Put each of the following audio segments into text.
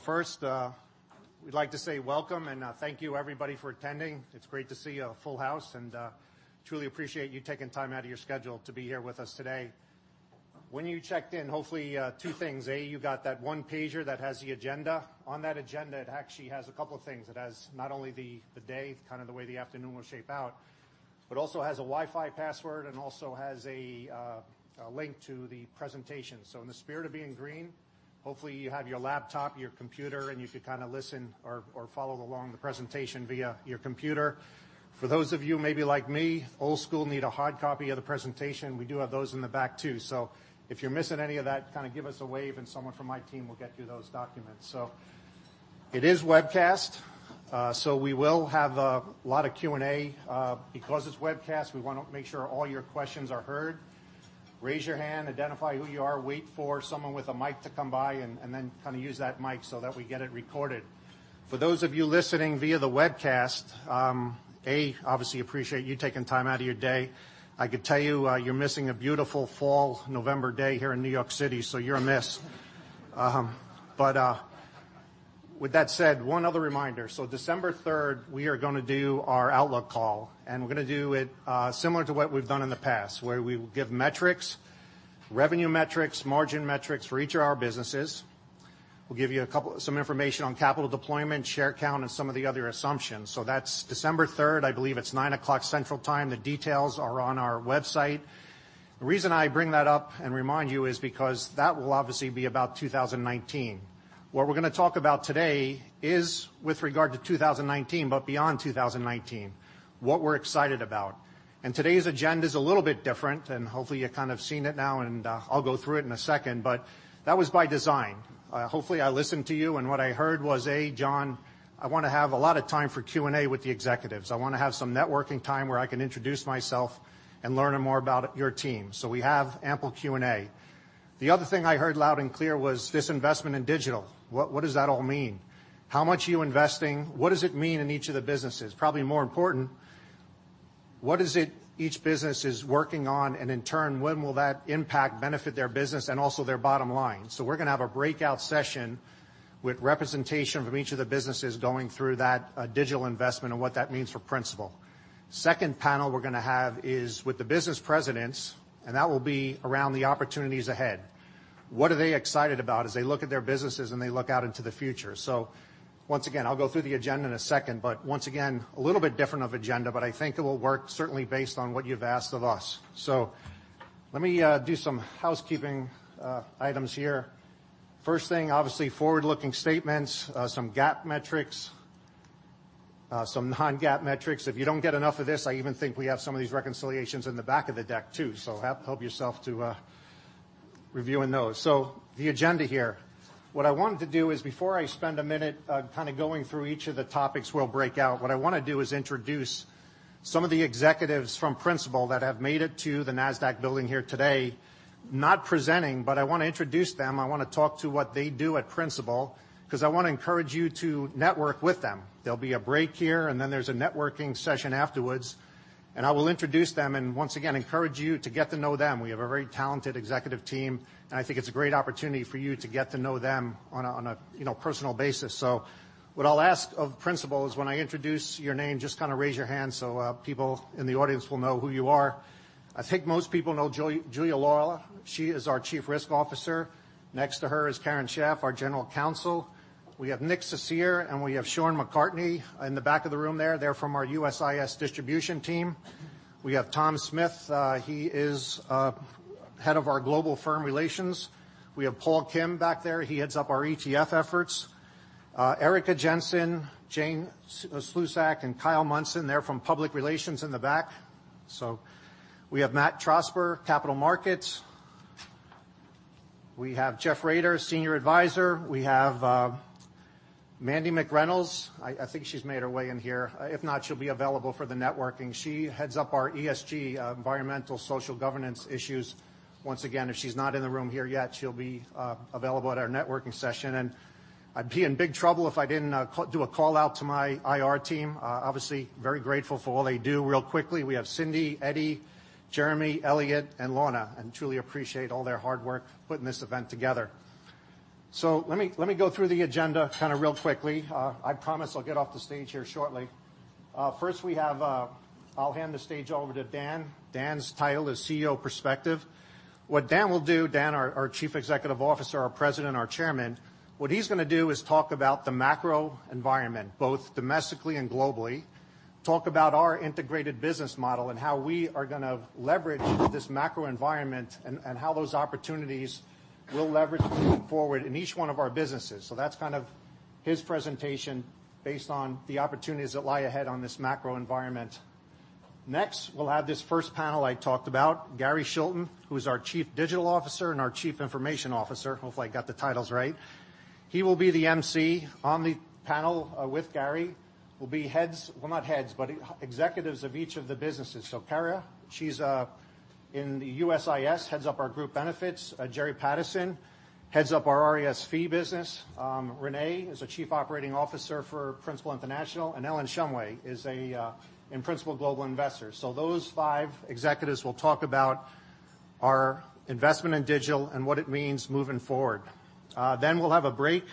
First, we'd like to say welcome and thank you everybody for attending. It's great to see a full house, and truly appreciate you taking time out of your schedule to be here with us today. When you checked in, hopefully two things. A, you got that one-pager that has the agenda. On that agenda, it actually has a couple of things. It has not only the day, kind of the way the afternoon will shape out, but also has a Wi-Fi password and also has a link to the presentation. In the spirit of being green, hopefully you have your laptop, your computer, and you can listen or follow along the presentation via your computer. For those of you maybe like me, old school, need a hard copy of the presentation, we do have those in the back, too. If you're missing any of that, give us a wave, and someone from my team will get you those documents. It is webcast, we will have a lot of Q&A. Because it's webcast, we want to make sure all your questions are heard. Raise your hand, identify who you are, wait for someone with a mic to come by, and then use that mic so that we get it recorded. For those of you listening via the webcast, A, obviously appreciate you taking time out of your day. I could tell you're missing a beautiful fall November day here in New York City, so you're amiss. With that said, one other reminder. December 3rd, we are going to do our outlook call, and we're going to do it similar to what we've done in the past, where we will give metrics, revenue metrics, margin metrics for each of our businesses. We'll give you some information on capital deployment, share count, and some of the other assumptions. That's December 3rd. I believe it's 9:00 A.M. Central Time. The details are on our website. The reason I bring that up and remind you is because that will obviously be about 2019. What we're going to talk about today is with regard to 2019, but beyond 2019, what we're excited about. Today's agenda is a little bit different, and hopefully you're kind of seeing it now and I'll go through it in a second, but that was by design. Hopefully, I listened to you, and what I heard was, A, John, I want to have a lot of time for Q&A with the executives. I want to have some networking time where I can introduce myself and learn more about your team. We have ample Q&A. The other thing I heard loud and clear was this investment in digital. What does that all mean? How much are you investing? What does it mean in each of the businesses? Probably more important, what is it each business is working on, and in turn, when will that impact benefit their business and also their bottom line? We're going to have a breakout session with representation from each of the businesses going through that digital investment and what that means for Principal. Second panel we're going to have is with the business presidents. That will be around the opportunities ahead. What are they excited about as they look at their businesses and they look out into the future? Once again, I'll go through the agenda in a second. Once again, a little bit different of agenda. I think it will work certainly based on what you've asked of us. Let me do some housekeeping items here. First thing, obviously, forward-looking statements, some GAAP metrics, some non-GAAP metrics. If you don't get enough of this, I even think we have some of these reconciliations in the back of the deck too. Help yourself to reviewing those. The agenda here. What I wanted to do is before I spend a minute going through each of the topics we'll break out, introduce some of the executives from Principal that have made it to the Nasdaq building here today. Not presenting. I want to introduce them. I want to talk to what they do at Principal, because I want to encourage you to network with them. There'll be a break here. There's a networking session afterwards. I will introduce them and once again encourage you to get to know them. We have a very talented executive team. I think it's a great opportunity for you to get to know them on a personal basis. What I'll ask of Principal is when I introduce your name, just raise your hand so people in the audience will know who you are. I think most people know Julia Lawler. She is our Chief Risk Officer. Next to her is Karen Shaff, our General Counsel. We have Nick Cecere and we have Sean McCartney in the back of the room there. They're from our USIS distribution team. We have Tom Smith. He is Head of our Global Firm Relations. We have Paul Kim back there. He heads up our ETF efforts. Erica Jensen, Jane Slusark, and Kyle Munson, they're from public relations in the back. We have Matt Trosper, capital markets. We have Jeff Rader, Senior Advisor. We have Mandi McReynolds. I think she's made her way in here. If not, she'll be available for the networking. She heads up our ESG, environmental social governance issues. Once again, if she's not in the room here yet, she'll be available at our networking session. I'd be in big trouble if I didn't do a call-out to my IR team. Obviously, very grateful for all they do. Real quickly, we have Cindy, Eddie, Jeremy, Elliot, and Lorna. Truly appreciate all their hard work putting this event together. Let me go through the agenda real quickly. I promise I'll get off the stage here shortly. First, I'll hand the stage over to Dan. Dan's title is CEO Perspective. What Dan will do, Dan, our Chief Executive Officer, our President, our Chairman, talk about the macro environment, both domestically and globally. Talk about our integrated business model and how we are going to leverage this macro environment and how those opportunities will leverage moving forward in each one of our businesses. That's his presentation based on the opportunities that lie ahead on this macro environment. Next, we'll have this first panel I talked about. Gary Scholten, who's our Chief Digital Officer and our Chief Information Officer. Hopefully, I got the titles right. He will be the emcee. On the panel with Gary will be heads, well not heads, but executives of each of the businesses. Kara, she's in the USIS, heads up our group benefits. Jerry Patterson heads up our RIS-Fee business. Renee is the Chief Operating Officer for Principal International, and Ellen Shumway is in Principal Global Investors. Those five executives will talk about our investment in digital and what it means moving forward. We'll have a break,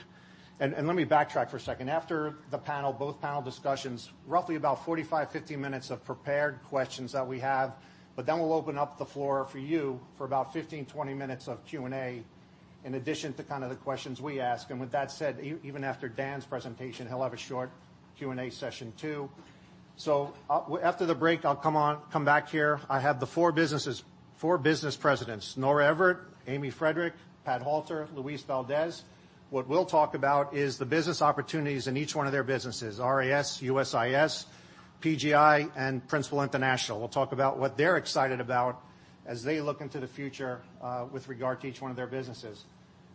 and let me backtrack for a second. After the panel, both panel discussions, roughly about 45, 50 minutes of prepared questions that we have, we'll open up the floor for you for about 15, 20 minutes of Q&A in addition to the questions we ask. With that said, even after Dan's presentation, he'll have a short Q&A session too. After the break, I'll come back here. I have the four Business Presidents, Nora Everett, Amy Friedrich, Pat Halter, Luis Valdés. What we'll talk about is the business opportunities in each one of their businesses, RIS, USIS, PGI, and Principal International. We'll talk about what they're excited about as they look into the future with regard to each one of their businesses.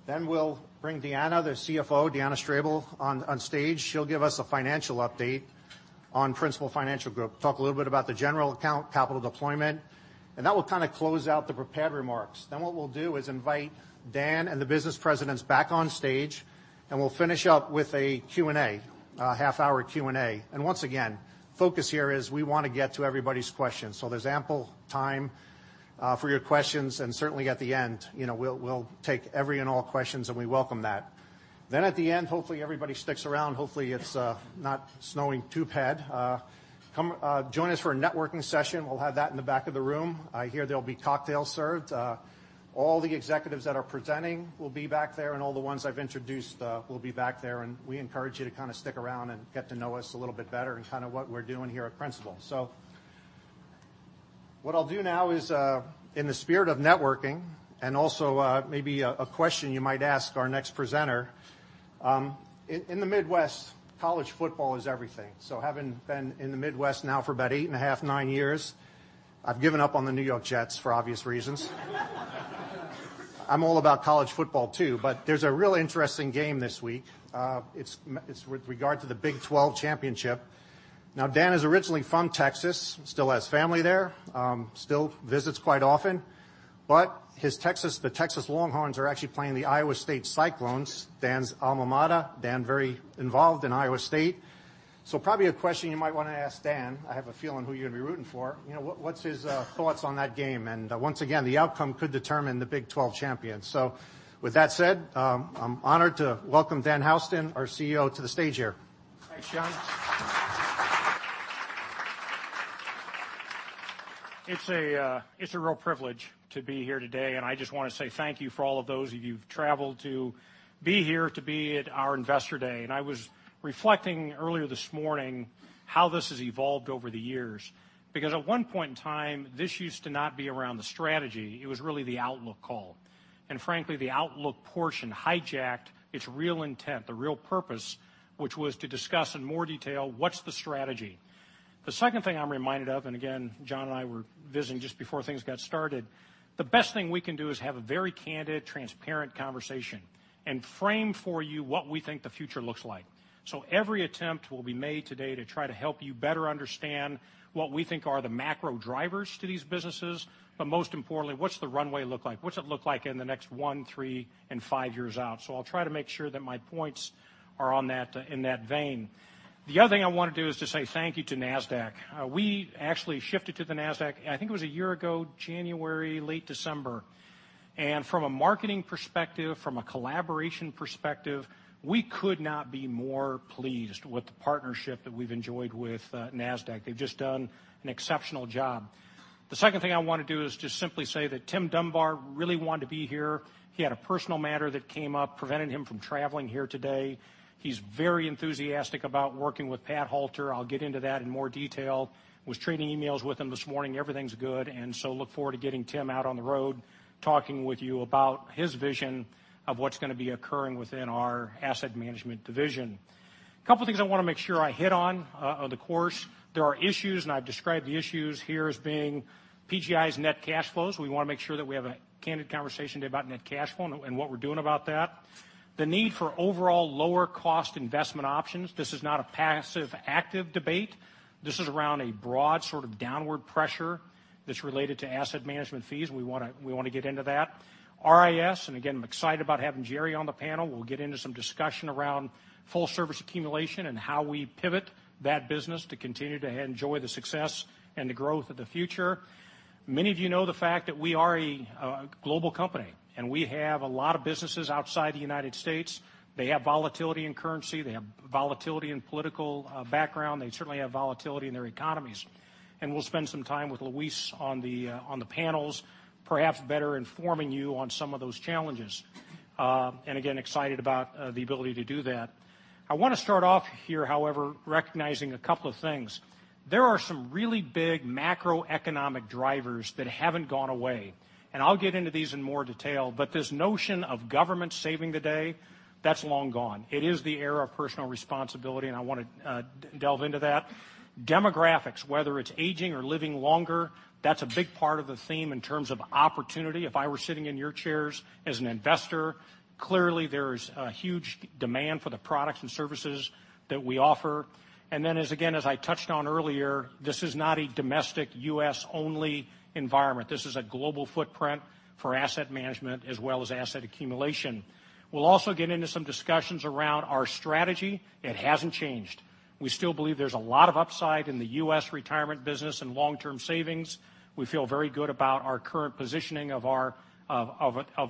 We'll bring Deanna, the CFO, Deanna Strable, on stage. She'll give us a financial update on Principal Financial Group, talk a little bit about the general account, capital deployment, that will close out the prepared remarks. What we'll do is invite Dan and the Business Presidents back on stage, we'll finish up with a Q&A, a half-hour Q&A. Once again, focus here is we want to get to everybody's questions. There's ample time for your questions certainly at the end, we'll take every and all questions, and we welcome that. At the end, hopefully everybody sticks around. Hopefully it's not snowing too bad. Join us for a networking session. We'll have that in the back of the room. I hear there'll be cocktails served. All the executives that are presenting will be back there, all the ones I've introduced will be back there, we encourage you to stick around and get to know us a little bit better and what we're doing here at Principal. What I'll do now is, in the spirit of networking, also maybe a question you might ask our next presenter, in the Midwest, college football is everything. Having been in the Midwest now for about eight and a half, nine years, I've given up on the New York Jets for obvious reasons. I'm all about college football too, there's a real interesting game this week. It's with regard to the Big 12 Championship. Dan is originally from Texas, still has family there, still visits quite often. The Texas Longhorns are actually playing the Iowa State Cyclones, Dan's alma mater. Dan very involved in Iowa State. Probably a question you might want to ask Dan, I have a feeling who you're going to be rooting for. What's his thoughts on that game? Once again, the outcome could determine the Big 12 champion. With that said, I'm honored to welcome Dan Houston, our CEO, to the stage here. Thanks, John. It's a real privilege to be here today, and I just want to say thank you for all of those of you who've traveled to be here, to be at our Investor Day. I was reflecting earlier this morning how this has evolved over the years, because at one point in time, this used to not be around the strategy. It was really the outlook call. Frankly, the outlook portion hijacked its real intent, the real purpose, which was to discuss in more detail what's the strategy. The second thing I'm reminded of, and again, John and I were visiting just before things got started, the best thing we can do is have a very candid, transparent conversation and frame for you what we think the future looks like. Every attempt will be made today to try to help you better understand what we think are the macro drivers to these businesses, but most importantly, what's the runway look like? What's it look like in the next one, three, and five years out? I'll try to make sure that my points are in that vein. The other thing I want to do is to say thank you to Nasdaq. We actually shifted to the Nasdaq, I think it was one year ago, January, late December. From a marketing perspective, from a collaboration perspective, we could not be more pleased with the partnership that we've enjoyed with Nasdaq. They've just done an exceptional job. The second thing I want to do is just simply say that Tim Dunbar really wanted to be here. He had a personal matter that came up, preventing him from traveling here today. He's very enthusiastic about working with Pat Halter. I'll get into that in more detail. Was trading emails with him this morning. Everything's good. Look forward to getting Tim out on the road, talking with you about his vision of what's going to be occurring within our asset management division. Couple things I want to make sure I hit on the course. There are issues, and I've described the issues here as being PGI's net cash flows. We want to make sure that we have a candid conversation today about net cash flow and what we're doing about that. The need for overall lower cost investment options. This is not a passive/active debate. This is around a broad sort of downward pressure that's related to asset management fees. We want to get into that. RIS, and again, I'm excited about having Jerry on the panel. We'll get into some discussion around full service accumulation and how we pivot that business to continue to enjoy the success and the growth of the future. Many of you know the fact that we are a global company, and we have a lot of businesses outside the U.S. They have volatility in currency. They have volatility in political background. They certainly have volatility in their economies. We'll spend some time with Luis on the panels, perhaps better informing you on some of those challenges. Again, excited about the ability to do that. I want to start off here, however, recognizing a couple of things. There are some really big macroeconomic drivers that haven't gone away, and I'll get into these in more detail, but this notion of government saving the day, that's long gone. It is the era of personal responsibility, I want to delve into that. Demographics, whether it's aging or living longer, that's a big part of the theme in terms of opportunity. If I were sitting in your chairs as an investor, clearly there's a huge demand for the products and services that we offer. Then as, again, as I touched on earlier, this is not a domestic U.S.-only environment. This is a global footprint for asset management as well as asset accumulation. We'll also get into some discussions around our strategy. It hasn't changed. We still believe there's a lot of upside in the U.S. retirement business and long-term savings. We feel very good about our current positioning of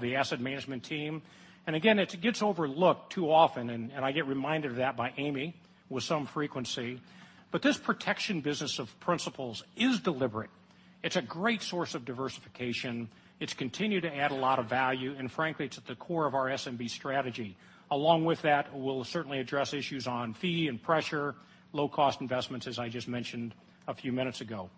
the asset management team. Again, it gets overlooked too often, and I get reminded of that by Amy with some frequency. This protection business of Principal's is deliberate. It's a great source of diversification. It's continued to add a lot of value, and frankly, it's at the core of our SMB strategy. Along with that, we'll certainly address issues on fee and pressure, low-cost investments, as I just mentioned a few minutes ago.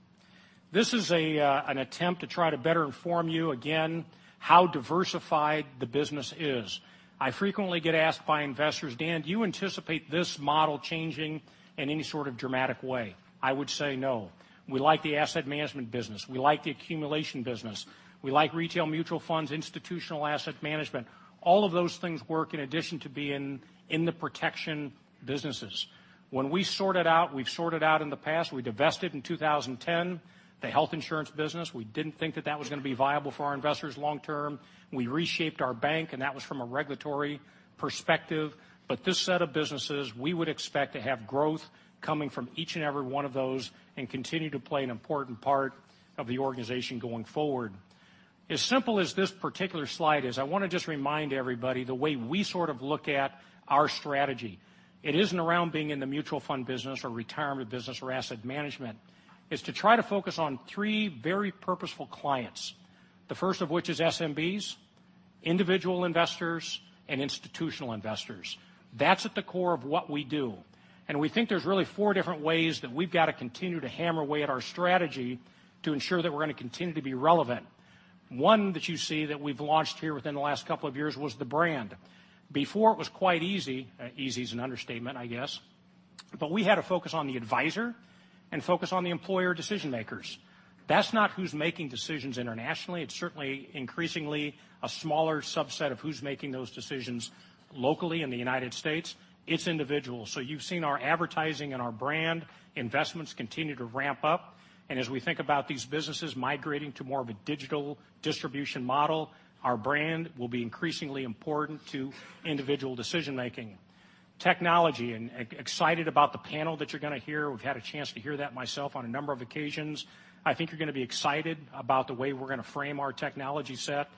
This is an attempt to try to better inform you, again, how diversified the business is. I frequently get asked by investors, "Dan, do you anticipate this model changing in any sort of dramatic way?" I would say no. We like the asset management business. We like the accumulation business. We like retail mutual funds, institutional asset management. All of those things work in addition to being in the protection businesses. When we sort it out, we've sorted out in the past, we divested in 2010 the health insurance business. We didn't think that that was going to be viable for our investors long term. We reshaped our bank, That was from a regulatory perspective. This set of businesses, we would expect to have growth coming from each and every one of those and continue to play an important part of the organization going forward. As simple as this particular slide is, I want to just remind everybody the way we sort of look at our strategy. It isn't around being in the mutual fund business or retirement business or asset management. It's to try to focus on three very purposeful clients. The first of which is SMBs, individual investors, and institutional investors. That's at the core of what we do. We think there's really four different ways that we've got to continue to hammer away at our strategy to ensure that we're going to continue to be relevant. One that you see that we've launched here within the last couple of years was the brand. Before, it was quite easy. Easy is an understatement, I guess. We had to focus on the advisor and focus on the employer decision-makers. That's not who's making decisions internationally. It's certainly increasingly a smaller subset of who's making those decisions locally in the U.S. It's individuals. You've seen our advertising and our brand investments continue to ramp up. As we think about these businesses migrating to more of a digital distribution model, our brand will be increasingly important to individual decision-making. Technology and excited about the panel that you're going to hear. We've had a chance to hear that myself on a number of occasions. I think you're going to be excited about the way we're going to frame our technology set.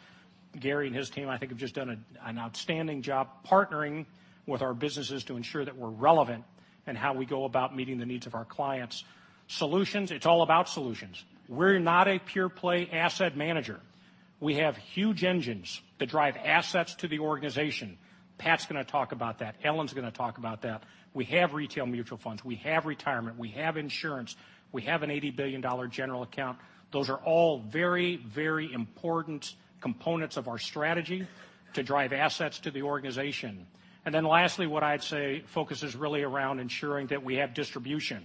Gary and his team, I think, have just done an outstanding job partnering with our businesses to ensure that we're relevant in how we go about meeting the needs of our clients. Solutions, it's all about solutions. We're not a pure-play asset manager. We have huge engines that drive assets to the organization. Pat's going to talk about that. Ellen's going to talk about that. We have retail mutual funds. We have retirement. We have insurance. We have an $80 billion general account. Those are all very, very important components of our strategy to drive assets to the organization. Lastly, what I'd say focus is really around ensuring that we have distribution.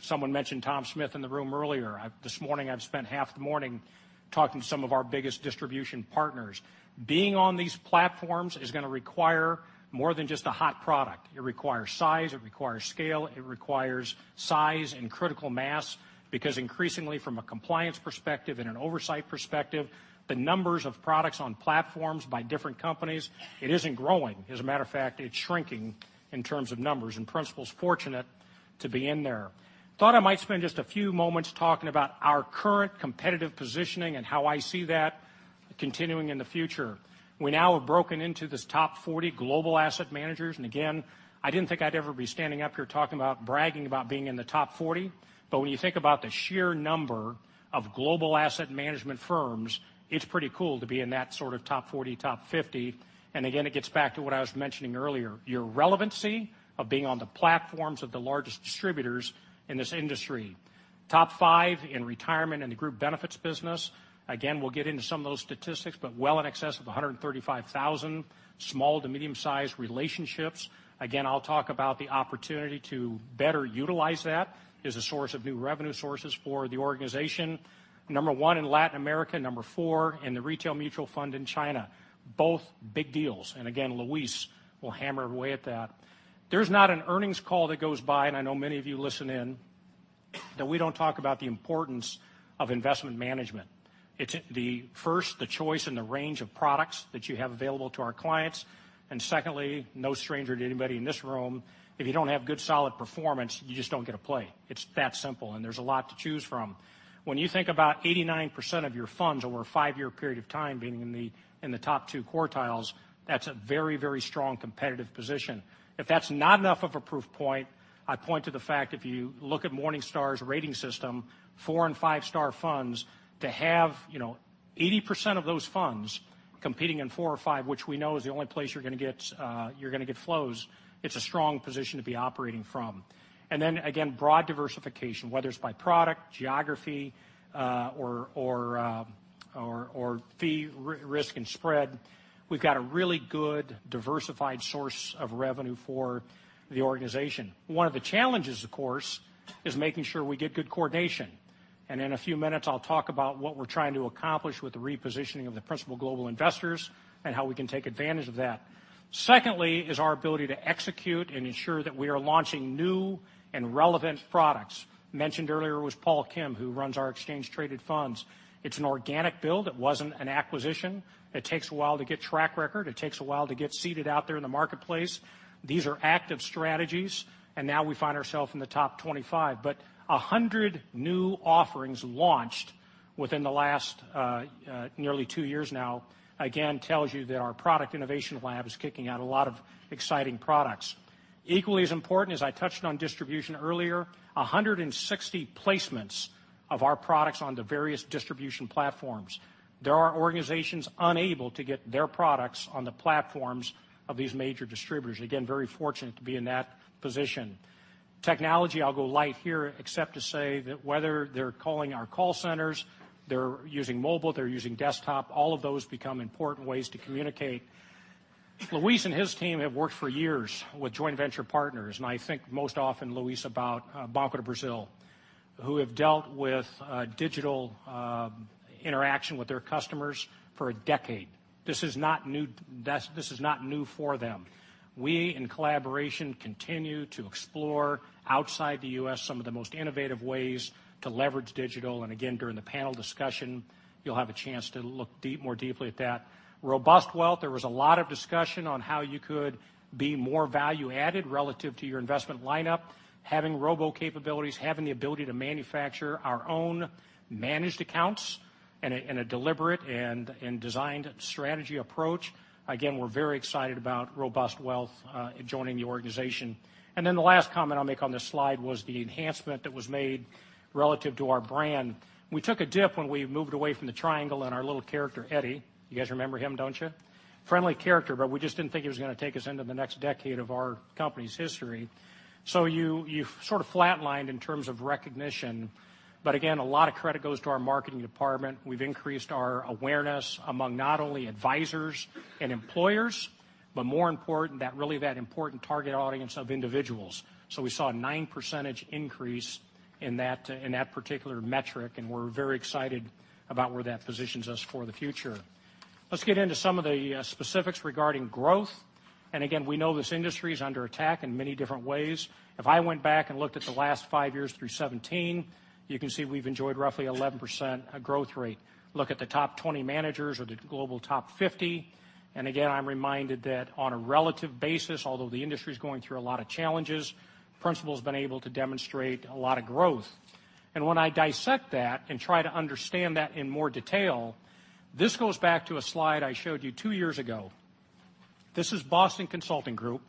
Someone mentioned Tom Smith in the room earlier. This morning, I've spent half the morning talking to some of our biggest distribution partners. Being on these platforms is going to require more than just a hot product. It requires size, it requires scale, it requires size and critical mass, because increasingly from a compliance perspective and an oversight perspective, the numbers of products on platforms by different companies, it isn't growing. A matter of fact, it's shrinking in terms of numbers, and Principal's fortunate to be in there. Thought I might spend just a few moments talking about our current competitive positioning and how I see that continuing in the future. We now have broken into this top 40 global asset managers, again, I didn't think I'd ever be standing up here talking about bragging about being in the top 40. When you think about the sheer number of global asset management firms, it's pretty cool to be in that sort of top 40, top 50. Again, it gets back to what I was mentioning earlier, your relevancy of being on the platforms of the largest distributors in this industry. Top five in retirement and the group benefits business. Again, we'll get into some of those statistics, but well in excess of 135,000 small to medium-sized relationships. Again, I'll talk about the opportunity to better utilize that as a source of new revenue sources for the organization. Number one in Latin America, number four in the retail mutual fund in China. Both big deals, again, Luis will hammer away at that. There's not an earnings call that goes by, and I know many of you listen in, that we don't talk about the importance of investment management. It's first the choice and the range of products that you have available to our clients. Secondly, no stranger to anybody in this room, if you don't have good, solid performance, you just don't get a play. It's that simple, there's a lot to choose from. When you think about 89% of your funds over a five-year period of time being in the top two quartiles, that's a very, very strong competitive position. If that's not enough of a proof point, I point to the fact if you look at Morningstar's rating system, four- and five-star funds, to have 80% of those funds competing in four or five, which we know is the only place you're going to get flows, it's a strong position to be operating from. Again, broad diversification, whether it's by product, geography, or fee, risk, and spread. We've got a really good diversified source of revenue for the organization. One of the challenges, of course, is making sure we get good coordination. In a few minutes, I'll talk about what we're trying to accomplish with the repositioning of the Principal Global Investors and how we can take advantage of that. Secondly is our ability to execute and ensure that we are launching new and relevant products. Mentioned earlier was Paul Kim, who runs our exchange-traded funds. It's an organic build. It wasn't an acquisition. It takes a while to get track record. It takes a while to get seated out there in the marketplace. These are active strategies, and now we find ourselves in the top 25. 100 new offerings launched within the last nearly two years now, again, tells you that our product innovation lab is kicking out a lot of exciting products. Equally as important, as I touched on distribution earlier, 160 placements of our products on the various distribution platforms. There are organizations unable to get their products on the platforms of these major distributors. Again, very fortunate to be in that position. Technology, I'll go light here except to say that whether they're calling our call centers, they're using mobile, they're using desktop, all of those become important ways to communicate. Luis and his team have worked for years with joint venture partners. I think most often, Luis, about Banco do Brasil, who have dealt with digital interaction with their customers for a decade. This is not new for them. We, in collaboration, continue to explore outside the U.S. some of the most innovative ways to leverage digital. Again, during the panel discussion, you'll have a chance to look more deeply at that. RobustWealth, there was a lot of discussion on how you could be more value-added relative to your investment lineup. Having robo capabilities, having the ability to manufacture our own managed accounts in a deliberate and designed strategy approach. Again, we're very excited about RobustWealth joining the organization. The last comment I'll make on this slide was the enhancement that was made relative to our brand. We took a dip when we moved away from the triangle and our little character, Eddie. You guys remember him, don't you? Friendly character, but we just didn't think he was going to take us into the next decade of our company's history. You sort of flatlined in terms of recognition. Again, a lot of credit goes to our marketing department. We've increased our awareness among not only advisors and employers, but more important, that really that important target audience of individuals. We saw a 9% increase in that particular metric, and we're very excited about where that positions us for the future. Let's get into some of the specifics regarding growth. Again, we know this industry is under attack in many different ways. If I went back and looked at the last 5 years through 2017, you can see we've enjoyed roughly 11% growth rate. Look at the top 20 managers or the global top 50, again, I'm reminded that on a relative basis, although the industry is going through a lot of challenges, Principal's been able to demonstrate a lot of growth. When I dissect that and try to understand that in more detail, this goes back to a slide I showed you 2 years ago. This is Boston Consulting Group.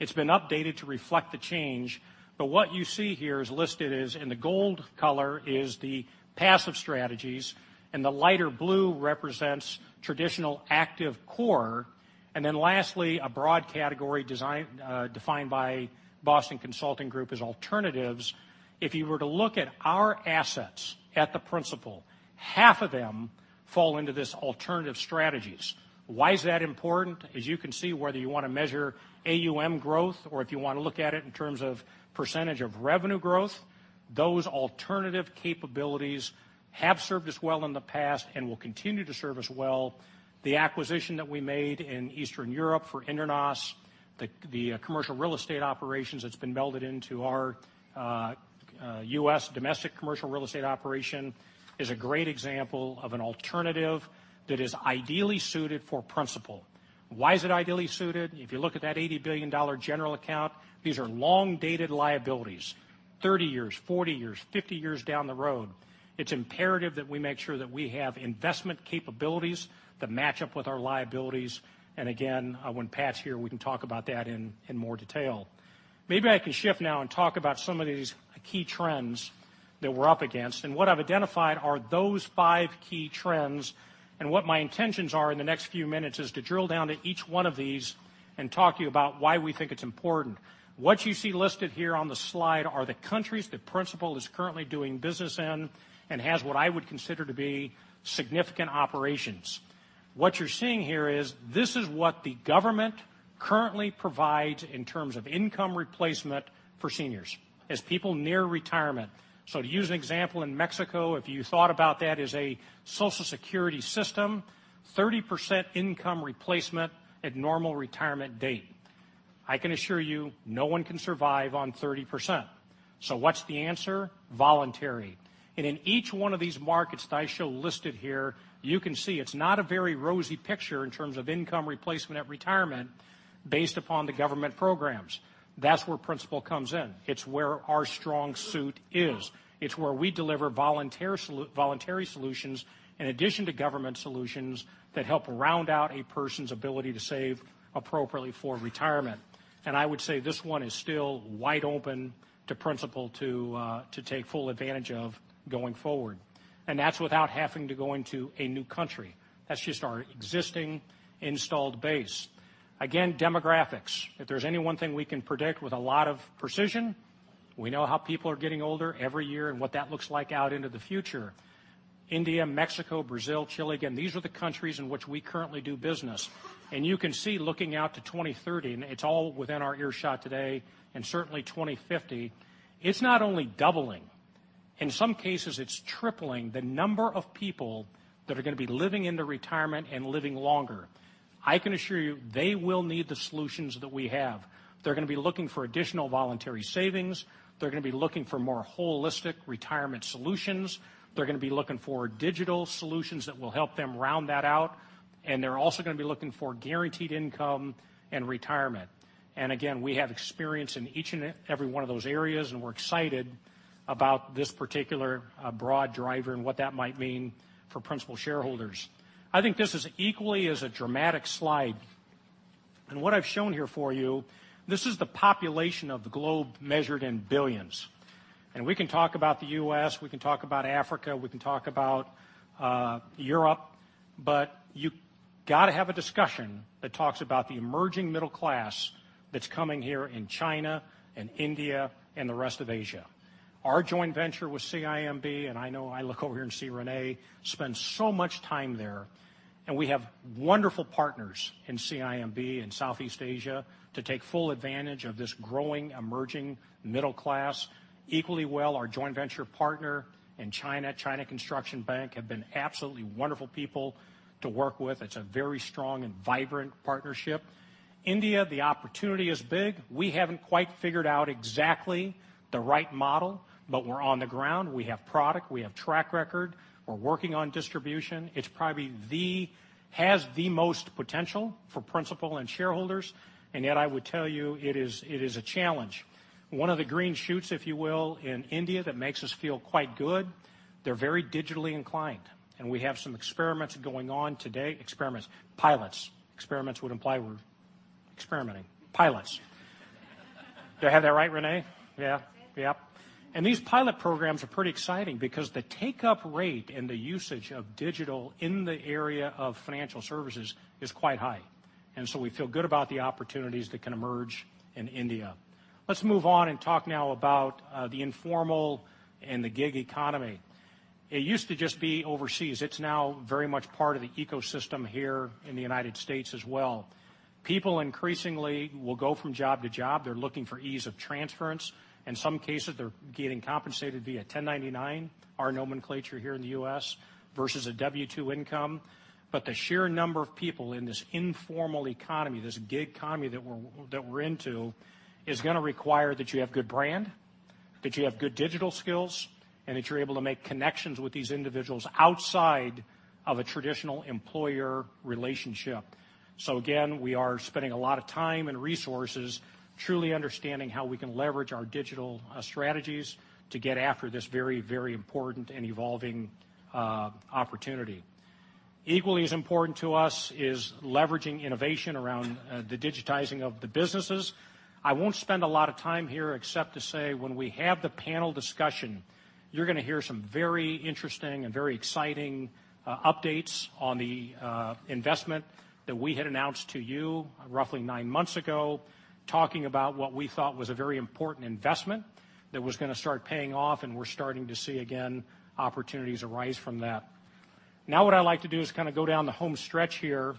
It's been updated to reflect the change, what you see here is listed as in the gold color is the passive strategies, and the lighter blue represents traditional active core. Lastly, a broad category defined by Boston Consulting Group as alternatives. If you were to look at our assets at the Principal, half of them fall into this alternative strategies. Why is that important? As you can see, whether you want to measure AUM growth or if you want to look at it in terms of % of revenue growth, those alternative capabilities have served us well in the past and will continue to serve us well. The acquisition that we made in Eastern Europe for Internos, the commercial real estate operations that's been melded into our U.S. domestic commercial real estate operation, is a great example of an alternative that is ideally suited for Principal. Why is it ideally suited? If you look at that $80 billion general account, these are long-dated liabilities, 30 years, 40 years, 50 years down the road. It's imperative that we make sure that we have investment capabilities that match up with our liabilities, again, when Pat's here, we can talk about that in more detail. Maybe I can shift now and talk about some of these key trends that we're up against. What I've identified are those 5 key trends, what my intentions are in the next few minutes is to drill down to each one of these and talk to you about why we think it's important. What you see listed here on the slide are the countries that Principal is currently doing business in and has what I would consider to be significant operations. What you're seeing here is this is what the government currently provides in terms of income replacement for seniors as people near retirement. To use an example in Mexico, if you thought about that as a Social Security system, 30% income replacement at normal retirement date. I can assure you no one can survive on 30%. What's the answer? Voluntary. In each one of these markets that I show listed here, you can see it's not a very rosy picture in terms of income replacement at retirement based upon the government programs. That's where Principal comes in. It's where our strong suit is. It's where we deliver voluntary solutions in addition to government solutions that help round out a person's ability to save appropriately for retirement. I would say this one is still wide open to Principal to take full advantage of going forward. That's without having to go into a new country. That's just our existing installed base. Demographics. If there's any one thing we can predict with a lot of precision, we know how people are getting older every year and what that looks like out into the future. India, Mexico, Brazil, Chile. These are the countries in which we currently do business. You can see looking out to 2030, and it's all within our earshot today, and certainly 2050, it's not only doubling. In some cases, it's tripling the number of people that are going to be living into retirement and living longer. I can assure you, they will need the solutions that we have. They're going to be looking for additional voluntary savings. They're going to be looking for more holistic retirement solutions. They're going to be looking for digital solutions that will help them round that out, and they're also going to be looking for guaranteed income in retirement. Again, we have experience in each and every one of those areas, and we're excited about this particular broad driver and what that might mean for Principal shareholders. I think this is equally as a dramatic slide. What I've shown here for you, this is the population of the globe measured in billions. We can talk about the U.S., we can talk about Africa, we can talk about Europe, but you've got to have a discussion that talks about the emerging middle class that's coming here in China and India and the rest of Asia. Our joint venture with CIMB, and I know I look over here and see Renee, spend so much time there, and we have wonderful partners in CIMB in Southeast Asia to take full advantage of this growing, emerging middle class. Equally well, our joint venture partner in China Construction Bank, have been absolutely wonderful people to work with. It's a very strong and vibrant partnership. India, the opportunity is big. We haven't quite figured out exactly the right model, but we're on the ground. We have product. We have track record. We're working on distribution. It's probably has the most potential for Principal and shareholders, yet I would tell you it is a challenge. One of the green shoots, if you will, in India that makes us feel quite good, they're very digitally inclined, and we have some experiments going on today. Experiments. Pilots. Experiments would imply we're experimenting. Pilots. Do I have that right, Renee? Yeah. Yes. Yep. These pilot programs are pretty exciting because the take-up rate and the usage of digital in the area of financial services is quite high. We feel good about the opportunities that can emerge in India. Let's move on and talk now about the informal and the gig economy. It used to just be overseas. It's now very much part of the ecosystem here in the U.S. as well. People increasingly will go from job to job. They're looking for ease of transference. In some cases, they're getting compensated via 1099, our nomenclature here in the U.S., versus a W-2 income. The sheer number of people in this informal economy, this gig economy that we're into, is going to require that you have good brand, that you have good digital skills, and that you're able to make connections with these individuals outside of a traditional employer relationship. Again, we are spending a lot of time and resources truly understanding how we can leverage our digital strategies to get after this very, very important and evolving opportunity. Equally as important to us is leveraging innovation around the digitizing of the businesses. I won't spend a lot of time here except to say when we have the panel discussion, you're going to hear some very interesting and very exciting updates on the investment that we had announced to you roughly 9 months ago, talking about what we thought was a very important investment that was going to start paying off, and we're starting to see again opportunities arise from that. What I'd like to do is kind of go down the home stretch here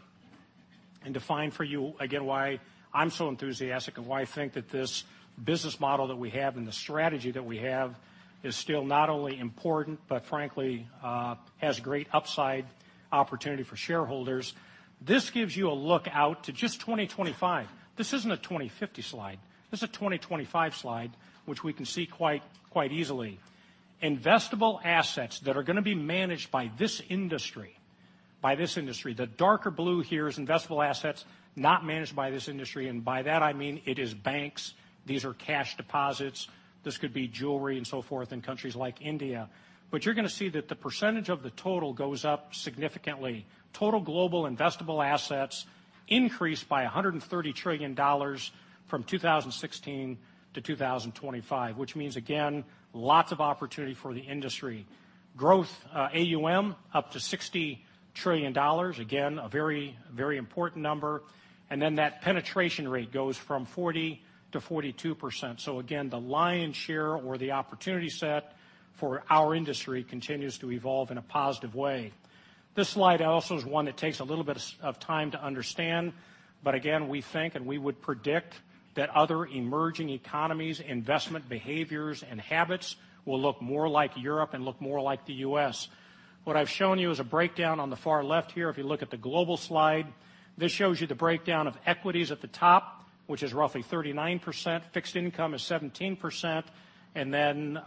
and define for you again why I'm so enthusiastic and why I think that this business model that we have and the strategy that we have is still not only important, but frankly, has great upside opportunity for shareholders. This gives you a look out to just 2025. This isn't a 2050 slide. This is a 2025 slide, which we can see quite easily. Investable assets that are going to be managed by this industry. The darker blue here is investable assets not managed by this industry, and by that I mean it is banks. These are cash deposits. This could be jewelry and so forth in countries like India. You're going to see that the percentage of the total goes up significantly. Total global investable assets increase by $130 trillion from 2016 to 2025, which means, again, lots of opportunity for the industry. Growth AUM up to $60 trillion. Again, a very, very important number. That penetration rate goes from 40%-42%. Again, the lion's share or the opportunity set for our industry continues to evolve in a positive way. This slide also is one that takes a little bit of time to understand. Again, we think and we would predict that other emerging economies, investment behaviors, and habits will look more like Europe and look more like the U.S. What I've shown you is a breakdown on the far left here, if you look at the global slide. This shows you the breakdown of equities at the top, which is roughly 39%, fixed income is 17%, and then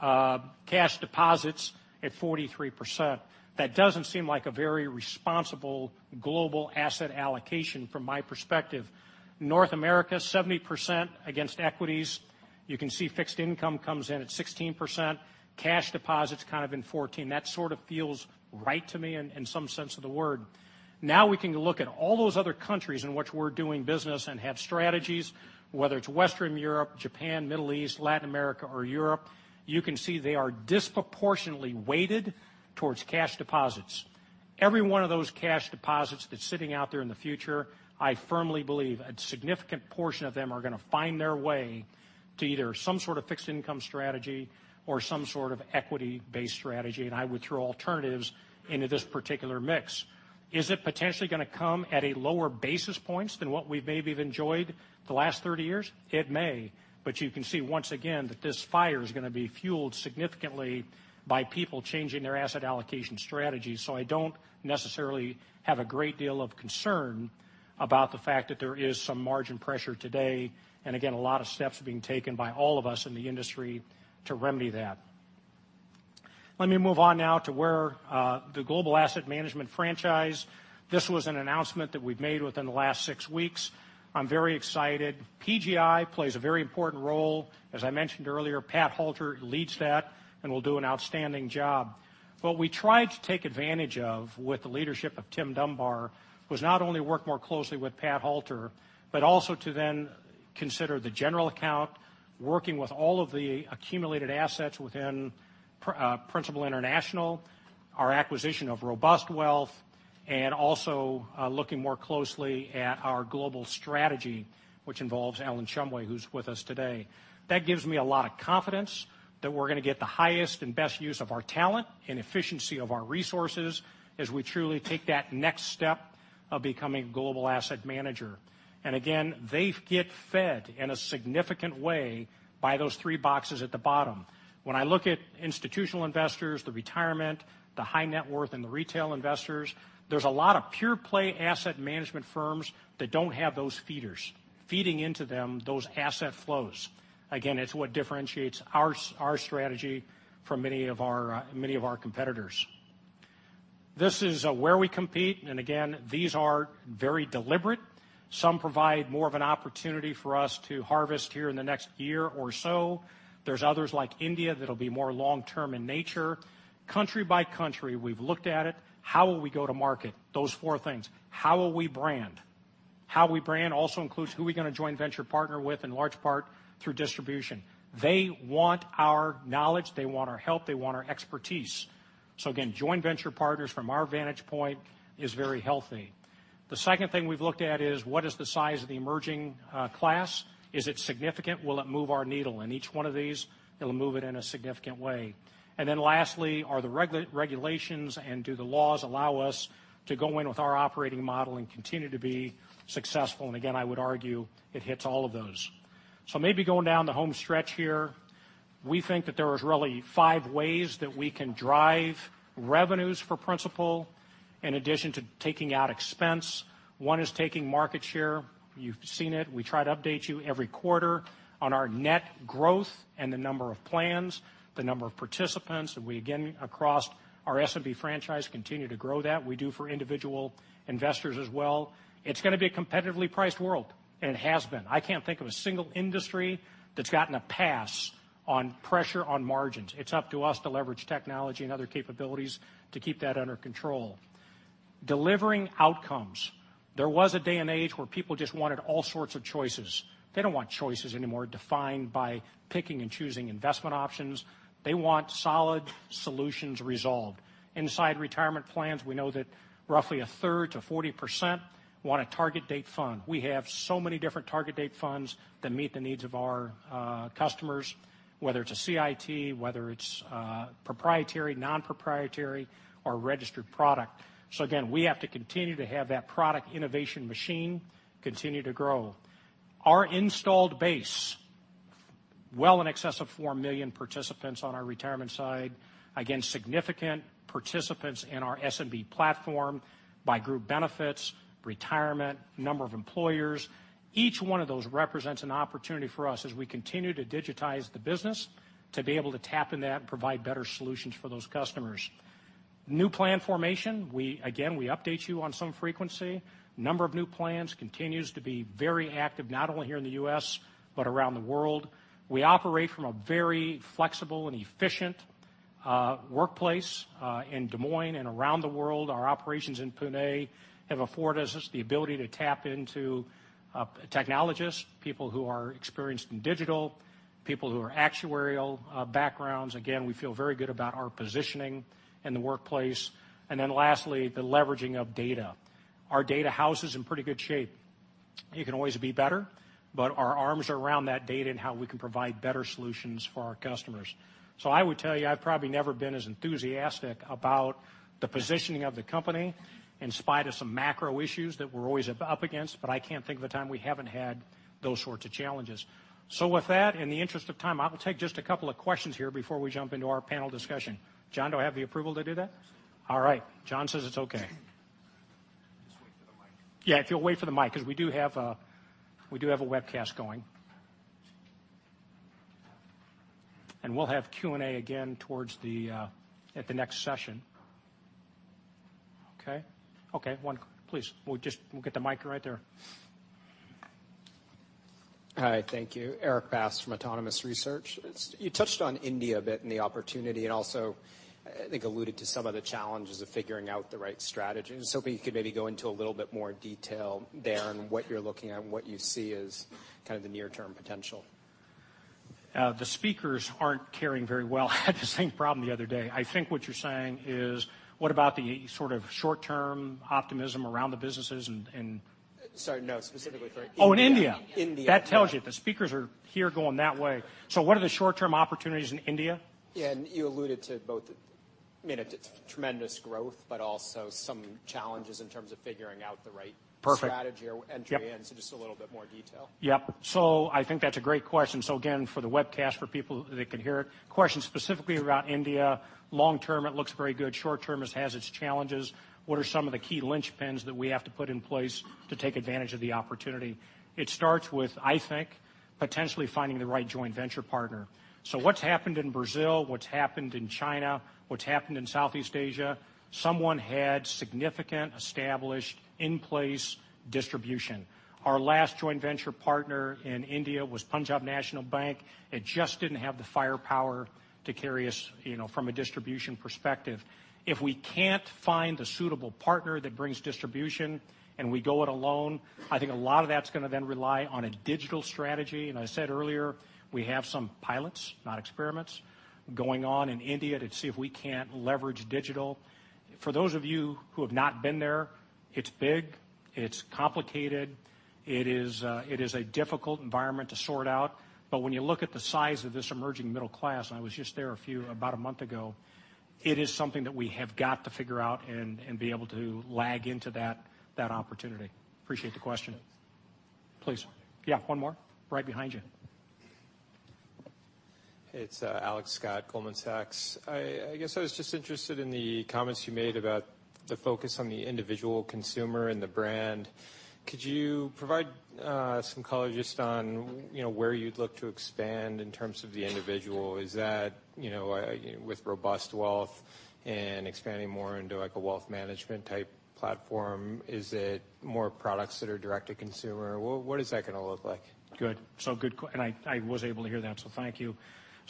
cash deposits at 43%. That doesn't seem like a very responsible global asset allocation from my perspective. North America, 70% against equities. You can see fixed income comes in at 16%, cash deposits kind of in 14%. That sort of feels right to me in some sense of the word. Now we can look at all those other countries in which we're doing business and have strategies, whether it's Western Europe, Japan, Middle East, Latin America, or Europe. You can see they are disproportionately weighted towards cash deposits. Every one of those cash deposits that's sitting out there in the future, I firmly believe a significant portion of them are going to find their way to either some sort of fixed income strategy or some sort of equity-based strategy, and I would throw alternatives into this particular mix. Is it potentially going to come at a lower basis points than what we maybe have enjoyed the last 30 years? It may. You can see once again that this fire is going to be fueled significantly by people changing their asset allocation strategy. I don't necessarily have a great deal of concern about the fact that there is some margin pressure today, and again, a lot of steps are being taken by all of us in the industry to remedy that. Let me move on now to where the global asset management franchise. This was an announcement that we've made within the last 6 weeks. I'm very excited. PGI plays a very important role. As I mentioned earlier, Pat Halter leads that and will do an outstanding job. What we tried to take advantage of with the leadership of Tim Dunbar was not only work more closely with Pat Halter, but also to then consider the general account, working with all of the accumulated assets within Principal International, our acquisition of RobustWealth, and also looking more closely at our global strategy, which involves Ellen Shumway, who's with us today. That gives me a lot of confidence that we're going to get the highest and best use of our talent and efficiency of our resources as we truly take that next step of becoming a global asset manager. Again, they get fed in a significant way by those three boxes at the bottom. When I look at institutional investors, the retirement, the high net worth, and the retail investors, there's a lot of pure-play asset management firms that don't have those feeders feeding into them those asset flows. Again, it's what differentiates our strategy from many of our competitors. This is where we compete, and again, these are very deliberate. Some provide more of an opportunity for us to harvest here in the next year or so. There's others like India that'll be more long-term in nature. Country by country, we've looked at it. How will we go to market? Those four things. How will we brand? How we brand also includes who we're going to joint venture partner with, in large part through distribution. They want our knowledge. They want our help. They want our expertise. Again, joint venture partners from our vantage point is very healthy. The second thing we've looked at is what is the size of the emerging class? Is it significant? Will it move our needle? In each one of these, it'll move it in a significant way. Lastly, are the regulations and do the laws allow us to go in with our operating model and continue to be successful? I would argue it hits all of those. Going down the home stretch here, we think that there is really five ways that we can drive revenues for Principal in addition to taking out expense. One is taking market share. You've seen it. We try to update you every quarter on our net growth and the number of plans, the number of participants, and we again, across our SMB franchise, continue to grow that. We do for individual investors as well. It's going to be a competitively priced world, and it has been. I can't think of a single industry that's gotten a pass on pressure on margins. It's up to us to leverage technology and other capabilities to keep that under control. Delivering outcomes. There was a day and age where people just wanted all sorts of choices. They don't want choices anymore defined by picking and choosing investment options. They want solid solutions resolved. Inside retirement plans, we know that roughly a third to 40% want a target date fund. We have so many different target date funds that meet the needs of our customers, whether it's a CIT, whether it's proprietary, non-proprietary, or a registered product. We have to continue to have that product innovation machine continue to grow. Our installed base, well in excess of four million participants on our retirement side. Significant participants in our SMB platform by group benefits, retirement, number of employers. Each one of those represents an opportunity for us as we continue to digitize the business to be able to tap into that and provide better solutions for those customers. New plan formation. We update you on some frequency. Number of new plans continues to be very active, not only here in the U.S. but around the world. We operate from a very flexible and efficient workplace in Des Moines and around the world. Our operations in Pune have afforded us the ability to tap into technologists, people who are experienced in digital, people who are actuarial backgrounds. We feel very good about our positioning in the workplace. Lastly, the leveraging of data. Our data house is in pretty good shape. It can always be better, but our arms are around that data and how we can provide better solutions for our customers. I would tell you, I've probably never been as enthusiastic about the positioning of the company in spite of some macro issues that we're always up against, but I can't think of a time we haven't had those sorts of challenges. With that, in the interest of time, I will take just a couple of questions here before we jump into our panel discussion. John, do I have the approval to do that? All right. John says it's okay. Just wait for the mic. Yeah, if you'll wait for the mic, because we do have a webcast going. We'll have Q&A again at the next session. Okay. Okay, one. Please. We'll get the mic right there. Hi, thank you. Erik Bass from Autonomous Research. You touched on India a bit and the opportunity and also I think alluded to some of the challenges of figuring out the right strategy. I was hoping you could maybe go into a little bit more detail there on what you're looking at and what you see as kind of the near-term potential. The speakers aren't hearing very well. I had the same problem the other day. I think what you're saying is, what about the sort of short-term optimism around the businesses. Sorry, no. Specifically for India. Oh, in India. India. That tells you. The speakers are here going that way. What are the short-term opportunities in India? Yeah, you alluded to both of them. I mean, it's tremendous growth, but also some challenges in terms of figuring out. Perfect strategy or entry in. Yep. just a little bit more detail. Yep. I think that's a great question. Again, for the webcast, for people that can hear it, question specifically around India. Long-term, it looks very good. Short-term, it has its challenges. What are some of the key linchpins that we have to put in place to take advantage of the opportunity? It starts with, I think, potentially finding the right joint venture partner. What's happened in Brazil, what's happened in China, what's happened in Southeast Asia, someone had significant established in-place distribution. Our last joint venture partner in India was Punjab National Bank. It just didn't have the firepower to carry us from a distribution perspective. If we can't find a suitable partner that brings distribution and we go it alone, I think a lot of that's going to then rely on a digital strategy. I said earlier, we have some pilots, not experiments, going on in India to see if we can't leverage digital. For those of you who have not been there, it's big. It's complicated. It is a difficult environment to sort out. When you look at the size of this emerging middle class, and I was just there about a month ago, it is something that we have got to figure out and be able to lag into that opportunity. Appreciate the question. Please. Yeah, one more. Right behind you. It's Alex Scott, Goldman Sachs. I guess I was just interested in the comments you made about the focus on the individual consumer and the brand. Could you provide some color just on where you'd look to expand in terms of the individual? Is that with RobustWealth and expanding more into a wealth management type platform? Is it more products that are direct to consumer? What is that going to look like? Good. Good question, and I was able to hear that, so thank you.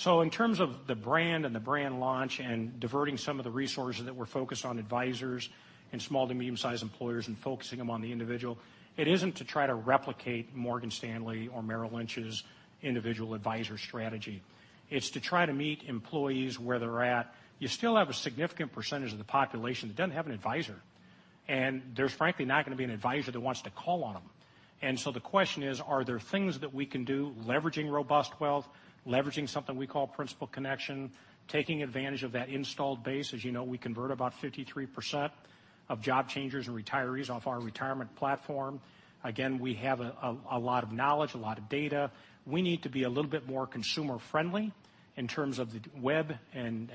In terms of the brand and the brand launch and diverting some of the resources that were focused on advisors and small to medium-sized employers and focusing them on the individual, it isn't to try to replicate Morgan Stanley or Merrill Lynch's individual advisor strategy. It's to try to meet employees where they're at. You still have a significant percentage of the population that doesn't have an advisor, and there's frankly not going to be an advisor that wants to call on them. The question is, are there things that we can do leveraging RobustWealth, leveraging something we call Principal Connection, taking advantage of that installed base? As you know, we convert about 53% of job changers and retirees off our retirement platform. Again, we have a lot of knowledge, a lot of data. We need to be a little bit more consumer friendly in terms of the web and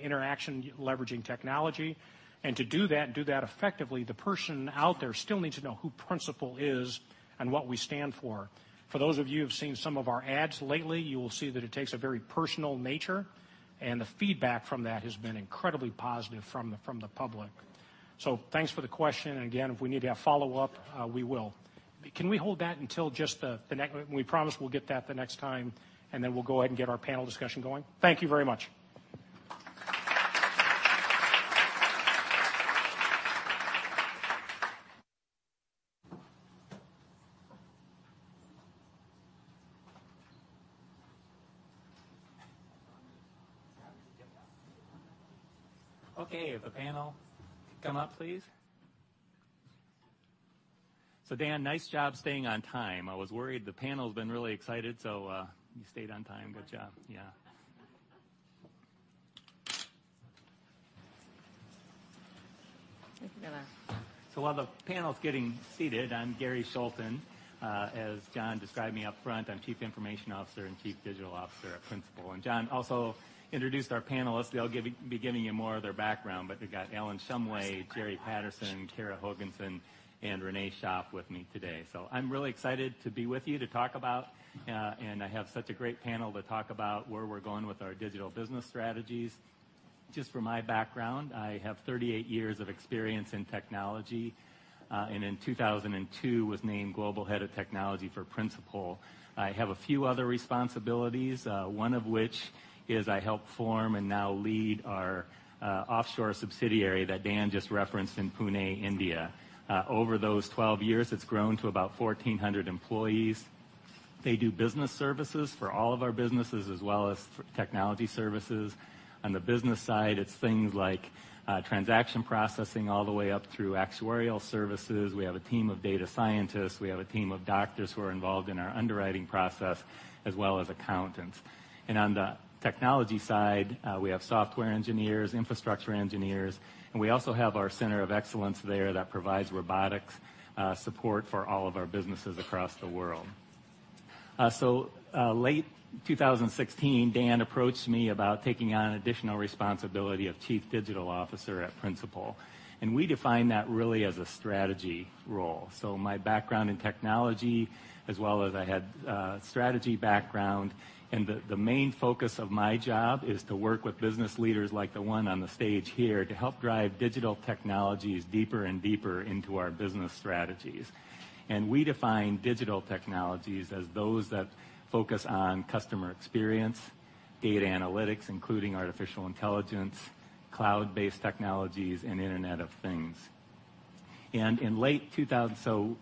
interaction leveraging technology. To do that and do that effectively, the person out there still needs to know who Principal is and what we stand for. For those of you who've seen some of our ads lately, you will see that it takes a very personal nature, and the feedback from that has been incredibly positive from the public. Thanks for the question, and again, if we need to have follow-up, we will. Can we hold that until just the next time? We promise we'll get that the next time, and then we'll go ahead and get our panel discussion going. Thank you very much. Okay, if the panel could come up, please. Dan, nice job staying on time. I was worried. The panel's been really excited, so you stayed on time. Good job. Yeah. I think we're going to While the panel's getting seated, I'm Gary Scholten. As John described me up front, I'm Chief Information Officer and Chief Digital Officer at Principal. John also introduced our panelists. They'll be giving you more of their background. We've got Ellen Shumway, Jerry Patterson, Kara Hoogensen, and Renee Schaaf with me today. I'm really excited to be with you to talk about, and I have such a great panel to talk about where we're going with our digital business strategies. Just for my background, I have 38 years of experience in technology, and in 2002 was named global head of technology for Principal. I have a few other responsibilities, one of which is I helped form and now lead our offshore subsidiary that Dan just referenced in Pune, India. Over those 12 years, it's grown to about 1,400 employees. They do business services for all of our businesses as well as technology services. On the business side, it's things like transaction processing all the way up through actuarial services. We have a team of data scientists. We have a team of doctors who are involved in our underwriting process, as well as accountants. On the technology side, we have software engineers, infrastructure engineers, and we also have our center of excellence there that provides robotics support for all of our businesses across the world. Late 2016, Dan approached me about taking on additional responsibility of Chief Digital Officer at Principal, and we define that really as a strategy role. My background in technology as well as I had a strategy background, and the main focus of my job is to work with business leaders like the one on the stage here to help drive digital technologies deeper and deeper into our business strategies. We define digital technologies as those that focus on customer experience, data analytics, including artificial intelligence, cloud-based technologies, and Internet of Things. In late 2000,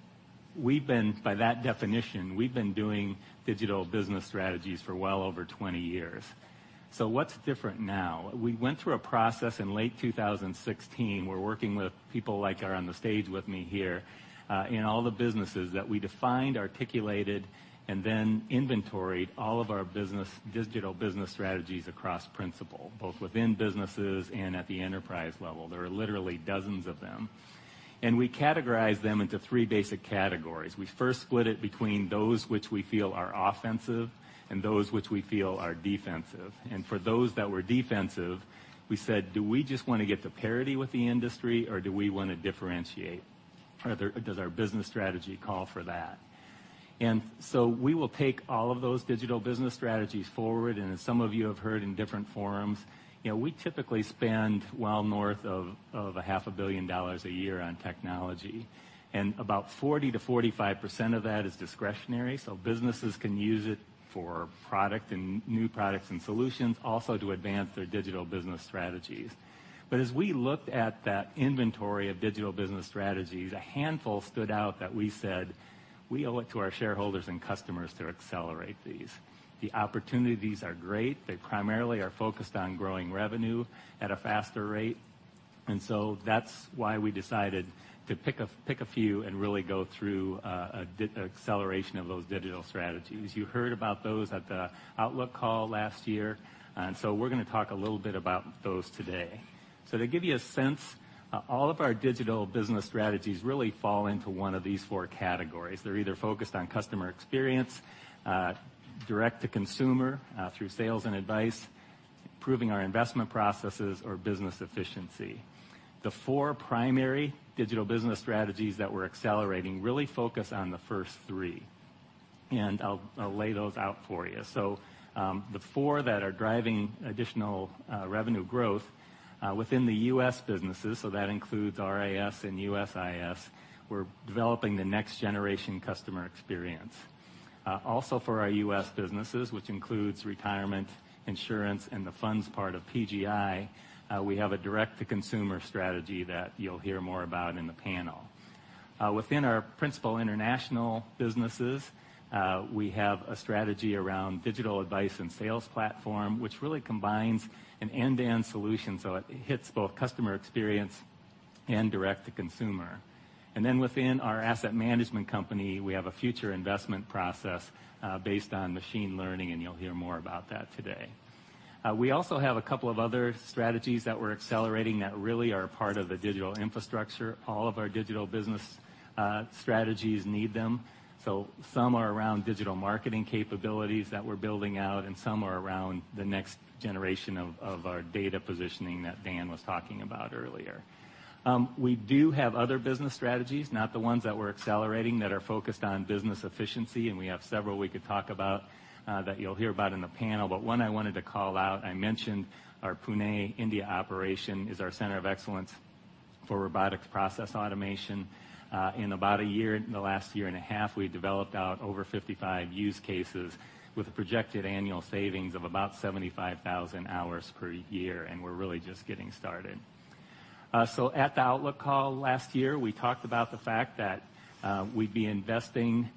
We've been, by that definition, we've been doing digital business strategies for well over 20 years. What's different now? We went through a process in late 2016. We're working with people like are on the stage with me here, in all the businesses that we defined, articulated, and then inventoried all of our digital business strategies across Principal, both within businesses and at the enterprise level. There are literally dozens of them. We categorized them into three basic categories. We first split it between those which we feel are offensive and those which we feel are defensive. For those that were defensive, we said, "Do we just want to get to parity with the industry, or do we want to differentiate? Does our business strategy call for that?" We will take all of those digital business strategies forward, and as some of you have heard in different forums, we typically spend well north of a half a billion dollars a year on technology. About 40%-45% of that is discretionary, so businesses can use it for product and new products and solutions, also to advance their digital business strategies. As we looked at that inventory of digital business strategies, a handful stood out that we said, we owe it to our shareholders and customers to accelerate these. The opportunities are great. They primarily are focused on growing revenue at a faster rate. That's why we decided to pick a few and really go through acceleration of those digital strategies. You heard about those at the outlook call last year. We're going to talk a little bit about those today. To give you a sense, all of our digital business strategies really fall into one of these four categories. They're either focused on customer experience, direct-to-consumer through sales and advice, improving our investment processes, or business efficiency. The four primary digital business strategies that we're accelerating really focus on the first three. I'll lay those out for you. The four that are driving additional revenue growth within the U.S. businesses, so that includes RIS and USIS, we're developing the next generation customer experience. Also for our U.S. businesses, which includes retirement, insurance, and the funds part of PGI, we have a direct-to-consumer strategy that you'll hear more about in the panel. Within our Principal International businesses, we have a strategy around digital advice and sales platform, which really combines an end-to-end solution, so it hits both customer experience and direct-to-consumer. Within our asset management company, we have a future investment process based on machine learning, and you'll hear more about that today. We also have a couple of other strategies that we're accelerating that really are a part of the digital infrastructure. All of our digital business strategies need them. Some are around digital marketing capabilities that we're building out, and some are around the next generation of our data positioning that Dan was talking about earlier. We do have other business strategies, not the ones that we're accelerating, that are focused on business efficiency, and we have several we could talk about that you'll hear about in the panel. One I wanted to call out, I mentioned our Pune, India operation is our center of excellence for robotics process automation. In about a year, the last year and a half, we developed out over 55 use cases with a projected annual savings of about 75,000 hours per year, and we're really just getting started. At the outlook call last year, we talked about the fact that we'd be investing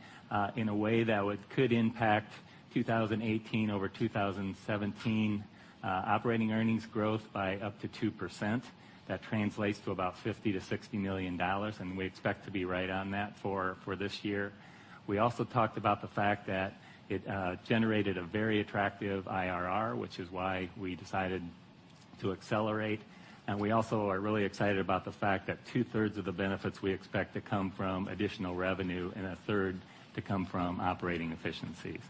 in a way that could impact 2018 over 2017 operating earnings growth by up to 2%. That translates to about $50 million to $60 million, and we expect to be right on that for this year. We also talked about the fact that it generated a very attractive IRR, which is why we decided to accelerate. We also are really excited about the fact that two-thirds of the benefits we expect to come from additional revenue and a third to come from operating efficiencies.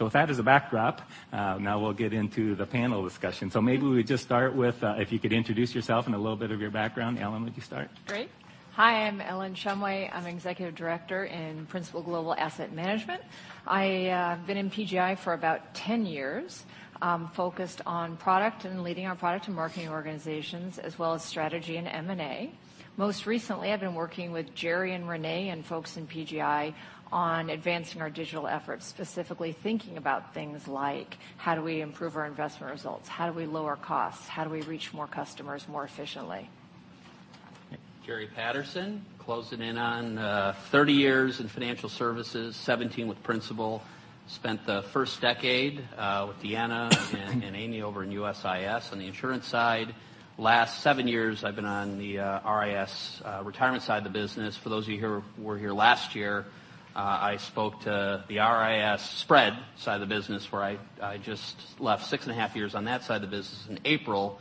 With that as a backdrop, now we'll get into the panel discussion. Maybe we would just start with if you could introduce yourself and a little bit of your background. Ellen, would you start? Great. Hi, I'm Ellen Shumway. I'm Executive Director in Principal Global Asset Management. I have been in PGI for about 10 years, focused on product and leading our product and marketing organizations, as well as strategy and M&A. Most recently, I've been working with Jerry and Renee and folks in PGI on advancing our digital efforts, specifically thinking about things like, how do we improve our investment results? How do we lower costs? How do we reach more customers more efficiently? Jerry Patterson. Closing in on 30 years in financial services, 17 with Principal. Spent the first decade with Deanna and Amy over in USIS on the insurance side. Last seven years, I've been on the RIS retirement side of the business. For those of you who were here last year, I spoke to the RIS Spread side of the business, where I just left six and a half years on that side of the business in April.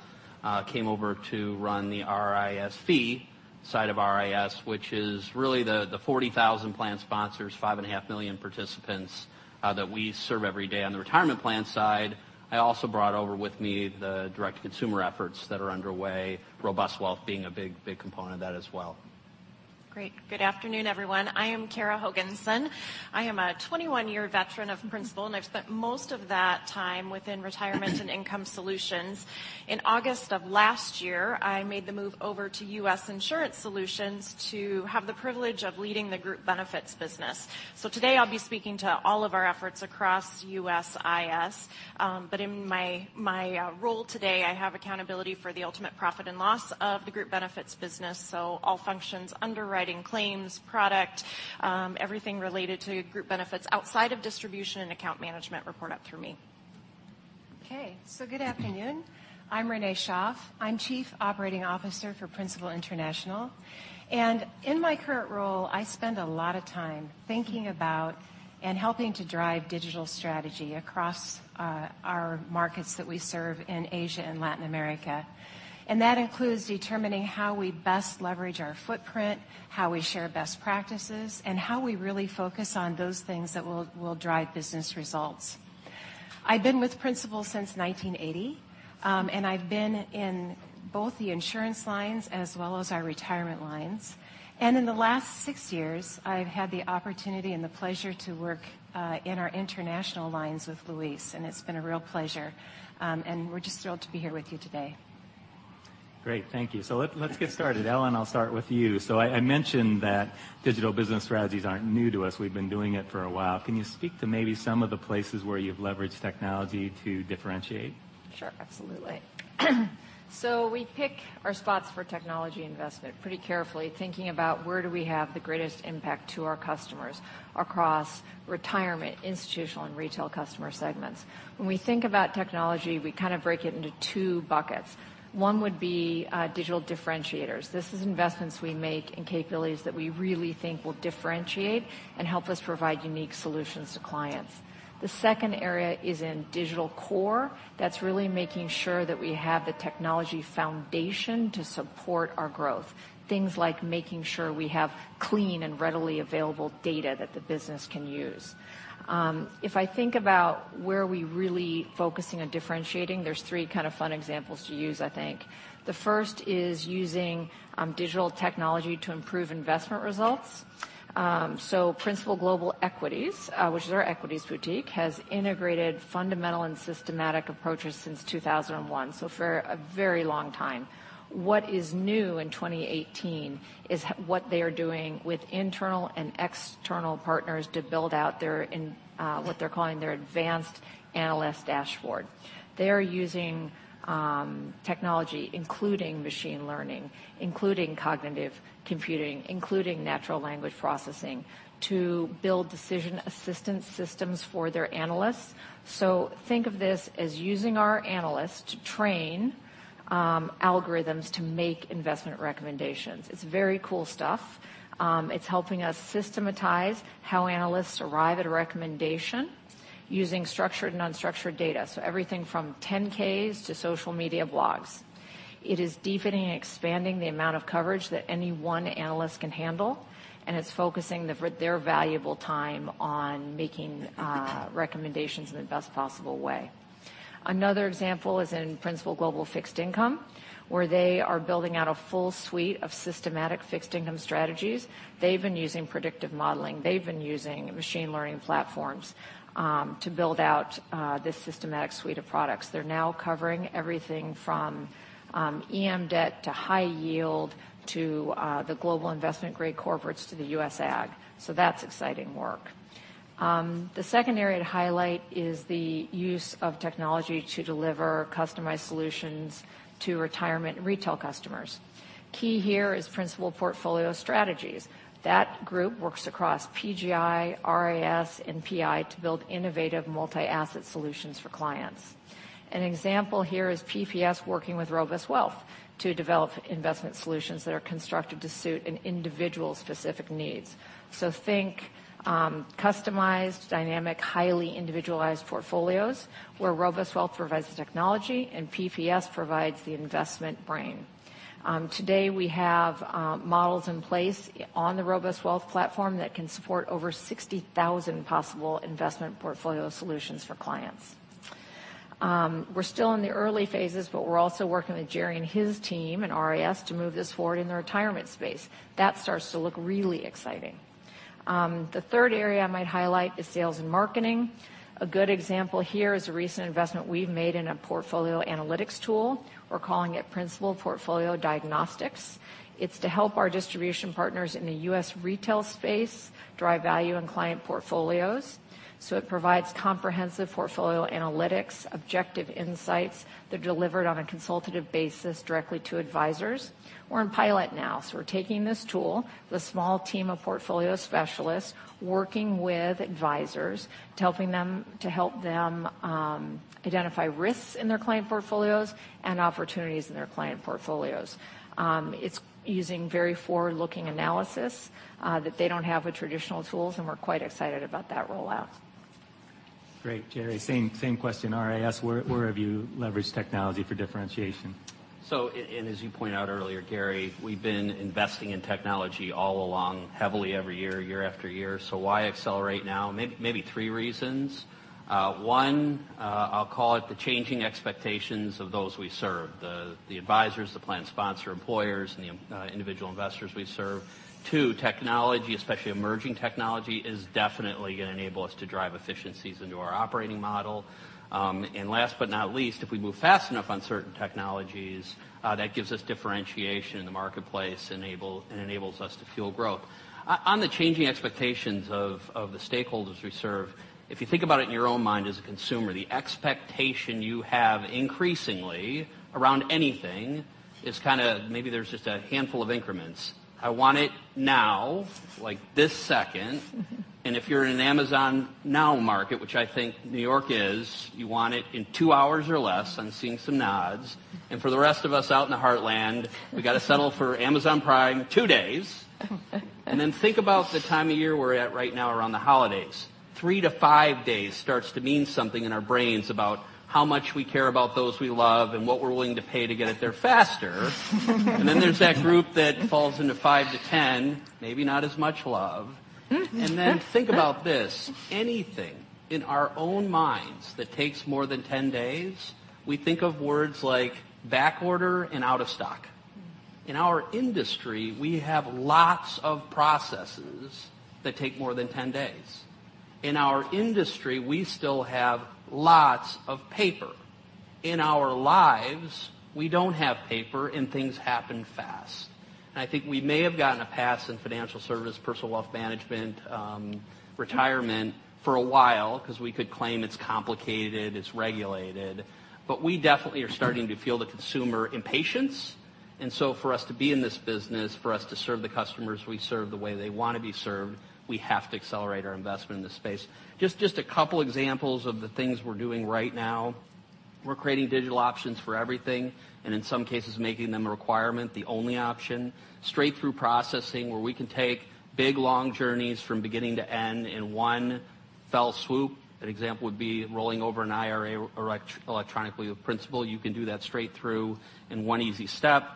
Came over to run the RIS-Fee side of RIS, which is really the 40,000 plan sponsors, five and a half million participants that we serve every day on the retirement plan side. I also brought over with me the direct consumer efforts that are underway, RobustWealth being a big component of that as well. Great. Good afternoon, everyone. I am Kara Hoogensen. I am a 21-year veteran of Principal, and I've spent most of that time within Retirement and Income Solutions. In August of last year, I made the move over to U.S. Insurance Solutions to have the privilege of leading the group benefits business. Today, I'll be speaking to all of our efforts across USIS. In my role today, I have accountability for the ultimate profit and loss of the group benefits business. All functions, underwriting, claims, product, everything related to group benefits outside of distribution and account management report up through me. Okay. Good afternoon. I'm Renee Schaaf. I'm Chief Operating Officer for Principal International. In my current role, I spend a lot of time thinking about and helping to drive digital strategy across our markets that we serve in Asia and Latin America. That includes determining how we best leverage our footprint, how we share best practices, and how we really focus on those things that will drive business results. I've been with Principal since 1980, and I've been in both the insurance lines as well as our retirement lines. In the last six years, I've had the opportunity and the pleasure to work in our international lines with Luis Valdés, and it's been a real pleasure. We're just thrilled to be here with you today. Great. Thank you. Let's get started. Ellen Shumway, I'll start with you. I mentioned that digital business strategies aren't new to us. We've been doing it for a while. Can you speak to maybe some of the places where you've leveraged technology to differentiate? Sure. Absolutely. We pick our spots for technology investment pretty carefully, thinking about where do we have the greatest impact to our customers across retirement, institutional, and retail customer segments. When we think about technology, we break it into two buckets. One would be digital differentiators. This is investments we make in capabilities that we really think will differentiate and help us provide unique solutions to clients. The second area is in digital core. That's really making sure that we have the technology foundation to support our growth. Things like making sure we have clean and readily available data that the business can use. If I think about where we're really focusing on differentiating, there's three fun examples to use, I think. The first is using digital technology to improve investment results. Principal Global Equities, which is our equities boutique, has integrated fundamental and systematic approaches since 2001, for a very long time. What is new in 2018 is what they are doing with internal and external partners to build out what they're calling their advanced analyst dashboard. They are using technology, including machine learning, including cognitive computing, including natural language processing, to build decision assistance systems for their analysts. Think of this as using our analysts to train algorithms to make investment recommendations. It's very cool stuff. It's helping us systematize how analysts arrive at a recommendation using structured and unstructured data, everything from 10-Ks to social media blogs. It is deepening and expanding the amount of coverage that any one analyst can handle. It's focusing their valuable time on making recommendations in the best possible way. Another example is in Principal Global Fixed Income, where they are building out a full suite of systematic fixed income strategies. They've been using predictive modeling. They've been using machine learning platforms to build out this systematic suite of products. They're now covering everything from EM debt to high yield, to the global investment grade corporates, to the US Agg. That's exciting work. The second area to highlight is the use of technology to deliver customized solutions to retirement and retail customers. Key here is Principal Portfolio Strategies. That group works across PGI, RAS, and PI to build innovative multi-asset solutions for clients. An example here is PPS working with RobustWealth to develop investment solutions that are constructed to suit an individual's specific needs. Think customized, dynamic, highly individualized portfolios where RobustWealth provides the technology and PPS provides the investment brain. Today, we have models in place on the RobustWealth platform that can support over 60,000 possible investment portfolio solutions for clients. We're still in the early phases, but we're also working with Jerry and his team in RAS to move this forward in the retirement space. That starts to look really exciting. The third area I might highlight is sales and marketing. A good example here is a recent investment we've made in a portfolio analytics tool. We're calling it Principal Portfolio Diagnostics. It's to help our distribution partners in the U.S. retail space drive value in client portfolios. It provides comprehensive portfolio analytics, objective insights that are delivered on a consultative basis directly to advisors. We're in pilot now. We're taking this tool with a small team of portfolio specialists, working with advisors to help them identify risks in their client portfolios and opportunities in their client portfolios. It's using very forward-looking analysis that they don't have with traditional tools, and we're quite excited about that rollout. Great. Jerry, same question. RAS, where have you leveraged technology for differentiation? As you pointed out earlier, Gary, we've been investing in technology all along heavily every year after year. Why accelerate now? Maybe three reasons. One, I'll call it the changing expectations of those we serve, the advisors, the plan sponsor employers, and the individual investors we serve. Two, technology, especially emerging technology, is definitely going to enable us to drive efficiencies into our operating model. Last but not least, if we move fast enough on certain technologies, that gives us differentiation in the marketplace and enables us to fuel growth. On the changing expectations of the stakeholders we serve, if you think about it in your own mind as a consumer, the expectation you have increasingly around anything is kind of maybe there's just a handful of increments. I want it now, like this second. If you're in an Amazon now market, which I think New York is, you want it in 2 hours or less. I'm seeing some nods. For the rest of us out in the heartland, we got to settle for Amazon Prime, 2 days. Think about the time of year we're at right now around the holidays. 3 to 5 days starts to mean something in our brains about how much we care about those we love and what we're willing to pay to get it there faster. There's that group that falls into 5 to 10, maybe not as much love. Think about this, anything in our own minds that takes more than 10 days, we think of words like back order and out of stock. In our industry, we have lots of processes that take more than 10 days. In our industry, we still have lots of paper. In our lives, we don't have paper and things happen fast. I think we may have gotten a pass in financial service, personal wealth management, retirement for a while because we could claim it's complicated, it's regulated. We definitely are starting to feel the consumer impatience. For us to be in this business, for us to serve the customers we serve the way they want to be served, we have to accelerate our investment in this space. Just a couple examples of the things we're doing right now. We're creating digital options for everything, and in some cases, making them a requirement, the only option. Straight through processing, where we can take big, long journeys from beginning to end in 1 fell swoop. An example would be rolling over an IRA electronically. With Principal, you can do that straight through in 1 easy step.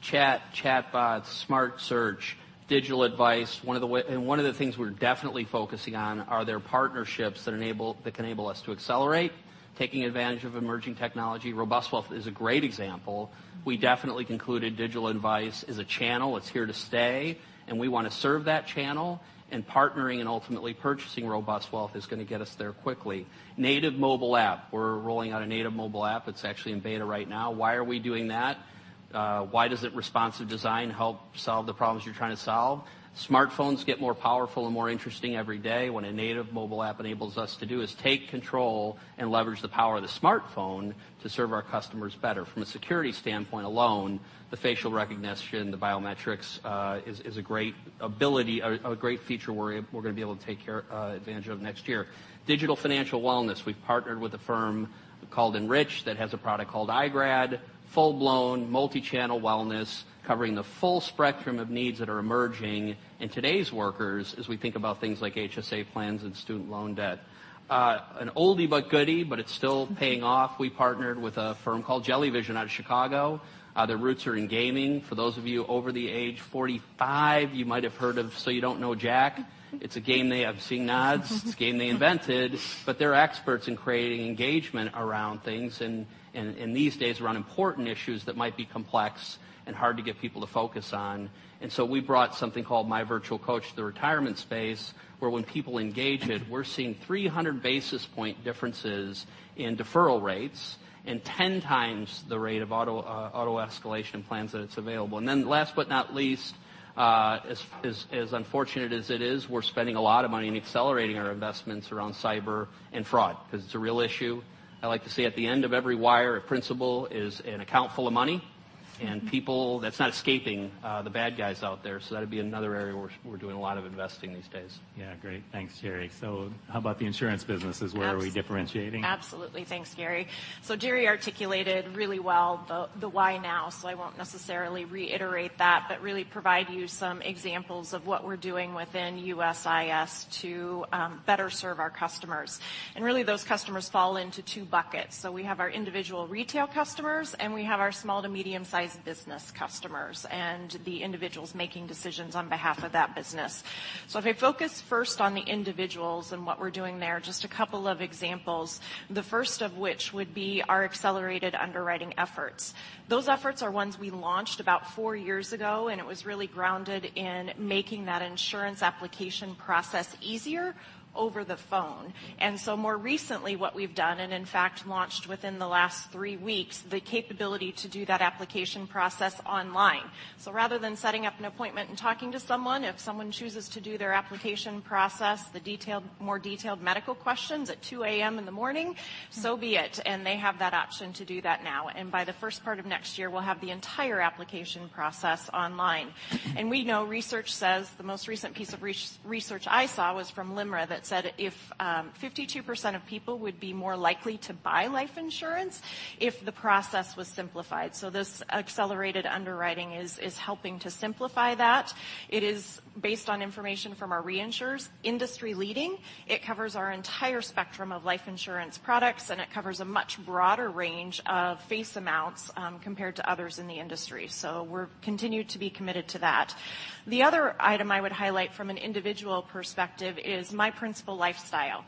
Chat, chat bots, smart search, digital advice. One of the things we're definitely focusing on, are there partnerships that can enable us to accelerate? Taking advantage of emerging technology. RobustWealth is a great example. We definitely concluded digital advice is a channel, it's here to stay, and we want to serve that channel. Partnering and ultimately purchasing RobustWealth is going to get us there quickly. Native mobile app. We're rolling out a native mobile app. It's actually in beta right now. Why are we doing that? Why does responsive design help solve the problems you're trying to solve? Smartphones get more powerful and more interesting every day. What a native mobile app enables us to do is take control and leverage the power of the smartphone to serve our customers better. From a security standpoint alone, the facial recognition, the biometrics, is a great feature we're going to be able to take advantage of next year. Digital financial wellness. We've partnered with a firm called Enrich that has a product called iGrad. Full-blown, multi-channel wellness covering the full spectrum of needs that are emerging in today's workers as we think about things like HSA plans and student loan debt. An oldie but goodie, but it's still paying off. We partnered with a firm called Jellyvision out of Chicago. Their roots are in gaming. For those of you over the age 45, you might have heard of You Don't Know Jack. I'm seeing nods. It's a game they invented. They're experts in creating engagement around things, and these days, around important issues that might be complex and hard to get people to focus on. We brought something called My Virtual Coach to the retirement space, where when people engage it, we're seeing 300 basis point differences in deferral rates and 10 times the rate of auto-escalation plans that it's available. Last but not least, as unfortunate as it is, we're spending a lot of money in accelerating our investments around cyber and fraud because it's a real issue. I like to say at the end of every wire at Principal is an account full of money, and that's not escaping the bad guys out there. That'd be another area where we're doing a lot of investing these days. Yeah, great. Thanks, Jerry. How about the insurance businesses? Where are we differentiating? Absolutely. Thanks, Jerry. Jerry articulated really well the why now, so I won't necessarily reiterate that, but really provide you some examples of what we're doing within USIS to better serve our customers. Really, those customers fall into two buckets. We have our individual retail customers, and we have our small to medium-sized business customers, and the individuals making decisions on behalf of that business. If I focus first on the individuals and what we're doing there, just a couple of examples. The first of which would be our accelerated underwriting efforts. Those efforts are ones we launched about four years ago, and it was really grounded in making that insurance application process easier over the phone. More recently, what we've done, and in fact, launched within the last three weeks, the capability to do that application process online. Rather than setting up an appointment and talking to someone, if someone chooses to do their application process, the more detailed medical questions at 2:00 A.M. in the morning, so be it. They have that option to do that now. By the first part of next year, we'll have the entire application process online. We know research says, the most recent piece of research I saw was from LIMRA, that said 52% of people would be more likely to buy life insurance if the process was simplified. This accelerated underwriting is helping to simplify that. It is based on information from our reinsurers, industry-leading. It covers our entire spectrum of life insurance products, and it covers a much broader range of face amounts compared to others in the industry. We're continued to be committed to that. The other item I would highlight from an individual perspective is My Principal Lifestyle.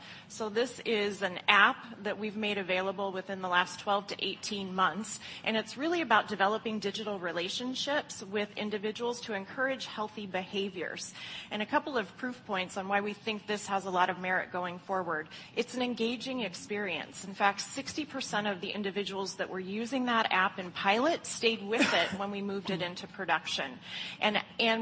This is an app that we've made available within the last 12-18 months, and it's really about developing digital relationships with individuals to encourage healthy behaviors. A couple of proof points on why we think this has a lot of merit going forward. It's an engaging experience. In fact, 60% of the individuals that were using that app in pilot stayed with it when we moved it into production.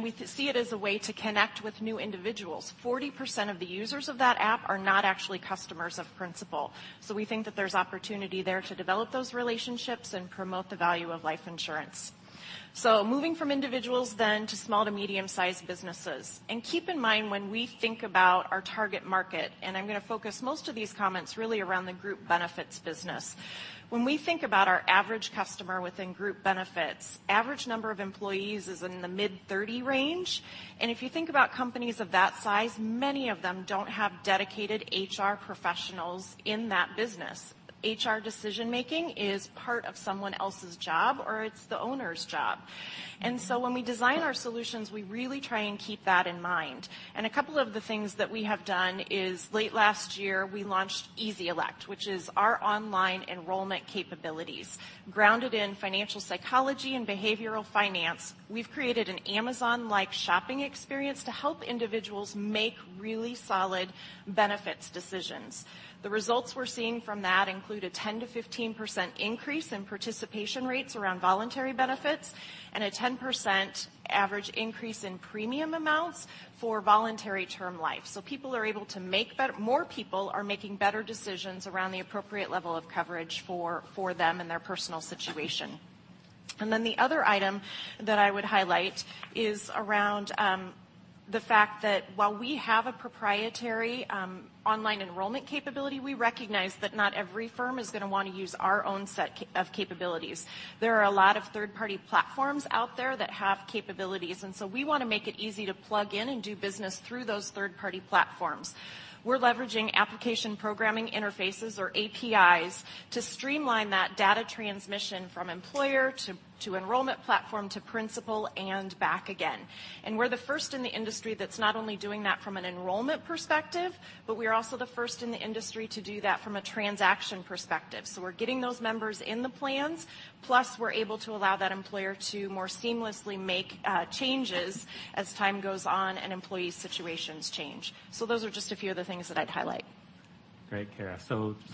We see it as a way to connect with new individuals. 40% of the users of that app are not actually customers of Principal. We think that there's opportunity there to develop those relationships and promote the value of life insurance. Moving from individuals then to small-to-medium-sized businesses. Keep in mind when we think about our target market, and I'm going to focus most of these comments really around the group benefits business. When we think about our average customer within group benefits, average number of employees is in the mid-30 range. If you think about companies of that size, many of them don't have dedicated HR professionals in that business. HR decision-making is part of someone else's job, or it's the owner's job. When we design our solutions, we really try and keep that in mind. A couple of the things that we have done is late last year, we launched Easy Elect, which is our online enrollment capabilities. Grounded in financial psychology and behavioral finance, we've created an Amazon-like shopping experience to help individuals make really solid benefits decisions. The results we're seeing from that include a 10%-15% increase in participation rates around voluntary benefits and a 10% average increase in premium amounts for voluntary term life. More people are making better decisions around the appropriate level of coverage for them and their personal situation. The other item that I would highlight is around the fact that while we have a proprietary online enrollment capability, we recognize that not every firm is going to want to use our own set of capabilities. There are a lot of third-party platforms out there that have capabilities, we want to make it easy to plug in and do business through those third-party platforms. We're leveraging application programming interfaces, or APIs, to streamline that data transmission from employer to enrollment platform to Principal and back again. We're the first in the industry that's not only doing that from an enrollment perspective, but we are also the first in the industry to do that from a transaction perspective. We're getting those members in the plans. Plus, we're able to allow that employer to more seamlessly make changes as time goes on and employee situations change. Those are just a few of the things that I'd highlight. Great, Kara.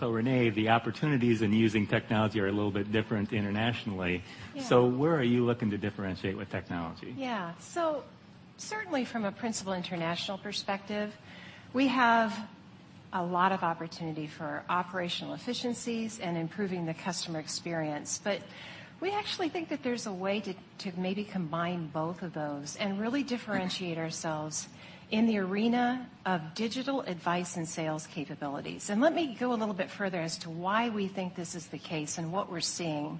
Renee, the opportunities in using technology are a little bit different internationally. Yeah. Where are you looking to differentiate with technology? Yeah. Certainly from a Principal International perspective, we have a lot of opportunity for operational efficiencies and improving the customer experience. We actually think that there's a way to maybe combine both of those and really differentiate ourselves in the arena of digital advice and sales capabilities. Let me go a little bit further as to why we think this is the case and what we're seeing.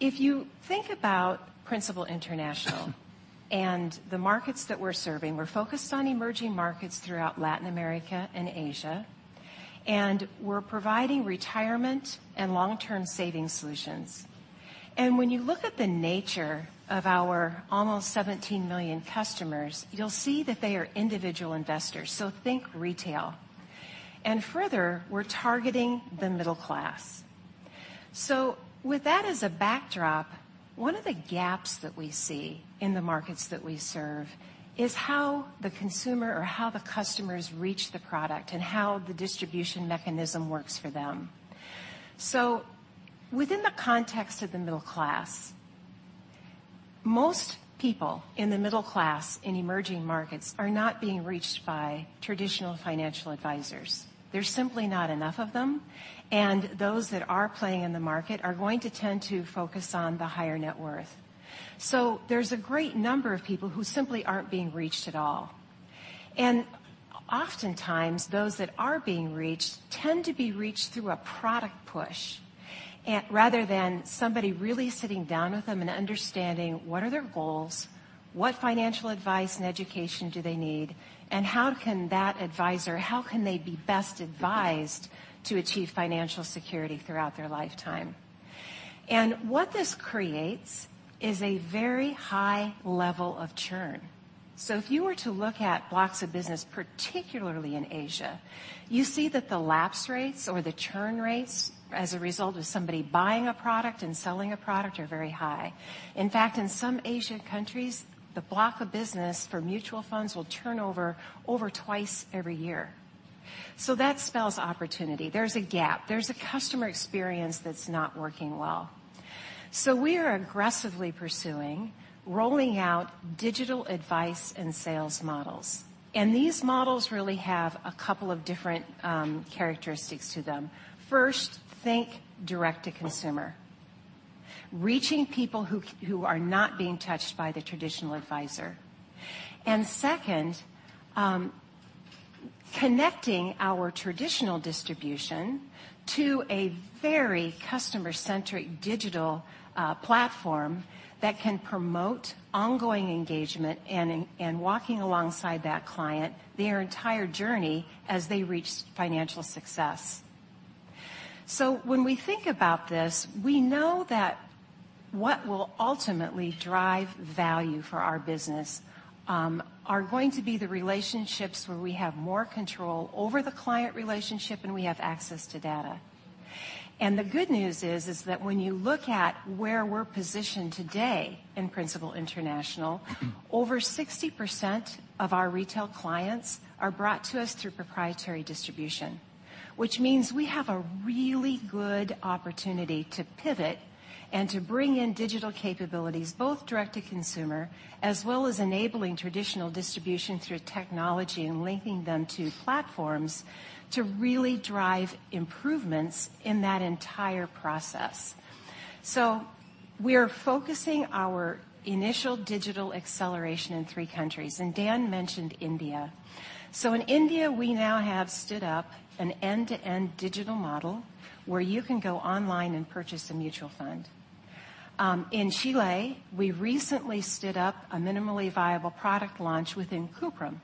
If you think about Principal International and the markets that we're serving, we're focused on emerging markets throughout Latin America and Asia, and we're providing retirement and long-term saving solutions. When you look at the nature of our almost 17 million customers, you'll see that they are individual investors. Think retail. Further, we're targeting the middle class. With that as a backdrop, one of the gaps that we see in the markets that we serve is how the consumer or how the customers reach the product and how the distribution mechanism works for them. Within the context of the middle class, most people in the middle class in emerging markets are not being reached by traditional financial advisors. There's simply not enough of them, and those that are playing in the market are going to tend to focus on the higher net worth. There's a great number of people who simply aren't being reached at all. Oftentimes, those that are being reached tend to be reached through a product push rather than somebody really sitting down with them and understanding what are their goals, what financial advice and education do they need, and how can that advisor, how can they be best advised to achieve financial security throughout their lifetime. What this creates is a very high level of churn. If you were to look at blocks of business, particularly in Asia, you see that the lapse rates or the churn rates as a result of somebody buying a product and selling a product are very high. In fact, in some Asian countries, the block of business for mutual funds will turn over twice every year. That spells opportunity. There's a gap. There's a customer experience that's not working well. We are aggressively pursuing rolling out digital advice and sales models, and these models really have a couple of different characteristics to them. First, think direct to consumer, reaching people who are not being touched by the traditional advisor. Second, connecting our traditional distribution to a very customer-centric digital platform that can promote ongoing engagement and walking alongside that client their entire journey as they reach financial success. When we think about this, we know that what will ultimately drive value for our business are going to be the relationships where we have more control over the client relationship and we have access to data. The good news is that when you look at where we're positioned today in Principal International, over 60% of our retail clients are brought to us through proprietary distribution. Which means we have a really good opportunity to pivot and to bring in digital capabilities, both direct to consumer as well as enabling traditional distribution through technology and linking them to platforms to really drive improvements in that entire process. We are focusing our initial digital acceleration in three countries, and Dan mentioned India. In India, we now have stood up an end-to-end digital model where you can go online and purchase a mutual fund. In Chile, we recently stood up a minimally viable product launch within Cuprum,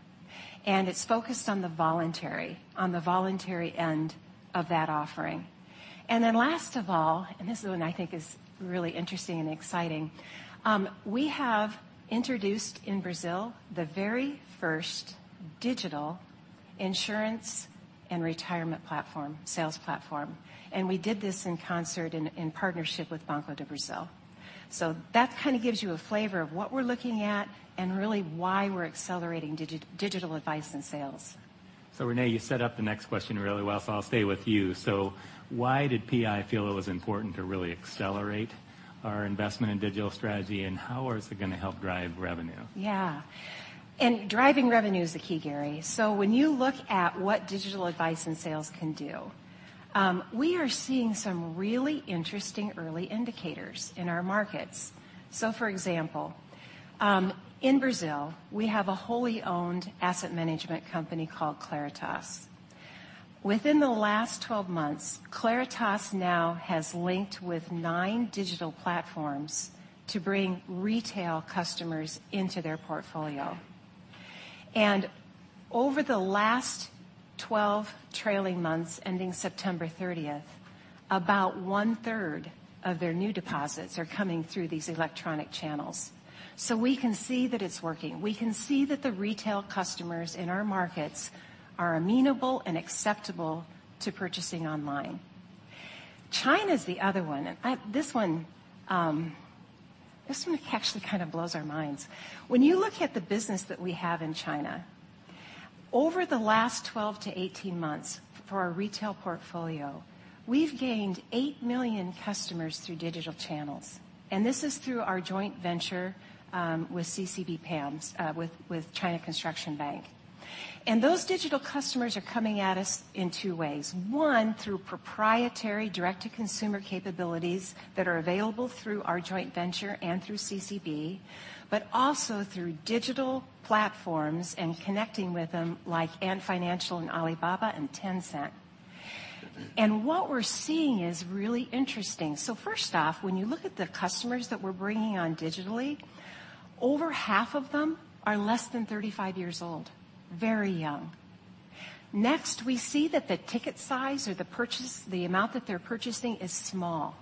and it's focused on the voluntary end of that offering. Then last of all, and this is the one I think is really interesting and exciting, we have introduced in Brazil the very first digital insurance and retirement platform, sales platform, and we did this in concert in partnership with Banco do Brasil. That kind of gives you a flavor of what we're looking at and really why we're accelerating digital advice and sales. Renee, you set up the next question really well, I'll stay with you. Why did PI feel it was important to really accelerate our investment in digital strategy and how is it going to help drive revenue? Yeah. Driving revenue is the key, Gary. When you look at what digital advice and sales can do, we are seeing some really interesting early indicators in our markets. For example, in Brazil, we have a wholly owned asset management company called Claritas. Within the last 12 months, Claritas now has linked with nine digital platforms to bring retail customers into their portfolio. Over the last 12 trailing months, ending September 30th, about one-third of their new deposits are coming through these electronic channels. We can see that it's working. We can see that the retail customers in our markets are amenable and acceptable to purchasing online. China's the other one, and this one actually kind of blows our minds. When you look at the business that we have in China, over the last 12 to 18 months for our retail portfolio, we've gained 8 million customers through digital channels, this is through our joint venture, with CCB-Principal Asset Management, with China Construction Bank. Those digital customers are coming at us in two ways: one, through proprietary direct-to-consumer capabilities that are available through our joint venture and through CCB, but also through digital platforms and connecting with them like Ant Financial and Alibaba and Tencent. What we're seeing is really interesting. First off, when you look at the customers that we're bringing on digitally, over half of them are less than 35 years old, very young. Next, we see that the ticket size or the amount that they're purchasing is small.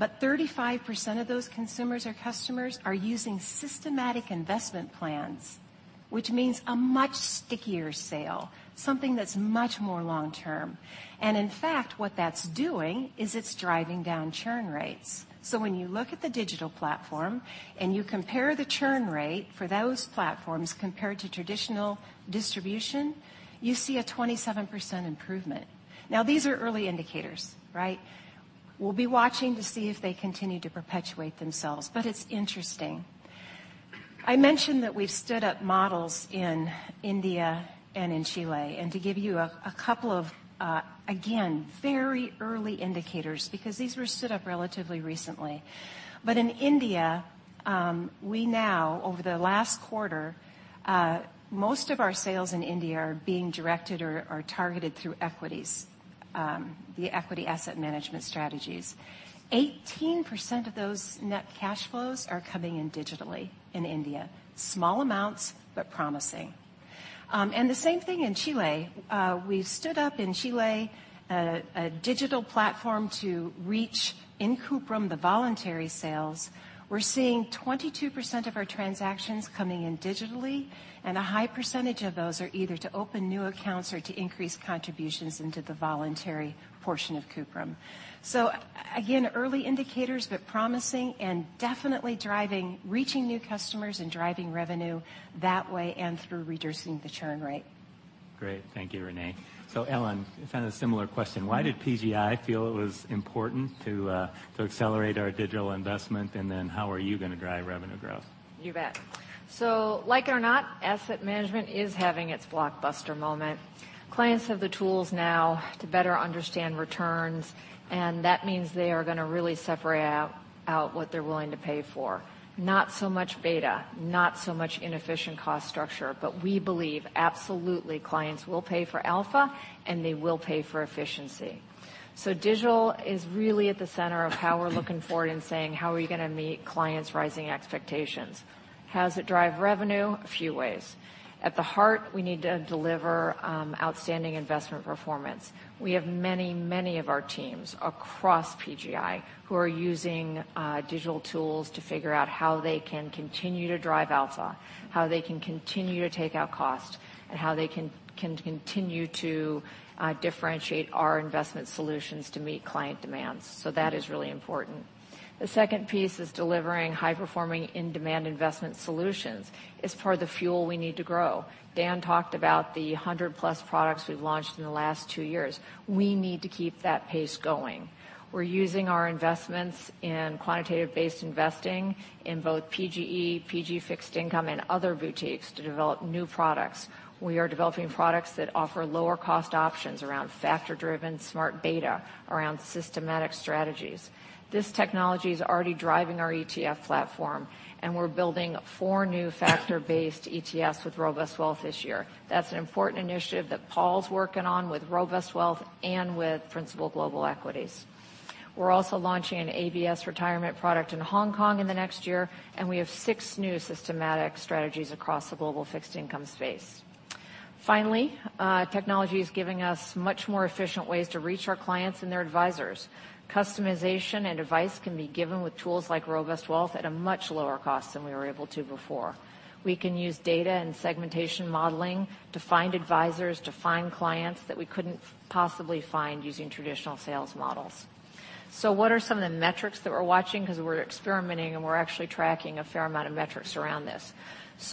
35% of those consumers or customers are using systematic investment plans, which means a much stickier sale, something that's much more long-term. In fact, what that's doing is it's driving down churn rates. When you look at the digital platform and you compare the churn rate for those platforms compared to traditional distribution, you see a 27% improvement. These are early indicators, right? We'll be watching to see if they continue to perpetuate themselves, but it's interesting. I mentioned that we've stood up models in India and in Chile, and to give you a couple of, again, very early indicators, because these were stood up relatively recently. In India, over the last quarter, most of our sales in India are being directed or are targeted through equities, the equity asset management strategies. 18% of those net cash flows are coming in digitally in India. Small amounts, but promising. The same thing in Chile. We've stood up in Chile a digital platform to reach in Cuprum, the voluntary sales. We're seeing 22% of our transactions coming in digitally, and a high percentage of those are either to open new accounts or to increase contributions into the voluntary portion of Cuprum. Again, early indicators, but promising and definitely reaching new customers and driving revenue that way and through reducing the churn rate. Great. Thank you, Renee. Ellen, kind of a similar question. Why did PGI feel it was important to accelerate our digital investment? How are you going to drive revenue growth? You bet. Like it or not, asset management is having its blockbuster moment. Clients have the tools now to better understand returns, that means they are going to really separate out what they're willing to pay for. Not so much beta, not so much inefficient cost structure. We believe absolutely clients will pay for alpha and they will pay for efficiency. Digital is really at the center of how we're looking forward and saying, how are we going to meet clients' rising expectations? How does it drive revenue? A few ways. At the heart, we need to deliver outstanding investment performance. We have many of our teams across PGI who are using digital tools to figure out how they can continue to drive alpha, how they can continue to take out cost, and how they can continue to differentiate our investment solutions to meet client demands. That is really important. The second piece is delivering high-performing in-demand investment solutions. It's part of the fuel we need to grow. Dan talked about the 100-plus products we've launched in the last two years. We need to keep that pace going. We're using our investments in quantitative-based investing in both PGE, Principal Fixed Income, and other boutiques to develop new products. We are developing products that offer lower-cost options around factor-driven smart beta, around systematic strategies. This technology is already driving our ETF platform, and we're building four new factor-based ETFs with RobustWealth this year. That's an important initiative that Paul's working on with RobustWealth and with Principal Global Equities. We're also launching an MPF retirement product in Hong Kong in the next year, and we have six new systematic strategies across the global fixed income space. Technology is giving us much more efficient ways to reach our clients and their advisors. Customization and advice can be given with tools like RobustWealth at a much lower cost than we were able to before. We can use data and segmentation modeling to find advisors, to find clients that we couldn't possibly find using traditional sales models. What are some of the metrics that we're watching? Because we're experimenting and we're actually tracking a fair amount of metrics around this.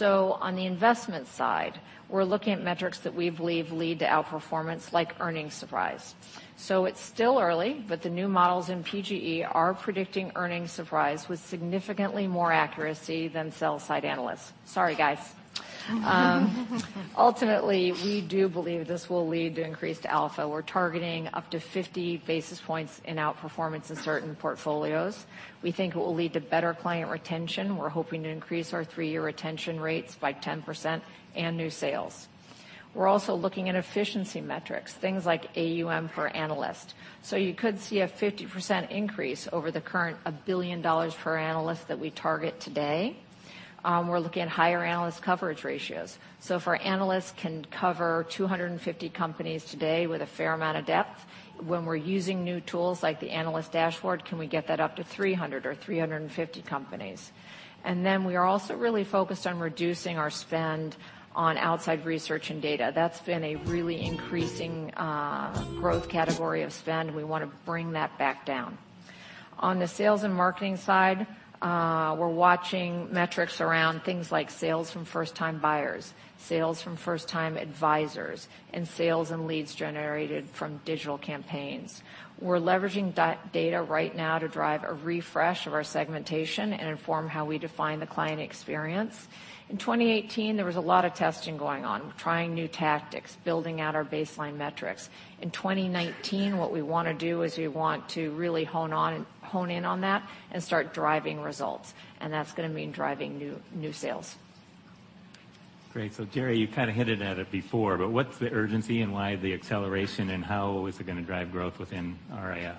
On the investment side, we're looking at metrics that we believe lead to outperformance, like earnings surprise. It's still early, but the new models in PGE are predicting earnings surprise with significantly more accuracy than sell side analysts. Sorry, guys. Ultimately, we do believe this will lead to increased alpha. We're targeting up to 50 basis points in outperformance in certain portfolios. We think it will lead to better client retention. We're hoping to increase our three-year retention rates by 10% and new sales. We're also looking at efficiency metrics, things like AUM per analyst. You could see a 50% increase over the current $1 billion per analyst that we target today. We're looking at higher analyst coverage ratios. If our analysts can cover 250 companies today with a fair amount of depth, when we're using new tools like the analyst dashboard, can we get that up to 300 or 350 companies? We are also really focused on reducing our spend on outside research and data. That's been a really increasing growth category of spend. We want to bring that back down. On the sales and marketing side, we're watching metrics around things like sales from first-time buyers, sales from first-time advisors, and sales and leads generated from digital campaigns. We're leveraging data right now to drive a refresh of our segmentation and inform how we define the client experience. In 2018, there was a lot of testing going on. We're trying new tactics, building out our baseline metrics. In 2019, what we want to do is we want to really hone in on that and start driving results. That's going to mean driving new sales. Great. Jerry, you kind of hinted at it before, but what's the urgency and why the acceleration and how is it going to drive growth within RIA?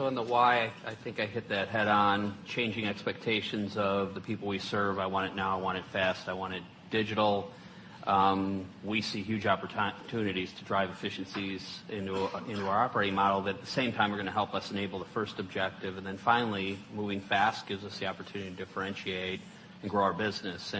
On the why, I think I hit that head on. Changing expectations of the people we serve. I want it now, I want it fast, I want it digital. We see huge opportunities to drive efficiencies into our operating model, but at the same time, are going to help us enable the first objective. Finally, moving fast gives us the opportunity to differentiate and grow our business.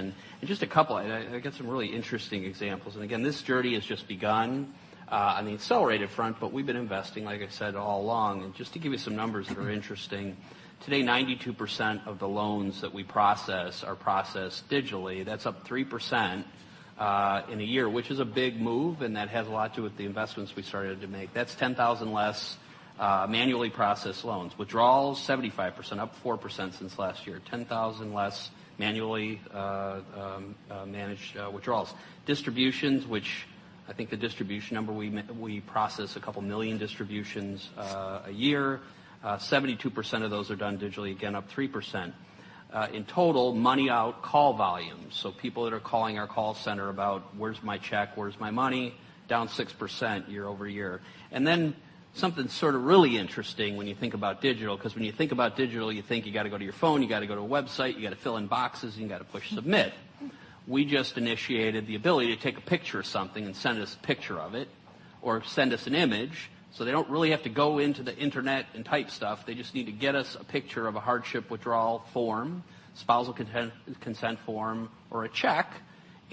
Just a couple. I got some really interesting examples. Again, this journey has just begun on the accelerated front, but we've been investing, like I said, all along. Just to give you some numbers that are interesting, today, 92% of the loans that we process are processed digitally. That's up 3% in a year, which is a big move, and that has a lot to do with the investments we started to make. That's 10,000 less manually processed loans. Withdrawals, 75%, up 4% since last year, 10,000 less manually managed withdrawals. Distributions, which I think the distribution number, we process a couple million distributions a year. 72% of those are done digitally, again, up 3%. In total, money out call volumes. People that are calling our call center about, "Where's my check? Where's my money?" Down 6% year-over-year. Something sort of really interesting when you think about digital, because when you think about digital, you think you got to go to your phone, you got to go to a website, you got to fill in boxes, and you got to push submit. We just initiated the ability to take a picture of something and send us a picture of it or send us an image, so they don't really have to go into the internet and type stuff. They just need to get us a picture of a hardship withdrawal form, spousal consent form, or a check.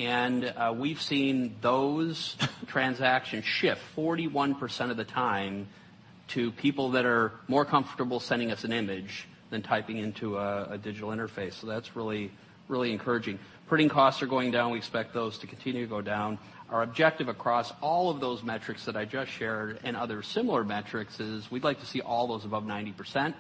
We've seen those transactions shift 41% of the time to people that are more comfortable sending us an image than typing into a digital interface. That's really encouraging. Printing costs are going down. We expect those to continue to go down. Our objective across all of those metrics that I just shared and other similar metrics is we'd like to see all those above 90%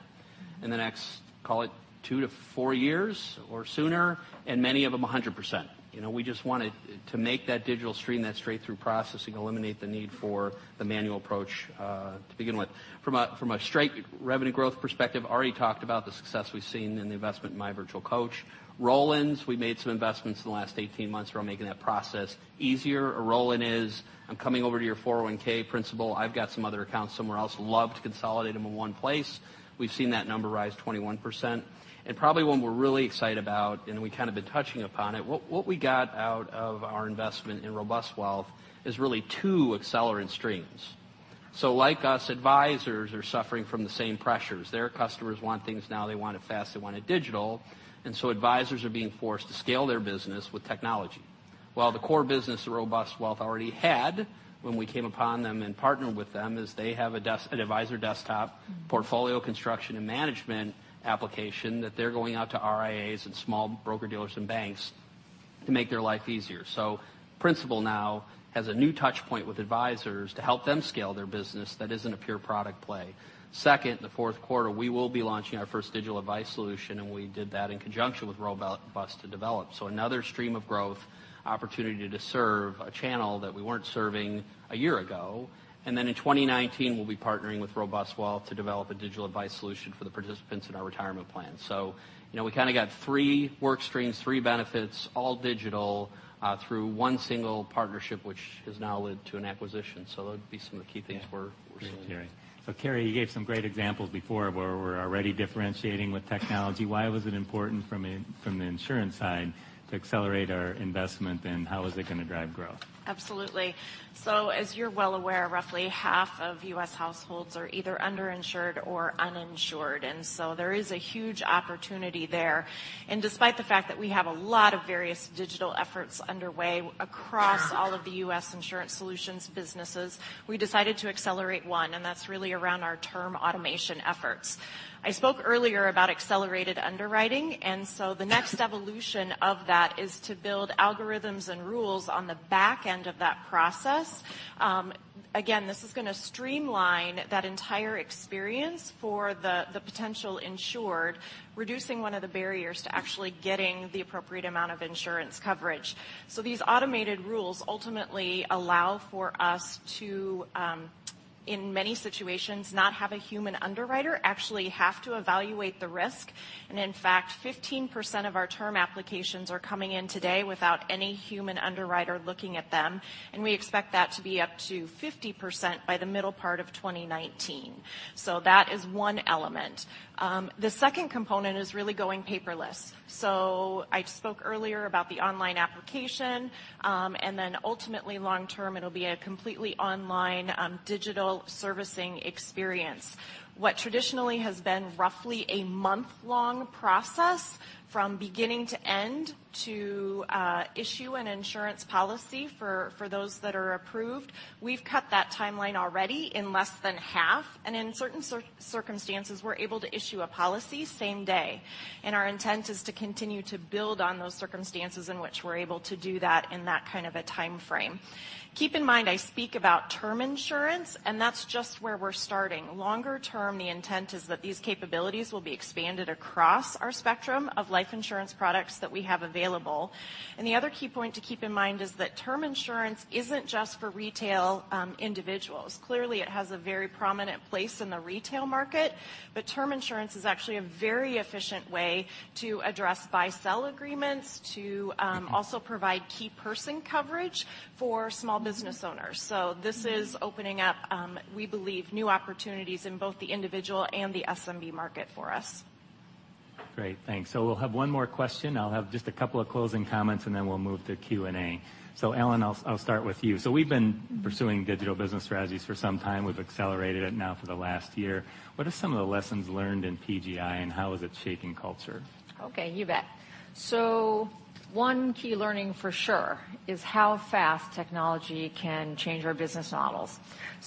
in the next, call it two to four years or sooner, and many of them 100%. We just wanted to make that digital stream, that straight-through processing, eliminate the need for the manual approach to begin with. From a straight revenue growth perspective, I already talked about the success we've seen in the investment in My Virtual Coach. Roll-ins. We made some investments in the last 18 months around making that process easier. A roll-in is I'm coming over to your 401(k) Principal. I've got some other accounts somewhere else. Love to consolidate them in one place. We've seen that number rise 21%. Probably one we're really excited about, and we kind of been touching upon it, what we got out of our investment in RobustWealth is really two accelerant streams. Like us, advisors are suffering from the same pressures. Their customers want things now, they want it fast, they want it digital, advisors are being forced to scale their business with technology. While the core business that RobustWealth already had when we came upon them and partnered with them is they have an advisor desktop portfolio construction and management application that they're going out to RIAs and small broker-dealers and banks to make their life easier. Principal now has a new touchpoint with advisors to help them scale their business that isn't a pure product play. Second, in the fourth quarter, we will be launching our first digital advice solution, and we did that in conjunction with Robust to develop. Another stream of growth opportunity to serve a channel that we weren't serving a year ago. In 2019, we'll be partnering with RobustWealth to develop a digital advice solution for the participants in our retirement plan. We kind of got three work streams, three benefits, all digital, through one single partnership, which has now led to an acquisition. That would be some of the key things we're seeing. Thanks, Jerry. Jerry, you gave some great examples before where we're already differentiating with technology. Why was it important from the insurance side to accelerate our investment, and how is it going to drive growth? Absolutely. As you're well aware, roughly half of U.S. households are either underinsured or uninsured, there is a huge opportunity there. Despite the fact that we have a lot of various digital efforts underway across all of the U.S. Insurance Solutions businesses, we decided to accelerate one, that's really around our term automation efforts. I spoke earlier about accelerated underwriting, the next evolution of that is to build algorithms and rules on the back end of that process. Again, this is going to streamline that entire experience for the potential insured, reducing one of the barriers to actually getting the appropriate amount of insurance coverage. These automated rules ultimately allow for us to In many situations, not have a human underwriter actually have to evaluate the risk. In fact, 15% of our term applications are coming in today without any human underwriter looking at them, we expect that to be up to 50% by the middle part of 2019. That is one element. The second component is really going paperless. I spoke earlier about the online application, then ultimately long term, it'll be a completely online digital servicing experience. What traditionally has been roughly a month-long process from beginning to end to issue an insurance policy for those that are approved, we've cut that timeline already in less than half. In certain circumstances, we're able to issue a policy same day, our intent is to continue to build on those circumstances in which we're able to do that in that kind of a timeframe. Keep in mind, I speak about term insurance, that's just where we're starting. Longer term, the intent is that these capabilities will be expanded across our spectrum of life insurance products that we have available. The other key point to keep in mind is that term insurance isn't just for retail individuals. Clearly, it has a very prominent place in the retail market, term insurance is actually a very efficient way to address buy-sell agreements, to also provide key person coverage for small business owners. This is opening up, we believe, new opportunities in both the individual and the SMB market for us. Great, thanks. We'll have one more question. I'll have just a couple of closing comments, we'll move to Q&A. Ellen, I'll start with you. We've been pursuing digital business strategies for some time. We've accelerated it now for the last year. What are some of the lessons learned in PGI, and how is it shaping culture? Okay, you bet. One key learning for sure is how fast technology can change our business models.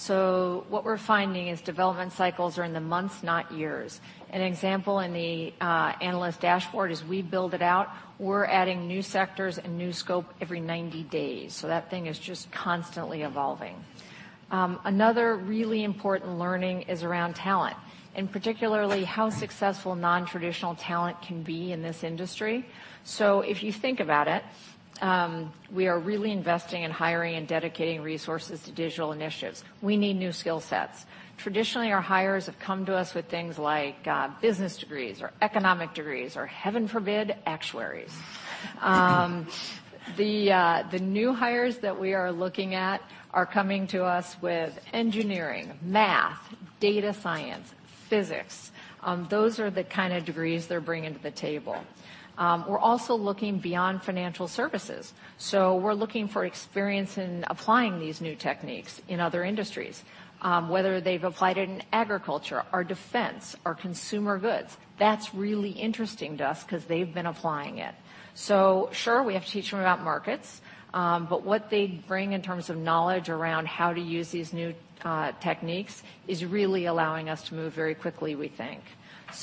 What we're finding is development cycles are in the months, not years. An example in the analyst dashboard is we build it out. We're adding new sectors and new scope every 90 days. That thing is just constantly evolving. Another really important learning is around talent, and particularly how successful nontraditional talent can be in this industry. If you think about it, we are really investing in hiring and dedicating resources to digital initiatives. We need new skill sets. Traditionally, our hires have come to us with things like business degrees or economic degrees or, heaven forbid, actuaries. The new hires that we are looking at are coming to us with engineering, math, data science, physics. Those are the kind of degrees they're bringing to the table. We're also looking beyond financial services. We're looking for experience in applying these new techniques in other industries. Whether they've applied it in agriculture or defense or consumer goods, that's really interesting to us because they've been applying it. Sure, we have to teach them about markets, but what they bring in terms of knowledge around how to use these new techniques is really allowing us to move very quickly, we think.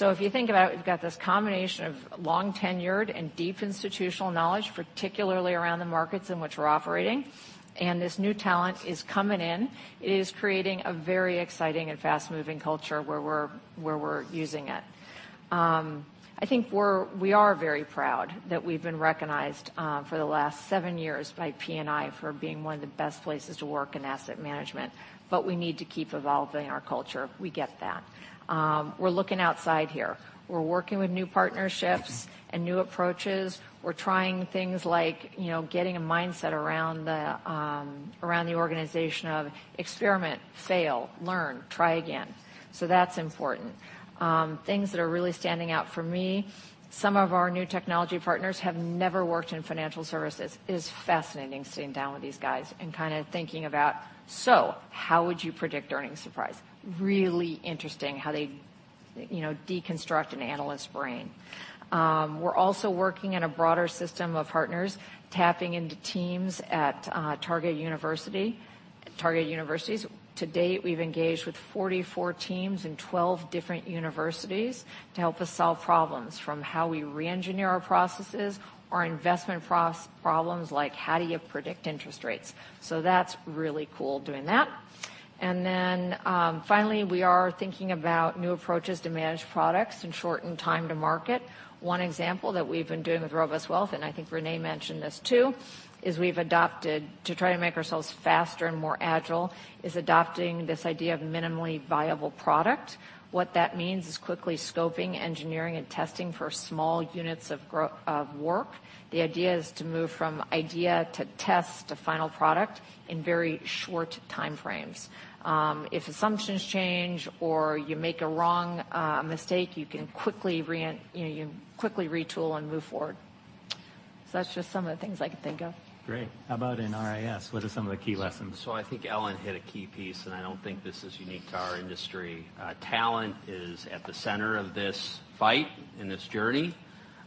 If you think about it, we've got this combination of long-tenured and deep institutional knowledge, particularly around the markets in which we're operating, and this new talent is coming in. It is creating a very exciting and fast-moving culture where we're using it. I think we are very proud that we've been recognized for the last seven years by Pensions & Investments for being one of the best places to work in asset management, but we need to keep evolving our culture. We get that. We're looking outside here. We're working with new partnerships and new approaches. We're trying things like getting a mindset around the organization of experiment, fail, learn, try again. That's important. Things that are really standing out for me, some of our new technology partners have never worked in financial services. It is fascinating sitting down with these guys and kind of thinking about, how would you predict earnings surprise? Really interesting how they deconstruct an analyst's brain. We're also working in a broader system of partners, tapping into teams at target universities. To date, we've engaged with 44 teams in 12 different universities to help us solve problems, from how we re-engineer our processes or investment problems like how do you predict interest rates. That's really cool doing that. Finally, we are thinking about new approaches to manage products and shorten time to market. One example that we've been doing with RobustWealth, and I think Renee mentioned this too, is we've adopted to try to make ourselves faster and more agile, is adopting this idea of minimally viable product. What that means is quickly scoping, engineering, and testing for small units of work. The idea is to move from idea to test to final product in very short time frames. If assumptions change or you make a mistake, you can quickly retool and move forward. That's just some of the things I can think of. Great. How about in RIS? What are some of the key lessons? I think Ellen hit a key piece, and I don't think this is unique to our industry. Talent is at the center of this fight and this journey.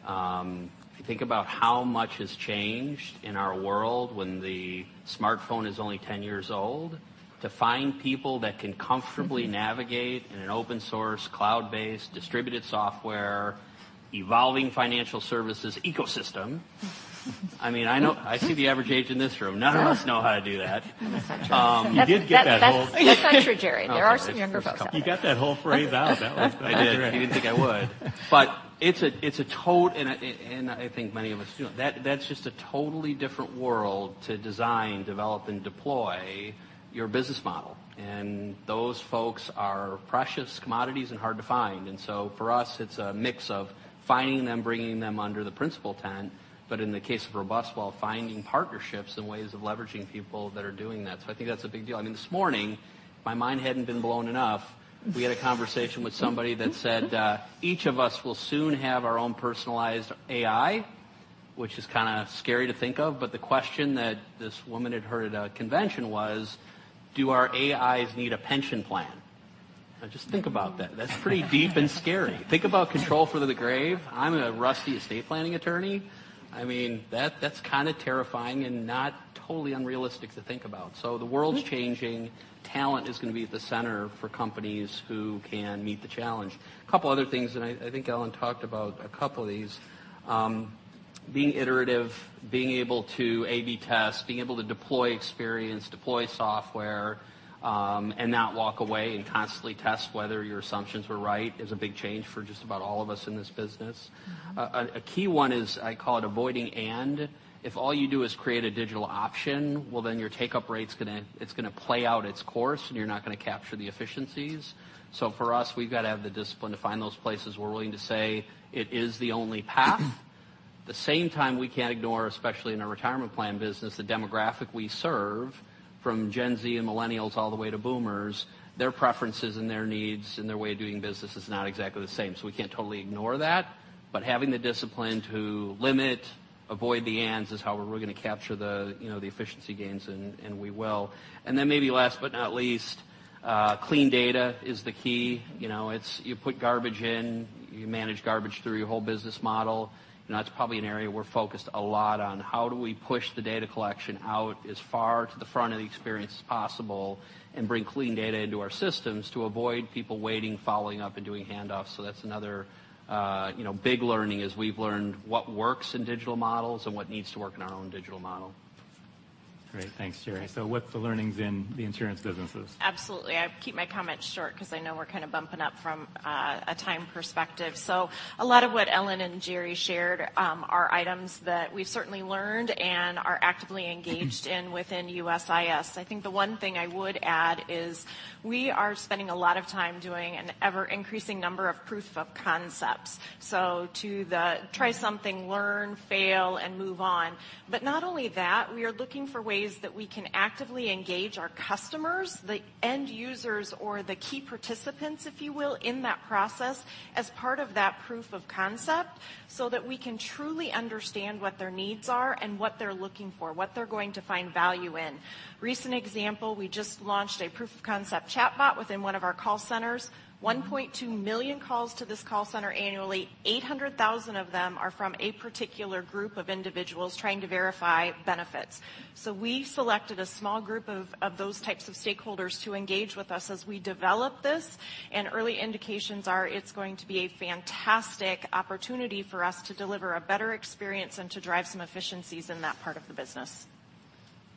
If you think about how much has changed in our world when the smartphone is only 10 years old, to find people that can comfortably navigate in an open source, cloud-based, distributed software, evolving financial services ecosystem. I see the average age in this room. None of us know how to do that. That's not true. You did get that whole That's not true, Jerry. There are some younger folks out there. You got that whole phrase out. That was great. I did. You didn't think I would. I think many of us do. That's just a totally different world to design, develop, and deploy your business model. Those folks are precious commodities and hard to find. For us, it's a mix of finding them, bringing them under the Principal tent. In the case of Robust, while finding partnerships and ways of leveraging people that are doing that. I think that's a big deal. This morning, my mind hadn't been blown enough. We had a conversation with somebody that said each of us will soon have our own personalized AI. Which is kind of scary to think of, but the question that this woman had heard at a convention was: Do our AIs need a pension plan? Now just think about that. That's pretty deep and scary. Think about control for the grave. I'm a rusty estate planning attorney. That's kind of terrifying and not totally unrealistic to think about. The world's changing. Talent is going to be at the center for companies who can meet the challenge. A couple other things, Ellen talked about a couple of these. Being iterative, being able to A/B test, being able to deploy experience, deploy software, and not walk away and constantly test whether your assumptions were right is a big change for just about all of us in this business. A key one is, I call it avoiding and. If all you do is create a digital option, well, then your take-up rate's going to play out its course, and you're not going to capture the efficiencies. For us, we've got to have the discipline to find those places we're willing to say it is the only path. At the same time, we can't ignore, especially in our retirement plan business, the demographic we serve, from Gen Z and millennials all the way to boomers, their preferences and their needs and their way of doing business is not exactly the same. We can't totally ignore that, but having the discipline to limit, avoid the ands is how we're really going to capture the efficiency gains, and we will. Maybe last but not least, clean data is the key. You put garbage in, you manage garbage through your whole business model. That's probably an area we're focused a lot on. How do we push the data collection out as far to the front of the experience as possible and bring clean data into our systems to avoid people waiting, following up, and doing handoffs? That's another big learning is we've learned what works in digital models and what needs to work in our own digital model. Great. Thanks, Jerry. What's the learnings in the insurance businesses? Absolutely. I'll keep my comments short because I know we're kind of bumping up from a time perspective. A lot of what Ellen and Jerry shared are items that we've certainly learned and are actively engaged in within USIS. I think the one thing I would add is we are spending a lot of time doing an ever-increasing number of proof of concepts. To the try something, learn, fail, and move on. Not only that, we are looking for ways that we can actively engage our customers, the end users or the key participants, if you will, in that process as part of that proof of concept so that we can truly understand what their needs are and what they're looking for, what they're going to find value in. Recent example, we just launched a proof of concept chatbot within one of our call centers. 1.2 million calls to this call center annually. 800,000 of them are from a particular group of individuals trying to verify benefits. We selected a small group of those types of stakeholders to engage with us as we develop this, and early indications are it's going to be a fantastic opportunity for us to deliver a better experience and to drive some efficiencies in that part of the business.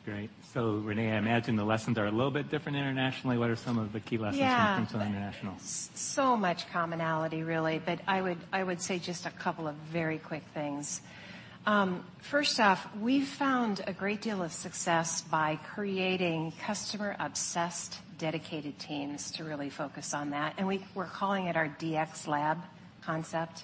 Great. Renee, I imagine the lessons are a little bit different internationally. What are some of the key lessons from- Yeah Principal International? Much commonality, really. I would say just a couple of very quick things. First off, we've found a great deal of success by creating customer-obsessed, dedicated teams to really focus on that, and we're calling it our DX lab concept,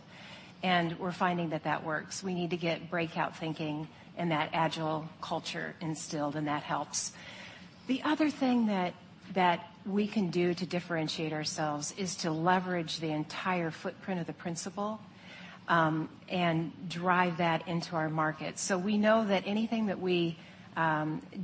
and we're finding that that works. We need to get breakout thinking and that agile culture instilled, and that helps. The other thing that we can do to differentiate ourselves is to leverage the entire footprint of the Principal, drive that into our market. We know that anything that we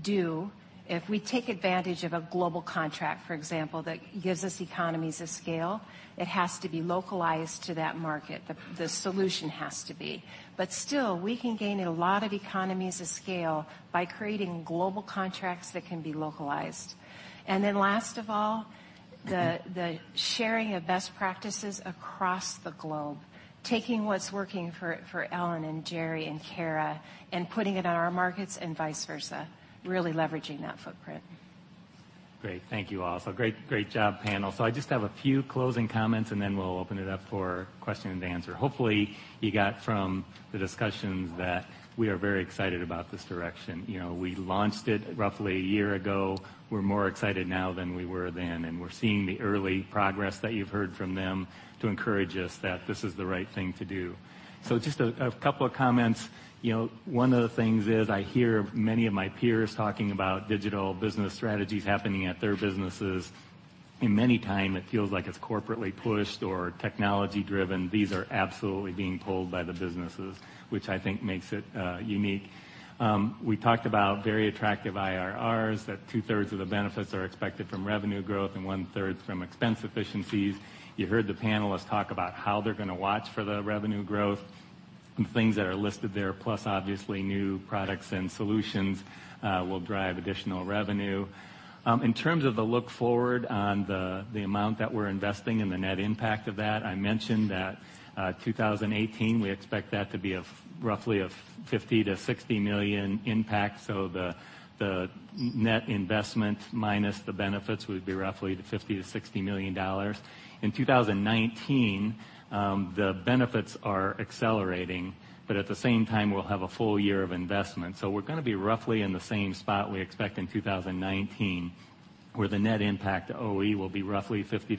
do, if we take advantage of a global contract, for example, that gives us economies of scale, it has to be localized to that market. The solution has to be. Still, we can gain a lot of economies of scale by creating global contracts that can be localized. Last of all, the sharing of best practices across the globe. Taking what's working for Ellen and Jerry and Cara and putting it in our markets and vice versa, really leveraging that footprint. Great. Thank you all. Great job, panel. I just have a few closing comments, and then we'll open it up for question and answer. Hopefully, you got from the discussions that we are very excited about this direction. We launched it roughly a year ago. We're more excited now than we were then, and we're seeing the early progress that you've heard from them to encourage us that this is the right thing to do. Just a couple of comments. One of the things is I hear many of my peers talking about digital business strategies happening at their businesses. Many time it feels like it's corporately pushed or technology driven. These are absolutely being pulled by the businesses, which I think makes it unique. We talked about very attractive IRRs, that two-thirds of the benefits are expected from revenue growth and one-third from expense efficiencies. You heard the panelists talk about how they're going to watch for the revenue growth and things that are listed there, plus obviously new products and solutions will drive additional revenue. In terms of the look forward on the amount that we're investing and the net impact of that, I mentioned that 2018, we expect that to be roughly a $50 million-$60 million impact, so the net investment minus the benefits would be roughly the $50 million-$60 million. In 2019, the benefits are accelerating, but at the same time, we'll have a full year of investment. We're going to be roughly in the same spot we expect in 2019, where the net impact to OE will be roughly $50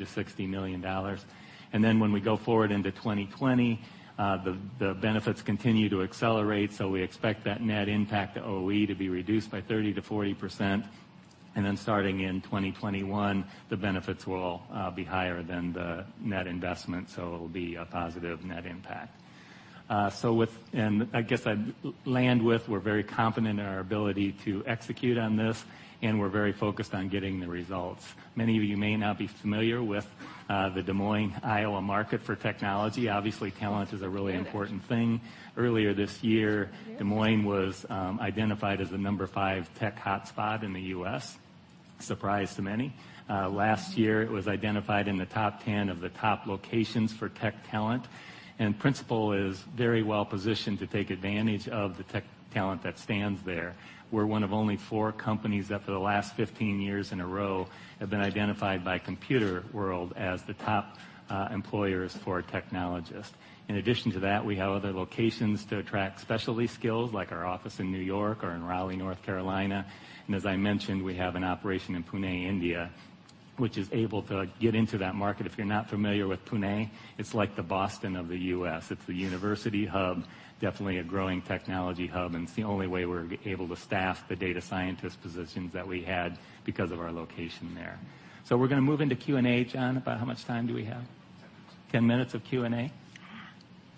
million-$60 million. When we go forward into 2020, the benefits continue to accelerate, so we expect that net impact to OE to be reduced by 30%-40%. Starting in 2021, the benefits will be higher than the net investment, so it'll be a positive net impact. I guess I land with we're very confident in our ability to execute on this, and we're very focused on getting the results. Many of you may not be familiar with the Des Moines, Iowa market for technology. Obviously, talent is a really important thing. Earlier this year, Des Moines was identified as the number 5 tech hotspot in the U.S., a surprise to many. Last year, it was identified in the top 10 of the top locations for tech talent, and Principal is very well-positioned to take advantage of the tech talent that stands there. We're one of only four companies that for the last 15 years in a row have been identified by Computerworld as the top employers for technologists. In addition to that, we have other locations to attract specialty skills, like our office in New York or in Raleigh, North Carolina. As I mentioned, we have an operation in Pune, India, which is able to get into that market. If you're not familiar with Pune, it's like the Boston of the U.S. It's a university hub, definitely a growing technology hub, it's the only way we're able to staff the data scientist positions that we had because of our location there. We're going to move into Q&A. John, about how much time do we have? 10 minutes. 10 minutes of Q&A?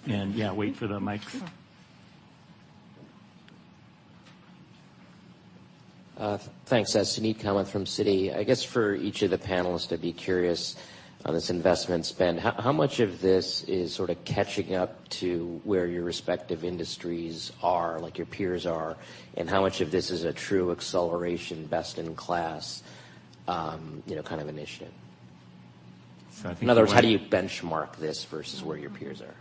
Yeah, wait for the mics. Sure. Thanks. Suneet Kamath from Citi. I guess for each of the panelists, I'd be curious on this investment spend. How much of this is sort of catching up to where your respective industries are, like your peers are, and how much of this is a true acceleration best in class kind of initiative? I think- In other words, how do you benchmark this versus where your peers are?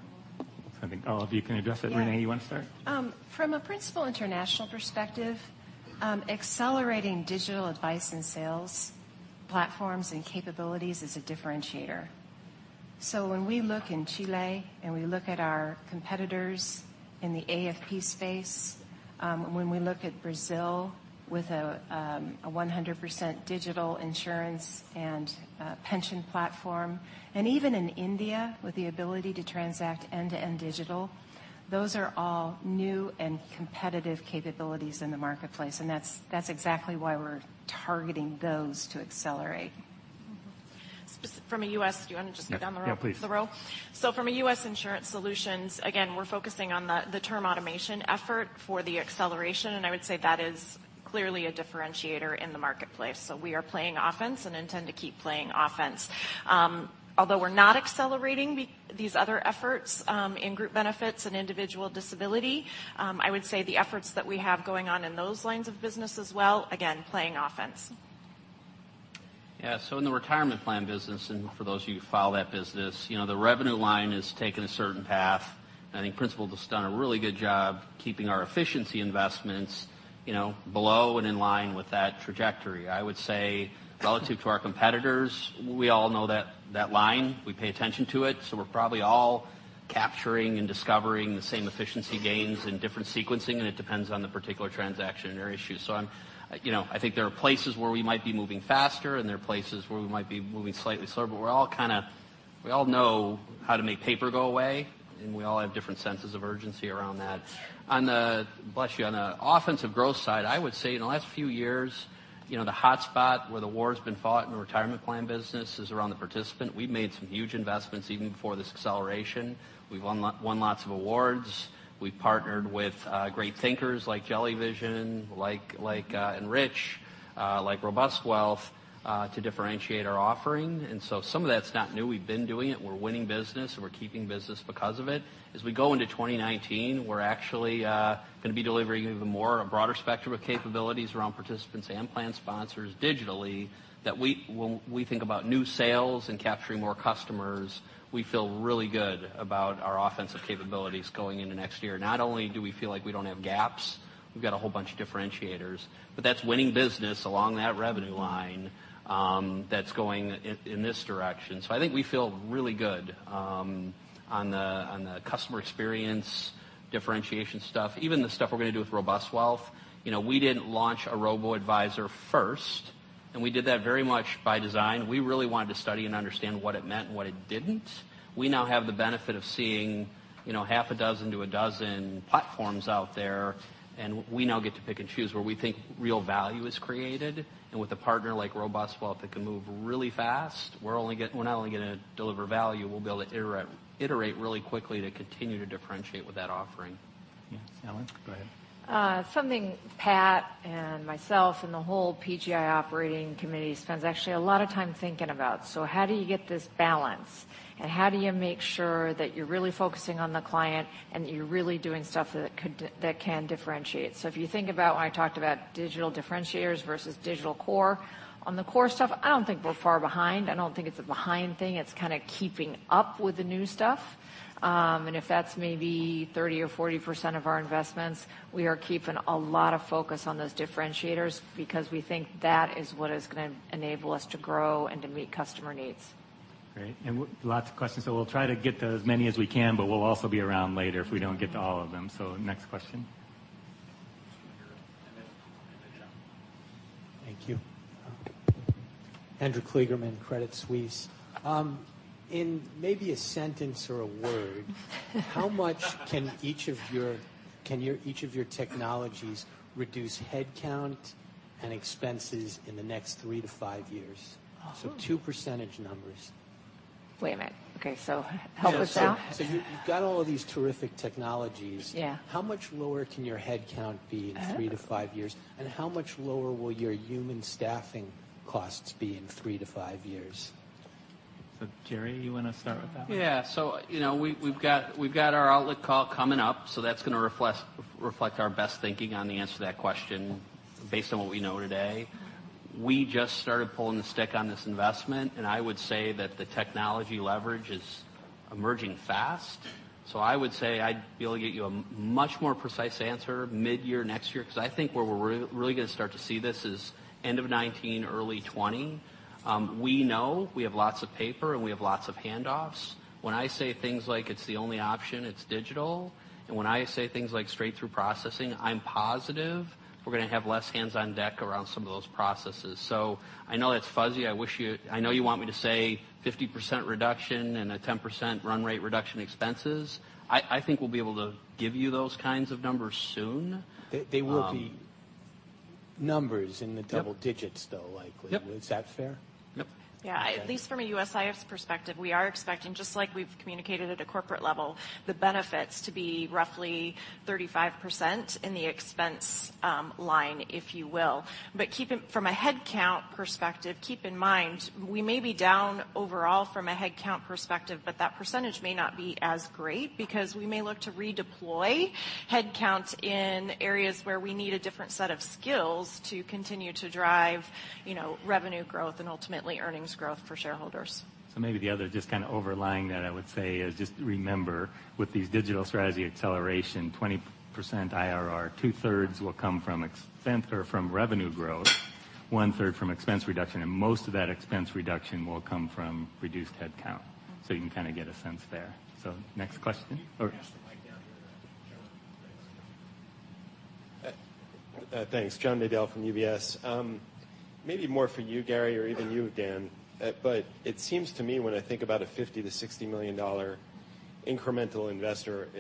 I think all of you can address that. Renee, you want to start? From a Principal International perspective, accelerating digital advice and sales platforms and capabilities is a differentiator. When we look in Chile and we look at our competitors in the AFP space, when we look at Brazil with a 100% digital insurance and pension platform, even in India with the ability to transact end-to-end digital, those are all new and competitive capabilities in the marketplace, that's exactly why we're targeting those to accelerate. From a U.S. Do you want to just go down the row? Yeah, please. The row? From a U.S. Insurance Solutions, again, we're focusing on the term automation effort for the acceleration, I would say that is clearly a differentiator in the marketplace. We are playing offense and intend to keep playing offense. Although we're not accelerating these other efforts in group benefits and individual disability, I would say the efforts that we have going on in those lines of business as well, again, playing offense. Yeah. In the retirement plan business, and for those of you who follow that business, the revenue line is taking a certain path. I think Principal has done a really good job keeping our efficiency investments below and in line with that trajectory. I would say relative to our competitors, we all know that line. We pay attention to it, so we're probably all capturing and discovering the same efficiency gains in different sequencing, and it depends on the particular transaction or issue. I think there are places where we might be moving faster, and there are places where we might be moving slightly slower, but we all know how to make paper go away, and we all have different senses of urgency around that. Bless you. On the offensive growth side, I would say in the last few years, the hotspot where the war's been fought in the retirement plan business is around the participant. We've made some huge investments even before this acceleration. We've won lots of awards. We've partnered with great thinkers like Jellyvision, like Enrich, like RobustWealth to differentiate our offering, and so some of that's not new. We've been doing it. We're winning business, and we're keeping business because of it. As we go into 2019, we're actually going to be delivering even more, a broader spectrum of capabilities around participants and plan sponsors digitally that when we think about new sales and capturing more customers, we feel really good about our offensive capabilities going into next year. Not only do we feel like we don't have gaps, we've got a whole bunch of differentiators. That's winning business along that revenue line that's going in this direction. I think we feel really good on the customer experience differentiation stuff, even the stuff we're going to do with RobustWealth. We didn't launch a robo-advisor first, and we did that very much by design. We really wanted to study and understand what it meant and what it didn't. We now have the benefit of seeing half a dozen to a dozen platforms out there, and we now get to pick and choose where we think real value is created. With a partner like RobustWealth that can move really fast, we're not only going to deliver value, we'll be able to iterate really quickly to continue to differentiate with that offering. Yeah. Ellen, go ahead. Something Pat and myself and the whole PGI operating committee spends actually a lot of time thinking about. How do you get this balance, and how do you make sure that you're really focusing on the client and that you're really doing stuff that can differentiate? If you think about when I talked about digital differentiators versus digital core, on the core stuff, I don't think we're far behind. I don't think it's a behind thing. It's kind of keeping up with the new stuff. If that's maybe 30% or 40% of our investments, we are keeping a lot of focus on those differentiators because we think that is what is going to enable us to grow and to meet customer needs. Great. Lots of questions, we'll try to get to as many as we can, we'll also be around later if we don't get to all of them. Next question. Over here. Thank you. Andrew Kligerman, Credit Suisse. In maybe a sentence or a word, how much can each of your technologies reduce headcount and expenses in the next 3 to 5 years? Two % numbers. Wait a minute. Okay, help us out. You've got all of these terrific technologies. Yeah. How much lower can your headcount be in 3 to 5 years? How much lower will your human staffing costs be in 3 to 5 years? Gary, you want to start with that one? We've got our outlook call coming up, that's going to reflect our best thinking on the answer to that question based on what we know today. We just started pulling the stick on this investment, and I would say that the technology leverage is emerging fast. I would say I'd be able to get you a much more precise answer mid-year next year, because I think where we're really going to start to see this is end of 2019, early 2020. We know we have lots of paper, and we have lots of handoffs. When I say things like, "It's the only option, it's digital," and when I say things like straight-through processing, I'm positive we're going to have less hands on deck around some of those processes. I know that's fuzzy. I know you want me to say 50% reduction and a 10% run rate reduction expenses. I think we'll be able to give you those kinds of numbers soon. They will be numbers in the double digits, though, likely. Yep. Is that fair? Yep. At least from a USIS's perspective, we are expecting, just like we've communicated at a corporate level, the benefits to be roughly 35% in the expense line, if you will. From a headcount perspective, keep in mind, we may be down overall from a headcount perspective, but that percentage may not be as great because we may look to redeploy headcounts in areas where we need a different set of skills to continue to drive revenue growth and ultimately earnings growth for shareholders. Maybe the other, just kind of overlying that I would say, is just remember with these digital strategy acceleration, 20% IRR, two-thirds will come from revenue growth, one-third from expense reduction, and most of that expense reduction will come from reduced headcount. You can kind of get a sense there. Can you pass the mic down here to John? Thanks. Thanks. John Nadel from UBS. Maybe more for you, Gary, or even you, Dan. It seems to me when I think about a $50 million-$60 million incremental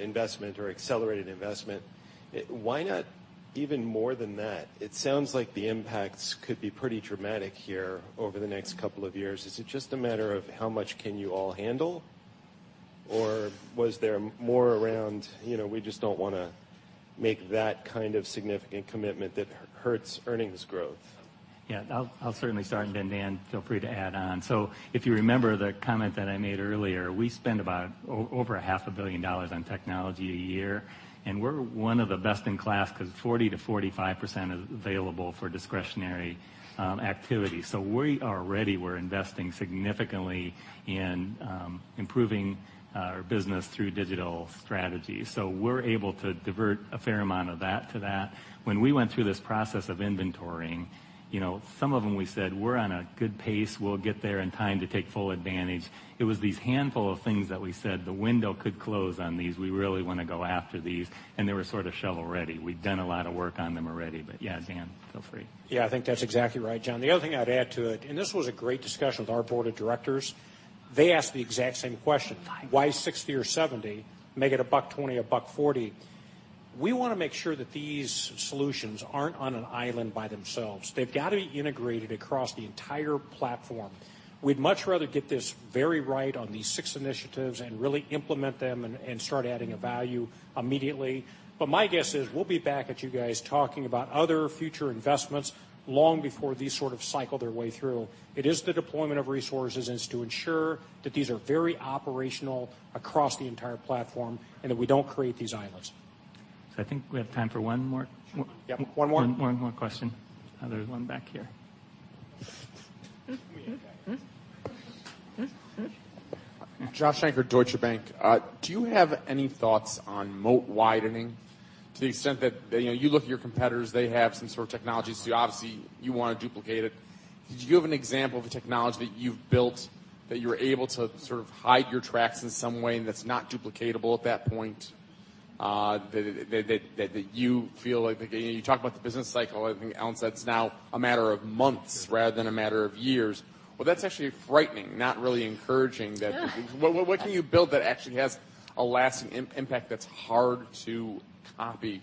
investment or accelerated investment, why not even more than that? It sounds like the impacts could be pretty dramatic here over the next couple of years. Is it just a matter of how much can you all handle? Or was there more around we just don't want to make that kind of significant commitment that hurts earnings growth? Yeah, I'll certainly start and then Dan, feel free to add on. If you remember the comment that I made earlier, we spend about over a half a billion dollars on technology a year, and we're one of the best in class because 40%-45% is available for discretionary activity. We already were investing significantly in improving our business through digital strategy. We're able to divert a fair amount of that to that. When we went through this process of inventorying, some of them we said, "We're on a good pace. We'll get there in time to take full advantage." It was these handful of things that we said, "The window could close on these. We really want to go after these." They were sort of shovel-ready. We'd done a lot of work on them already. Yeah, Dan, feel free. Yeah, I think that's exactly right, John. The other thing I'd add to it, this was a great discussion with our board of directors. They asked the exact same question. Why $60 million or $70 million? Make it $120 million, $140 million. We want to make sure that these solutions aren't on an island by themselves. They've got to be integrated across the entire platform. We'd much rather get this very right on these six initiatives and really implement them and start adding value immediately. My guess is we'll be back at you guys talking about other future investments long before these sort of cycle their way through. It is the deployment of resources, and it's to ensure that these are very operational across the entire platform and that we don't create these islands. I think we have time for one more. Yep, one more. One more question. There's one back here. We need that guy. Joshua Shanker, Deutsche Bank. Do you have any thoughts on moat widening to the extent that you look at your competitors, they have some sort of technologies, so obviously you want to duplicate it. Do you have an example of a technology that you've built that you were able to sort of hide your tracks in some way and that's not duplicatable at that point, that you feel like You talk about the business cycle. I think, Ellen said it's now a matter of months rather than a matter of years. Well, that's actually frightening, not really encouraging that. Yeah. What can you build that actually has a lasting impact that's hard to copy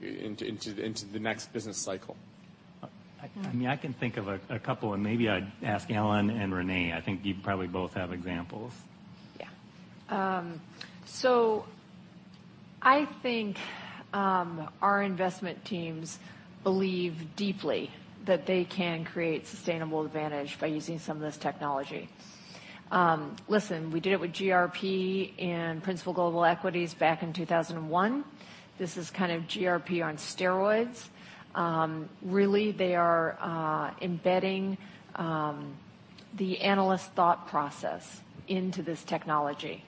into the next business cycle? I can think of a couple. Maybe I'd ask Ellen and Renee. I think you probably both have examples. I think our investment teams believe deeply that they can create sustainable advantage by using some of this technology. Listen, we did it with GRP and Principal Global Equities back in 2001. This is kind of GRP on steroids. Really, they are embedding the analyst thought process into this technology.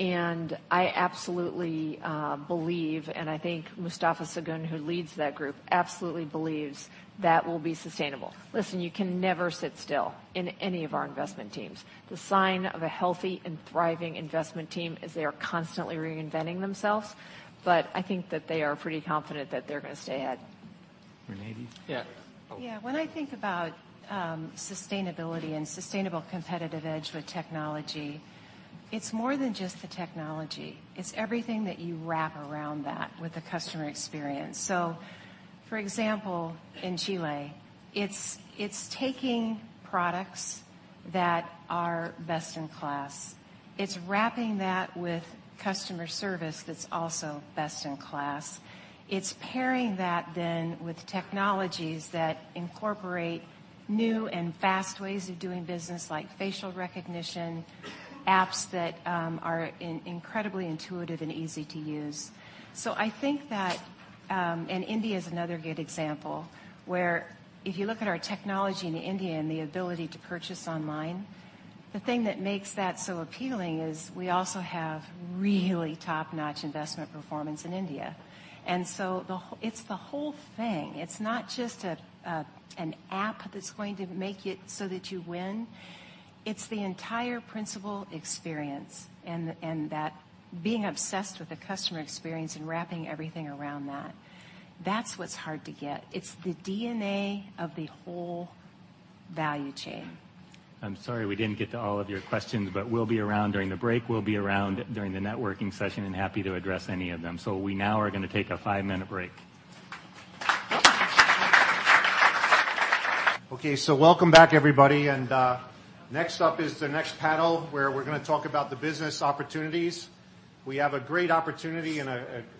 I absolutely believe, and I think Mustafa Sagun, who leads that group, absolutely believes that will be sustainable. Listen, you can never sit still in any of our investment teams. The sign of a healthy and thriving investment team is they are constantly reinventing themselves. I think that they are pretty confident that they're going to stay ahead. Renee? Yeah. When I think about sustainability and sustainable competitive edge with technology, it's more than just the technology. It's everything that you wrap around that with the customer experience. For example, in Chile, it's taking products that are best in class. It's wrapping that with customer service that's also best in class. It's pairing that then with technologies that incorporate new and fast ways of doing business, like facial recognition, apps that are incredibly intuitive and easy to use. I think that, and India is another good example, where if you look at our technology in India and the ability to purchase online, the thing that makes that so appealing is we also have really top-notch investment performance in India. It's the whole thing. It's not just an app that's going to make it so that you win. It's the entire Principal experience and that being obsessed with the customer experience and wrapping everything around that. That's what's hard to get. It's the DNA of the whole value chain. I'm sorry we didn't get to all of your questions, we'll be around during the break, we'll be around during the networking session and happy to address any of them. We now are going to take a five-minute break. Okay, welcome back everybody, next up is the next panel where we're going to talk about the business opportunities. We have a great opportunity and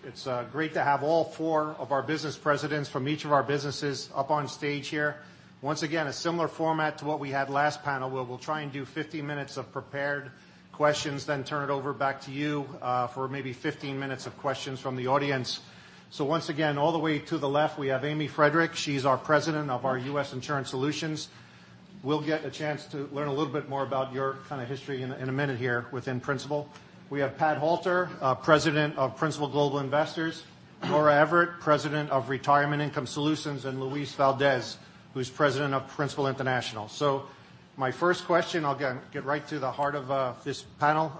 it's great to have all four of our business Presidents from each of our businesses up on stage here. Once again, a similar format to what we had last panel, where we'll try and do 50 minutes of prepared questions, then turn it over back to you for maybe 15 minutes of questions from the audience. Once again, all the way to the left, we have Amy Friedrich. She's our President of our U.S. Insurance Solutions. We'll get a chance to learn a little bit more about your history in a minute here within Principal. We have Pat Halter, President of Principal Global Investors, Nora Everett, President of Retirement Income Solutions, and Luis Valdés, who's President of Principal International. My first question, I'll get right to the heart of this panel.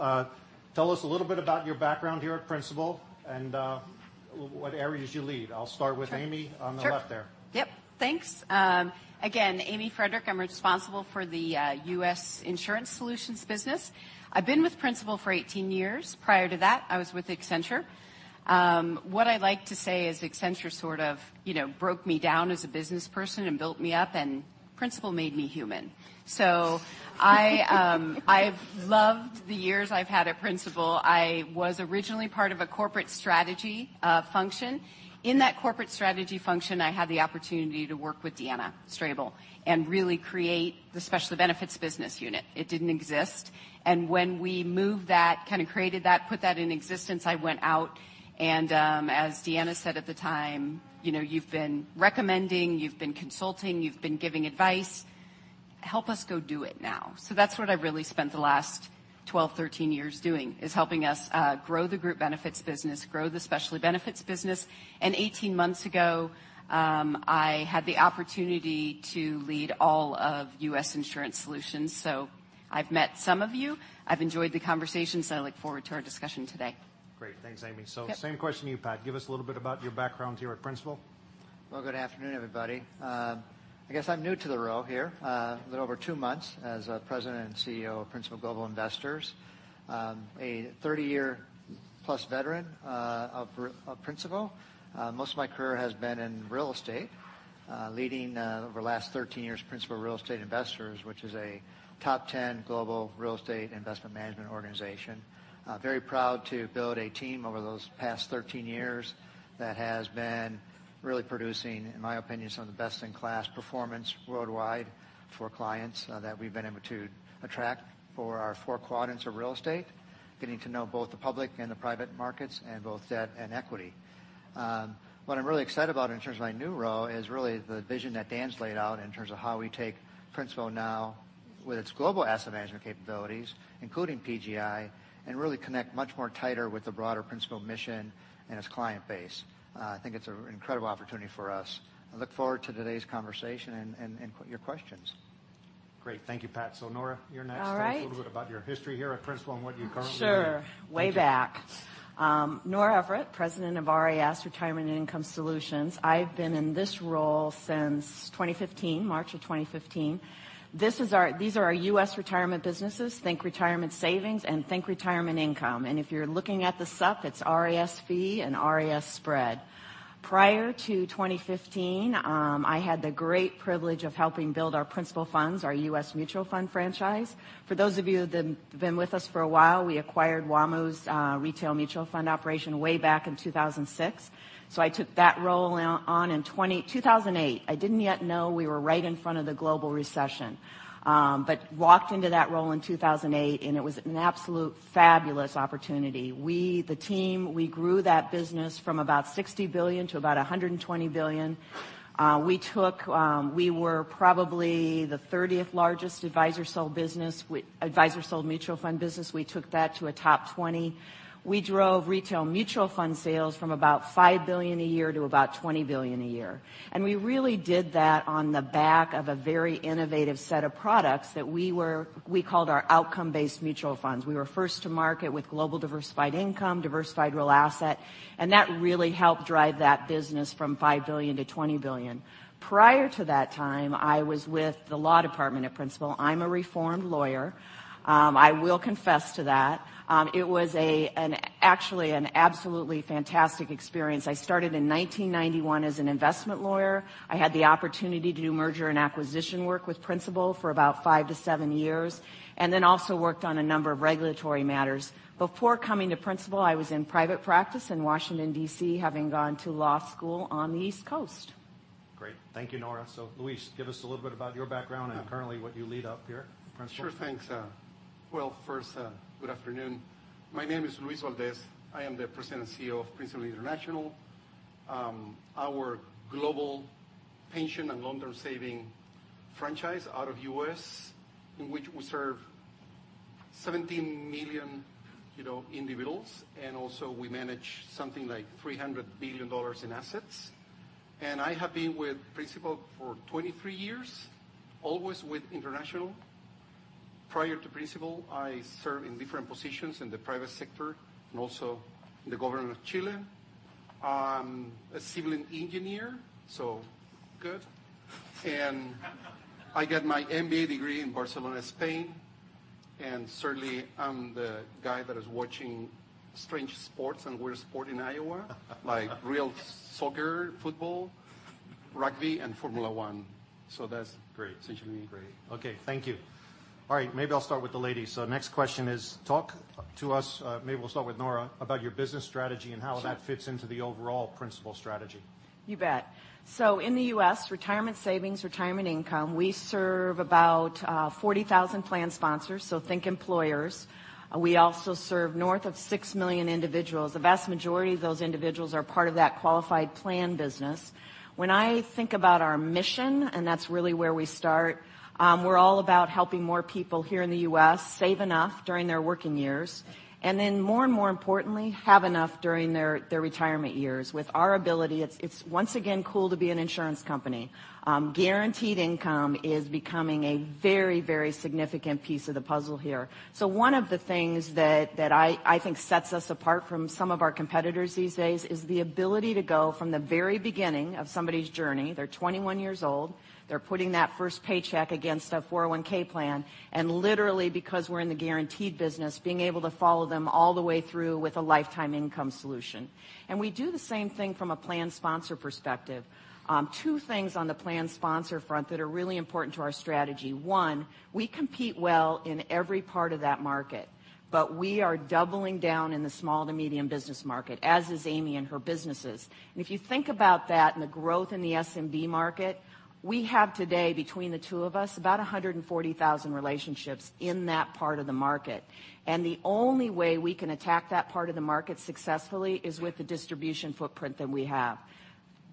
Tell us a little bit about your background here at Principal and what areas you lead. I'll start with Amy on the left there. Sure. Yep, thanks. Again, Amy Friedrich, I'm responsible for the U.S. Insurance Solutions business. I've been with Principal for 18 years. Prior to that, I was with Accenture. What I like to say is Accenture sort of broke me down as a business person and built me up, and Principal made me human. I've loved the years I've had at Principal. I was originally part of a corporate strategy function. In that corporate strategy function, I had the opportunity to work with Deanna Strable and really create the Specialty Benefits business unit. It didn't exist. When we moved that, created that, put that in existence, I went out and, as Deanna said at the time, "You've been recommending, you've been consulting, you've been giving advice. Help us go do it now." That's what I really spent the last 12, 13 years doing, is helping us grow the group benefits business, grow the Specialty Benefits business. 18 months ago, I had the opportunity to lead all of U.S. Insurance Solutions. I've met some of you. I've enjoyed the conversations, and I look forward to our discussion today. Great. Thanks, Amy. Yep. Same question to you, Pat. Give us a little bit about your background here at Principal. Well, good afternoon, everybody. I guess I'm new to the role here. A little over two months as President and CEO of Principal Global Investors. A 30-year-plus veteran of Principal. Most of my career has been in real estate, leading over the last 13 years Principal Real Estate Investors, which is a top 10 global real estate investment management organization. Very proud to build a team over those past 13 years that has been really producing, in my opinion, some of the best-in-class performance worldwide for clients that we've been able to attract for our four quadrants of real estate, getting to know both the public and the private markets and both debt and equity. What I'm really excited about in terms of my new role is really the vision that Dan's laid out in terms of how we take Principal now with its global asset management capabilities, including PGI, and really connect much more tighter with the broader Principal mission and its client base. I think it's an incredible opportunity for us. I look forward to today's conversation and your questions. Great. Thank you, Pat. Nora, you're next. All right. Tell us a little bit about your history here at Principal and what you currently do. Sure. Way back. Nora Everett, President of Retirement and Income Solutions. I've been in this role since 2015, March of 2015. These are our U.S. retirement businesses. Think retirement savings and think retirement income. If you're looking at the sup, it's RASV and RIS Spread. Prior to 2015, I had the great privilege of helping build our Principal Funds, our U.S. mutual fund franchise. For those of you that have been with us for a while, we acquired WaMu's retail mutual fund operation way back in 2006. I took that role on in 2008. I didn't yet know we were right in front of the global recession. Walked into that role in 2008, and it was an absolute fabulous opportunity. We, the team, we grew that business from about $60 billion to about $120 billion. We were probably the 30th largest advisor-sold mutual fund business. We took that to a top 20. We drove retail mutual fund sales from about $5 billion a year to about $20 billion a year. We really did that on the back of a very innovative set of products that we called our outcome-based mutual funds. We were first to market with Global Diversified Income, Diversified Real Asset, and that really helped drive that business from $5 billion to $20 billion. Prior to that time, I was with the law department at Principal. I'm a reformed lawyer. I will confess to that. It was actually an absolutely fantastic experience. I started in 1991 as an investment lawyer. I had the opportunity to do merger and acquisition work with Principal for about five to seven years, and then also worked on a number of regulatory matters. Before coming to Principal, I was in private practice in Washington, D.C., having gone to law school on the East Coast. Great. Thank you, Nora. Luis, give us a little bit about your background and currently what you lead up here at Principal. Sure. Thanks. Well, first, good afternoon. My name is Luis Valdés. I am the President and CEO of Principal International, our global pension and long-term saving franchise out of U.S., in which we serve 17 million individuals, and also we manage something like $300 billion in assets. I have been with Principal for 23 years, always with International. Prior to Principal, I served in different positions in the private sector and also in the government of Chile. I'm a civil engineer, so good. I got my MBA degree in Barcelona, Spain, and certainly I'm the guy that is watching strange sports and weird sport in Iowa, like real soccer, football, rugby, and Formula One. Great essentially me. Great. Okay. Thank you. All right. Maybe I'll start with the ladies. Next question is talk to us, maybe we'll start with Nora, about your business strategy and how that fits into the overall Principal strategy. You bet. In the U.S., retirement savings, retirement income, we serve about 40,000 plan sponsors, so think employers. We also serve north of 6 million individuals. The vast majority of those individuals are part of that qualified plan business. When I think about our mission, and that's really where we start, we're all about helping more people here in the U.S. save enough during their working years, and then more and more importantly, have enough during their retirement years. With our ability, it's once again cool to be an insurance company. Guaranteed income is becoming a very, very significant piece of the puzzle here. One of the things that I think sets us apart from some of our competitors these days is the ability to go from the very beginning of somebody's journey. They're 21 years old. They're putting that first paycheck against a 401 plan, literally because we're in the guaranteed business, being able to follow them all the way through with a lifetime income solution. We do the same thing from a plan sponsor perspective. Two things on the plan sponsor front that are really important to our strategy. One, we compete well in every part of that market, but we are doubling down in the small to medium business market, as is Amy and her businesses. If you think about that and the growth in the SMB market, we have today between the two of us, about 140,000 relationships in that part of the market. The only way we can attack that part of the market successfully is with the distribution footprint that we have.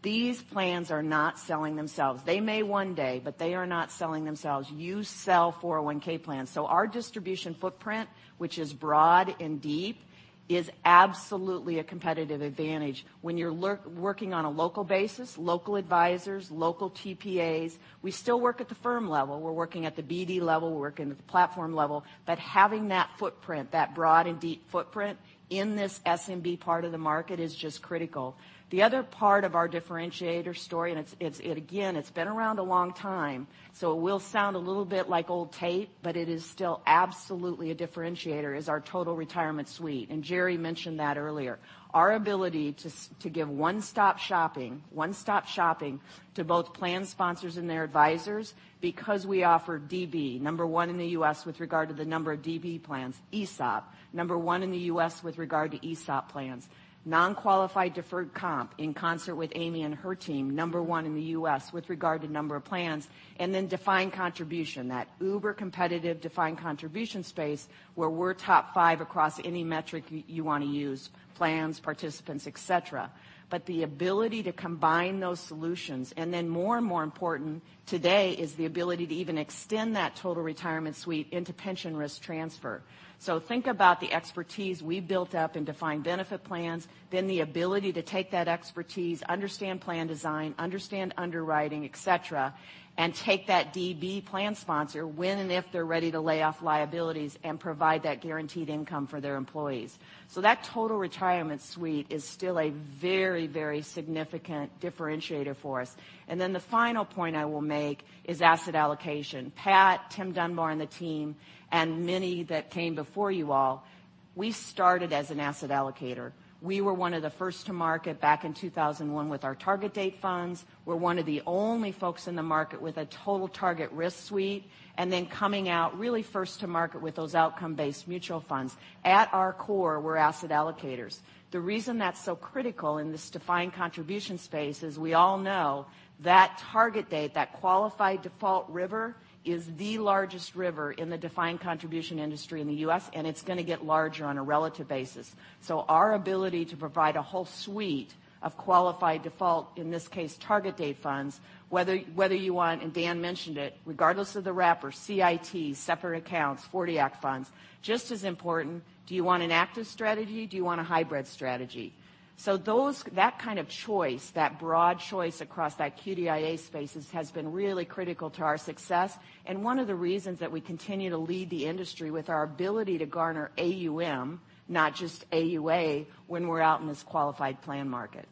These plans are not selling themselves. They may one day, but they are not selling themselves. You sell 401 plans. Our distribution footprint, which is broad and deep, is absolutely a competitive advantage. When you're working on a local basis, local advisors, local TPAs, we still work at the firm level. We're working at the BD level, we're working at the platform level, but having that footprint, that broad and deep footprint in this SMB part of the market is just critical. The other part of our differentiator story, again, it's been around a long time, so it will sound a little bit like old tape, but it is still absolutely a differentiator, is our total retirement suite. Jerry mentioned that earlier. Our ability to give one-stop shopping to both plan sponsors and their advisors, because we offer DB, number one in the U.S. with regard to the number of DB plans, ESOP, number one in the U.S. with regard to ESOP plans. Non-qualified deferred comp in concert with Amy and her team, number one in the U.S. with regard to number of plans, defined contribution, that uber competitive defined contribution space, where we're top five across any metric you want to use, plans, participants, et cetera. The ability to combine those solutions, more and more important today is the ability to even extend that total retirement suite into pension risk transfer. Think about the expertise we built up in defined benefit plans, then the ability to take that expertise, understand plan design, understand underwriting, et cetera, and take that DB plan sponsor when and if they're ready to lay off liabilities and provide that guaranteed income for their employees. That total retirement suite is still a very, very significant differentiator for us. The final point I will make is asset allocation. Pat, Tim Dunbar, and the team, and many that came before you all, we started as an asset allocator. We were one of the first to market back in 2001 with our target date funds. We're one of the only folks in the market with a total target risk suite, then coming out really first to market with those outcome-based mutual funds. At our core, we're asset allocators. The reason that's so critical in this defined contribution space, as we all know, that target date, that qualified default river, is the largest river in the defined contribution industry in the U.S., and it's going to get larger on a relative basis. Our ability to provide a whole suite of qualified default, in this case, target date funds, whether you want, and Dan mentioned it, regardless of the wrapper, CIT, separate accounts, 40 Act funds, just as important, do you want an active strategy? Do you want a hybrid strategy? That kind of choice, that broad choice across that QDIA spaces has been really critical to our success, and one of the reasons that we continue to lead the industry with our ability to garner AUM, not just AUA, when we're out in this qualified plan market.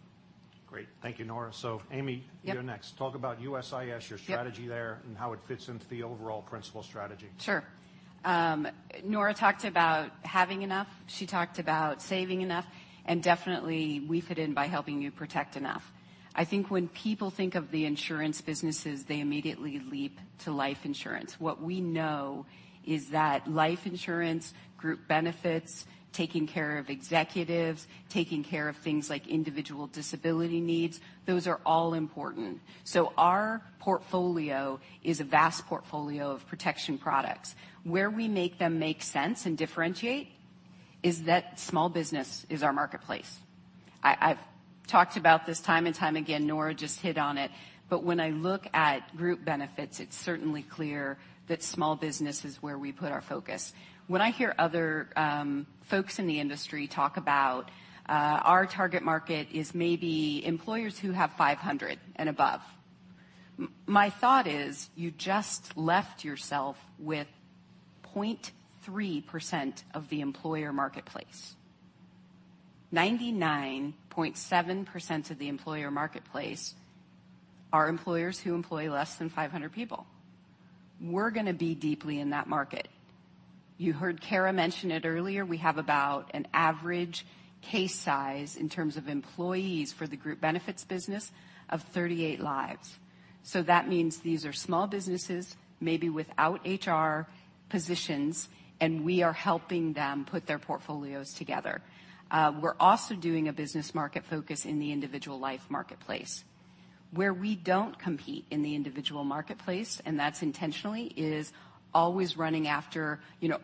Great. Thank you, Nora. Amy. Yep you're next. Talk about USIS. Yep your strategy there and how it fits into the overall Principal strategy. Sure. Nora talked about having enough. She talked about saving enough, definitely we fit in by helping you protect enough. I think when people think of the insurance businesses, they immediately leap to life insurance. What we know is that life insurance, group benefits, taking care of executives, taking care of things like individual disability needs, those are all important. Our portfolio is a vast portfolio of protection products. Where we make them make sense and differentiate is that small business is our marketplace. I've talked about this time and time again. Nora just hit on it. When I look at group benefits, it's certainly clear that small business is where we put our focus. When I hear other folks in the industry talk about our target market is maybe employers who have 500 and above, my thought is you just left yourself with 0.3% of the employer marketplace. 99.7% of the employer marketplace are employers who employ less than 500 people. We're going to be deeply in that market. You heard Cara mention it earlier, we have about an average case size in terms of employees for the group benefits business of 38 lives. That means these are small businesses, maybe without HR positions, and we are helping them put their portfolios together. We're also doing a business market focus in the individual life marketplace. Where we don't compete in the individual marketplace, and that's intentionally, is always running after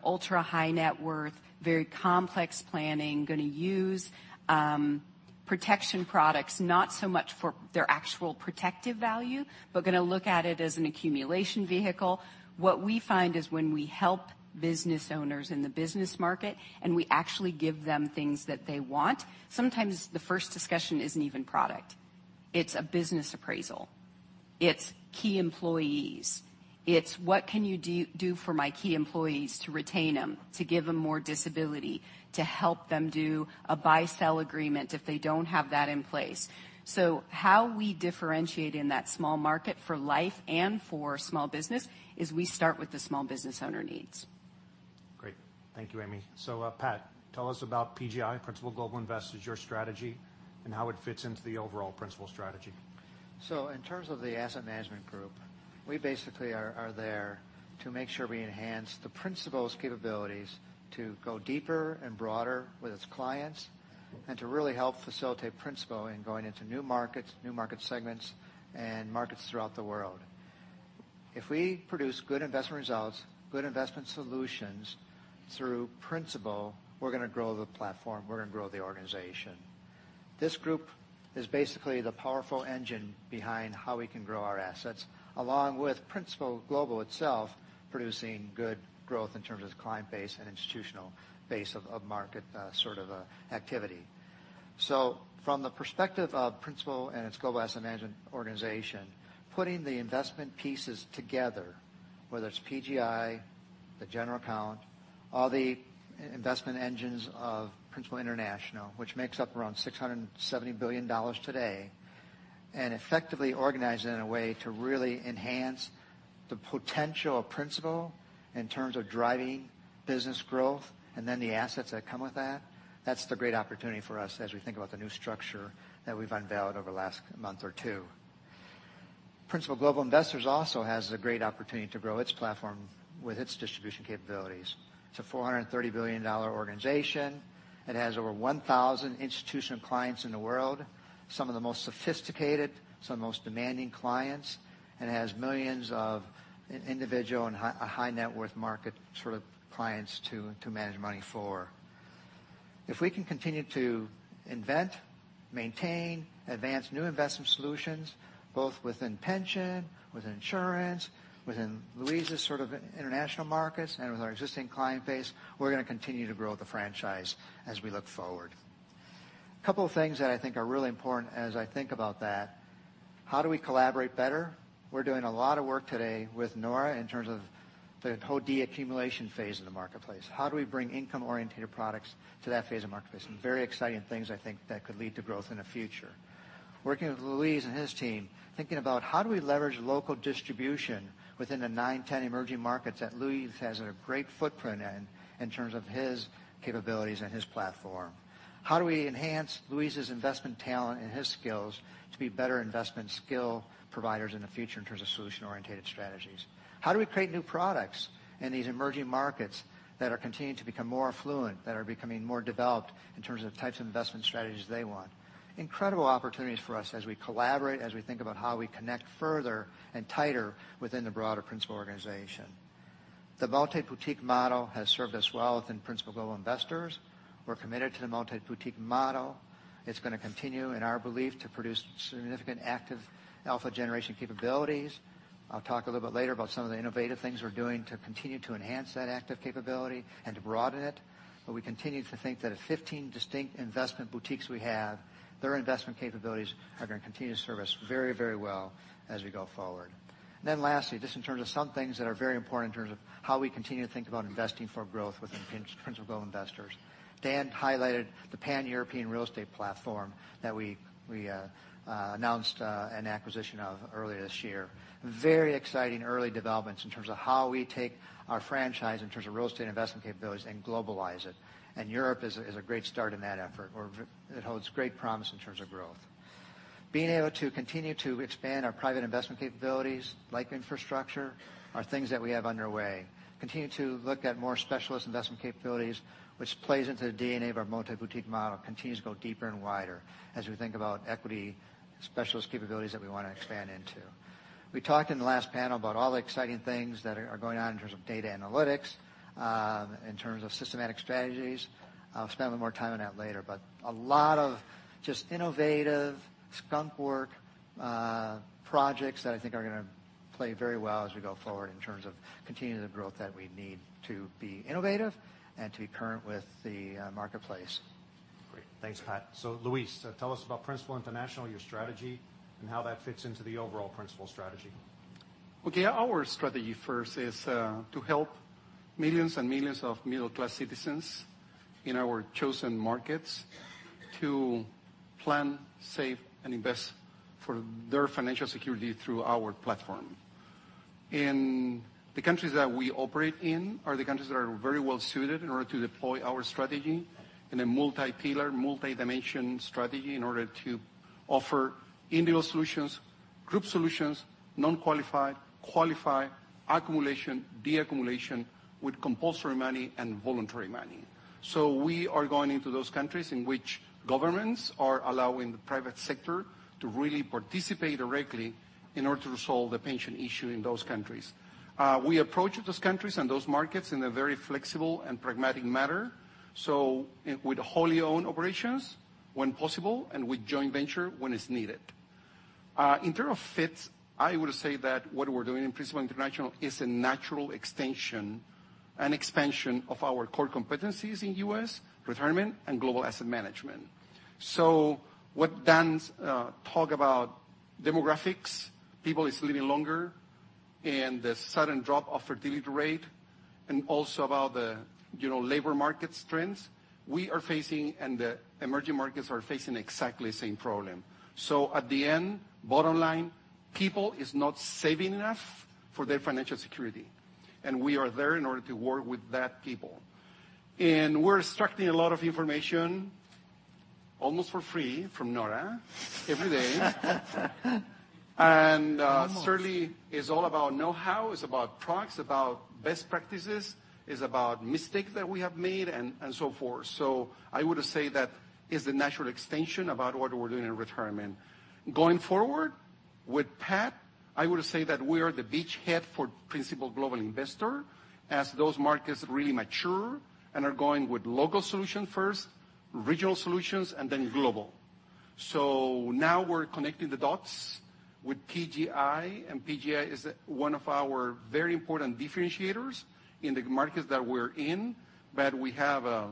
ultra high net worth, very complex planning, going to use protection products, not so much for their actual protective value, but going to look at it as an accumulation vehicle. What we find is when we help business owners in the business market and we actually give them things that they want, sometimes the first discussion isn't even product. It's a business appraisal. It's key employees. It's what can you do for my key employees to retain them, to give them more disability, to help them do a buy-sell agreement if they don't have that in place. How we differentiate in that small market for life and for small business is we start with the small business owner needs. Thank you, Amy. Pat, tell us about PGI, Principal Global Investors, your strategy, and how it fits into the overall Principal strategy. In terms of the asset management group, we basically are there to make sure we enhance the Principal's capabilities to go deeper and broader with its clients, and to really help facilitate Principal in going into new markets, new market segments, and markets throughout the world. If we produce good investment results, good investment solutions through Principal, we're going to grow the platform, we're going to grow the organization. This group is basically the powerful engine behind how we can grow our assets, along with Principal Global itself, producing good growth in terms of its client base and institutional base of market sort of activity. From the perspective of Principal and its global asset management organization, putting the investment pieces together, whether it's PGI, the general account, all the investment engines of Principal International, which makes up around $670 billion today, and effectively organizing it in a way to really enhance the potential of Principal in terms of driving business growth and then the assets that come with that's the great opportunity for us as we think about the new structure that we've unveiled over the last month or two. Principal Global Investors also has a great opportunity to grow its platform with its distribution capabilities. It's a $430 billion organization. It has over 1,000 institutional clients in the world, some of the most sophisticated, some of the most demanding clients, and has millions of individual and high net worth market sort of clients to manage money for. If we can continue to invent, maintain, advance new investment solutions, both within pension, within insurance, within Luis' sort of international markets, and with our existing client base, we're going to continue to grow the franchise as we look forward. Couple of things that I think are really important as I think about that, how do we collaborate better? We're doing a lot of work today with Nora in terms of the whole de-accumulation phase of the marketplace. How do we bring income-orientated products to that phase of marketplace? Some very exciting things I think that could lead to growth in the future. Working with Luis and his team, thinking about how do we leverage local distribution within the nine, 10 emerging markets that Luis has a great footprint in terms of his capabilities and his platform. How do we enhance Luis' investment talent and his skills to be better investment skill providers in the future in terms of solution-oriented strategies? How do we create new products in these emerging markets that are continuing to become more affluent, that are becoming more developed in terms of the types of investment strategies they want? Incredible opportunities for us as we collaborate, as we think about how we connect further and tighter within the broader Principal organization. The multi-boutique model has served us well within Principal Global Investors. We're committed to the multi-boutique model. It's going to continue, in our belief, to produce significant active alpha generation capabilities. I'll talk a little bit later about some of the innovative things we're doing to continue to enhance that active capability and to broaden it. We continue to think that at 15 distinct investment boutiques we have, their investment capabilities are going to continue to serve us very well as we go forward. Lastly, just in terms of some things that are very important in terms of how we continue to think about investing for growth within Principal Global Investors. Dan highlighted the Pan-European real estate platform that we announced an acquisition of earlier this year. Very exciting early developments in terms of how we take our franchise in terms of real estate investment capabilities and globalize it. Europe is a great start in that effort, or it holds great promise in terms of growth. Being able to continue to expand our private investment capabilities like infrastructure are things that we have underway. Continue to look at more specialist investment capabilities, which plays into the DNA of our multi-boutique model, continues to go deeper and wider as we think about equity specialist capabilities that we want to expand into. We talked in the last panel about all the exciting things that are going on in terms of data analytics, in terms of systematic strategies. I'll spend a bit more time on that later, a lot of just innovative skunk work projects that I think are going to play very well as we go forward in terms of continuing the growth that we need to be innovative and to be current with the marketplace. Great. Thanks, Pat. Luis, tell us about Principal International, your strategy, and how that fits into the overall Principal strategy. Okay. Our strategy first is to help millions and millions of middle-class citizens in our chosen markets to plan, save, and invest for their financial security through our platform. The countries that we operate in are the countries that are very well suited in order to deploy our strategy in a multi-pillar, multi-dimension strategy in order to offer individual solutions, group solutions, non-qualified, qualified, accumulation, deaccumulation with compulsory money and voluntary money. We are going into those countries in which governments are allowing the private sector to really participate directly in order to resolve the pension issue in those countries. We approach those countries and those markets in a very flexible and pragmatic manner. With wholly owned operations when possible and with joint venture when it's needed. In terms of fits, I would say that what we're doing in Principal International is a natural extension and expansion of our core competencies in U.S., retirement and global asset management. What Dan's talk about demographics, people is living longer, the sudden drop of fertility rate, also about the labor market trends, we are facing, the emerging markets are facing exactly the same problem. At the end, bottom line, people is not saving enough for their financial security, we are there in order to work with that people. We're extracting a lot of information almost for free from Nora every day. Almost. Certainly it's all about know-how. It's about products, about best practices. It's about mistakes that we have made and so forth. I would say that is the natural extension about what we're doing in retirement. Going forward, with Pat, I would say that we are the beachhead for Principal Global Investors as those markets really mature and are going with local solution first, regional solutions, and then global. Now we're connecting the dots with PGI is one of our very important differentiators in the markets that we're in. We have a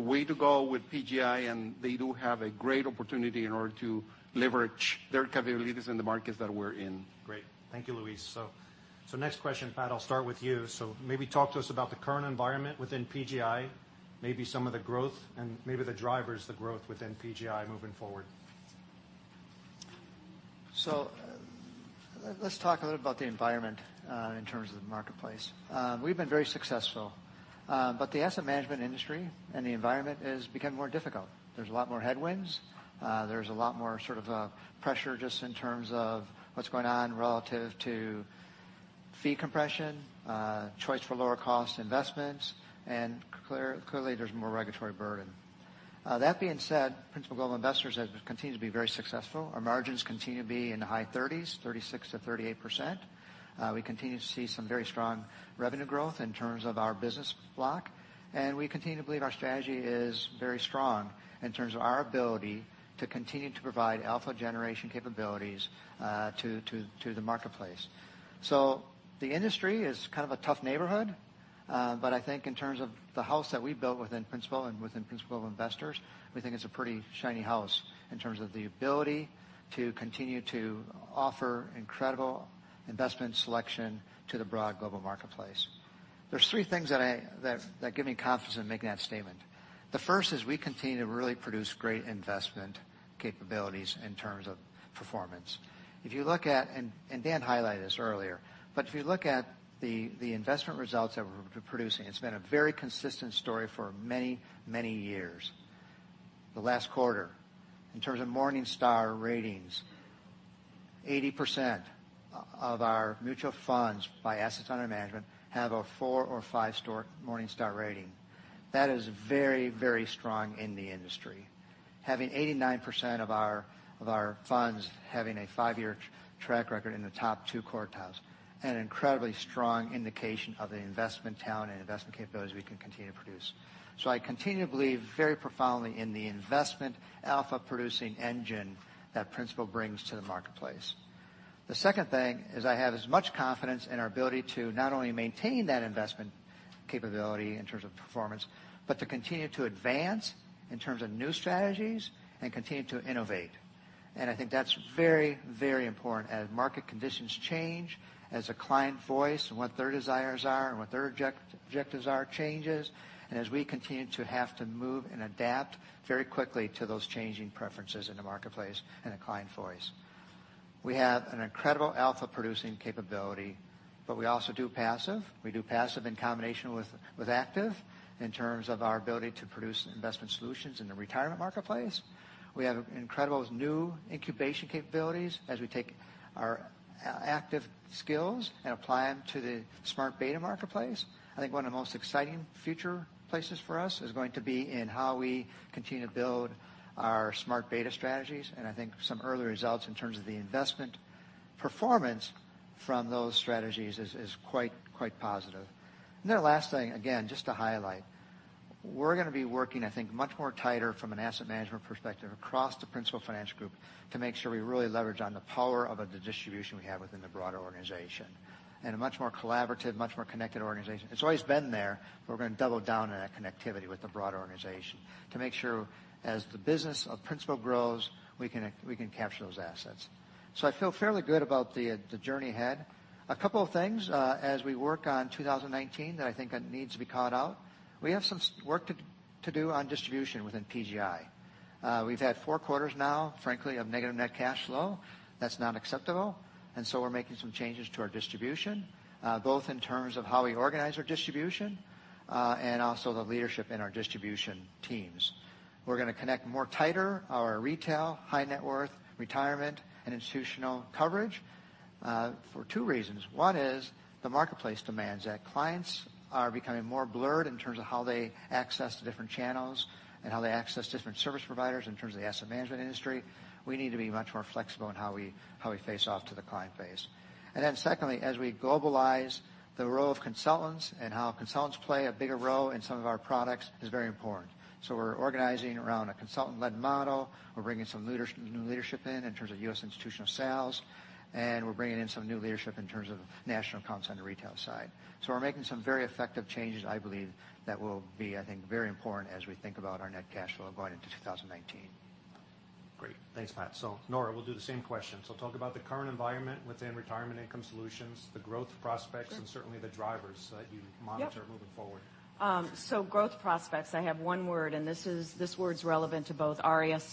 way to go with PGI, they do have a great opportunity in order to leverage their capabilities in the markets that we're in. Great. Thank you, Luis. Next question, Pat, I'll start with you. Maybe talk to us about the current environment within PGI, maybe some of the growth and maybe the drivers, the growth within PGI moving forward. Let's talk a little about the environment, in terms of the marketplace. We've been very successful, but the asset management industry and the environment has become more difficult. There's a lot more headwinds. There's a lot more sort of pressure just in terms of what's going on relative to fee compression, choice for lower cost investments, and clearly, there's more regulatory burden. That being said, Principal Global Investors has continued to be very successful. Our margins continue to be in the high 30s, 36%-38%. We continue to see some very strong revenue growth in terms of our business block, and we continue to believe our strategy is very strong in terms of our ability to continue to provide alpha generation capabilities to the marketplace. The industry is kind of a tough neighborhood, but I think in terms of the house that we built within Principal and within Principal Investors, we think it's a pretty shiny house in terms of the ability to continue to offer incredible investment selection to the broad global marketplace. There's three things that give me confidence in making that statement. The first is we continue to really produce great investment capabilities in terms of performance. If you look at, Dan highlighted this earlier, but if you look at the investment results that we're producing, it's been a very consistent story for many, many years. The last quarter, in terms of Morningstar ratings, 80% of our mutual funds by assets under management have a 4 or 5 Morningstar rating. That is very, very strong in the industry. Having 89% of our funds having a five-year track record in the top 2 quartiles an incredibly strong indication of the investment talent and investment capabilities we can continue to produce. I continue to believe very profoundly in the investment alpha-producing engine that Principal brings to the marketplace. The second thing is I have as much confidence in our ability to not only maintain that investment capability in terms of performance, but to continue to advance in terms of new strategies and continue to innovate. I think that's very, very important as market conditions change, as a client voice and what their desires are and what their objectives are changes, and as we continue to have to move and adapt very quickly to those changing preferences in the marketplace and the client voice. We have an incredible alpha-producing capability, but we also do passive. We do passive in combination with active in terms of our ability to produce investment solutions in the retirement marketplace. We have incredible new incubation capabilities as we take our active skills and apply them to the smart beta marketplace. I think one of the most exciting future places for us is going to be in how we continue to build our smart beta strategies, and I think some early results in terms of the investment performance from those strategies is quite positive. Last thing, again, just to highlight. We're going to be working, I think, much more tighter from an asset management perspective across the Principal Financial Group to make sure we really leverage on the power of the distribution we have within the broader organization, and a much more collaborative, much more connected organization. It's always been there, but we're going to double down on that connectivity with the broader organization to make sure, as the business of Principal grows, we can capture those assets. I feel fairly good about the journey ahead. A couple of things as we work on 2019 that I think needs to be called out. We have some work to do on distribution within PGI. We've had four quarters now, frankly, of negative net cash flow. That's not acceptable. We're making some changes to our distribution, both in terms of how we organize our distribution, and also the leadership in our distribution teams. We're going to connect more tighter our retail, high net worth, retirement, and institutional coverage for two reasons. One is the marketplace demands it. Clients are becoming more blurred in terms of how they access the different channels and how they access different service providers in terms of the asset management industry. We need to be much more flexible in how we face off to the client base. Secondly, as we globalize the role of consultants and how consultants play a bigger role in some of our products is very important. We're organizing around a consultant-led model. We're bringing some new leadership in terms of U.S. institutional sales, and we're bringing in some new leadership in terms of national accounts on the retail side. We're making some very effective changes, I believe, that will be, I think, very important as we think about our net cash flow going into 2019. Great. Thanks, Pat. Nora, we'll do the same question. Talk about the current environment within Retirement and Income Solutions, the growth prospects- Sure Certainly the drivers that you monitor Yep moving forward. Growth prospects, I have one word, and this word's relevant to both RIS,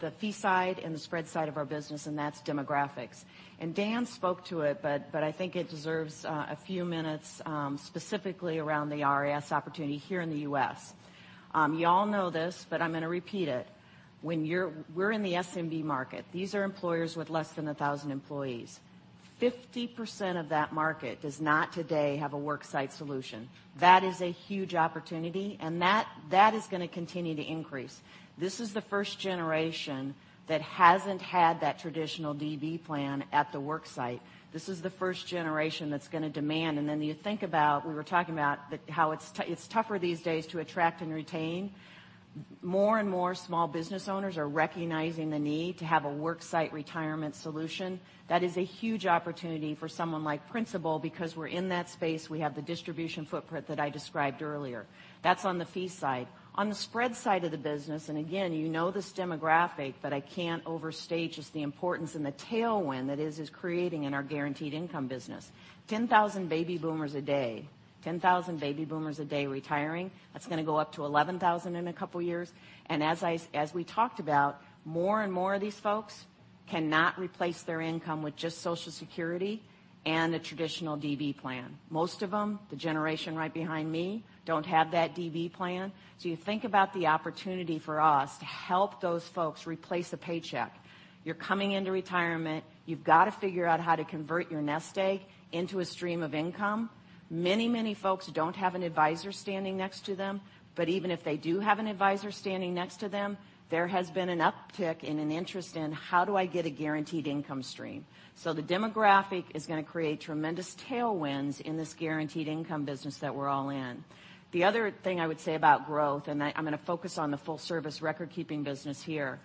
the fee side and the spread side of our business, and that's demographics. Dan spoke to it, but I think it deserves a few minutes, specifically around the RIS opportunity here in the U.S. You all know this, but I'm going to repeat it. We're in the SMB market. These are employers with less than 1,000 employees. 50% of that market does not today have a work site solution. That is a huge opportunity, and that is going to continue to increase. This is the first generation that hasn't had that traditional DB plan at the work site. This is the first generation that's going to demand, and then you think about, we were talking about how it's tougher these days to attract and retain. More and more small business owners are recognizing the need to have a work site retirement solution. That is a huge opportunity for someone like Principal because we're in that space. We have the distribution footprint that I described earlier. That's on the fee side. On the spread side of the business, and again, you know this demographic, but I can't overstate just the importance and the tailwind that is creating in our guaranteed income business. 10,000 baby boomers a day. 10,000 baby boomers a day retiring. That's going up to 11,000 in a couple of years. As we talked about, more and more of these folks cannot replace their income with just Social Security and a traditional DB plan. Most of them, the generation right behind me, don't have that DB plan. You think about the opportunity for us to help those folks replace a paycheck. You're coming into retirement. You've got to figure out how to convert your nest egg into a stream of income. Many, many folks don't have an advisor standing next to them, but even if they do have an advisor standing next to them, there has been an uptick in an interest in how do I get a guaranteed income stream. The demographic is going to create tremendous tailwinds in this guaranteed income business that we're all in. The other thing I would say about growth, and I'm going to focus on the full service record keeping business here.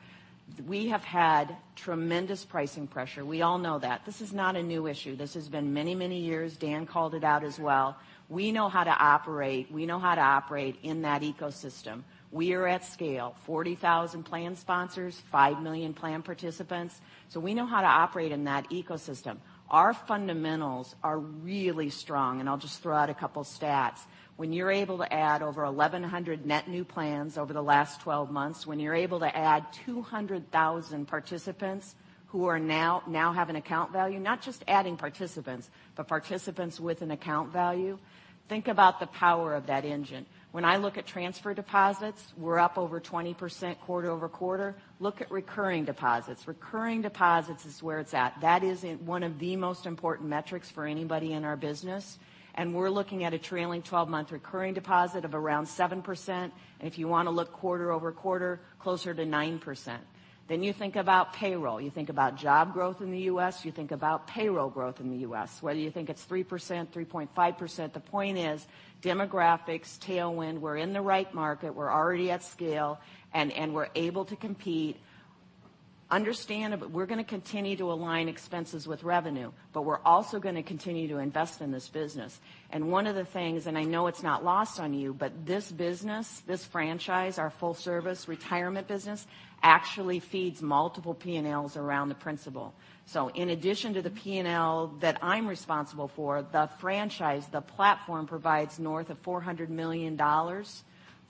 We have had tremendous pricing pressure. We all know that. This is not a new issue. This has been many, many years. Dan called it out as well. We know how to operate. We know how to operate in that ecosystem. We are at scale, 40,000 plan sponsors, 5 million plan participants. We know how to operate in that ecosystem. Our fundamentals are really strong, and I'll just throw out a couple stats. When you're able to add over 1,100 net new plans over the last 12 months, when you're able to add 200,000 participants who now have an account value, not just adding participants, but participants with an account value, think about the power of that engine. When I look at transfer deposits, we're up over 20% quarter-over-quarter. Look at recurring deposits. Recurring deposits is where it's at. That is one of the most important metrics for anybody in our business, and we're looking at a trailing 12-month recurring deposit of around 7%, and if you want to look quarter-over-quarter, closer to 9%. You think about payroll. You think about job growth in the U.S., you think about payroll growth in the U.S. Whether you think it's 3%, 3.5%, the point is demographics, tailwind, we're in the right market, we're already at scale, and we're able to compete. Understand that we're going to continue to align expenses with revenue, but we're also going to continue to invest in this business. One of the things, and I know it's not lost on you, but this business, this franchise, our full service retirement business, actually feeds multiple P&Ls around Principal. In addition to the P&L that I'm responsible for, the franchise, the platform provides north of $400 million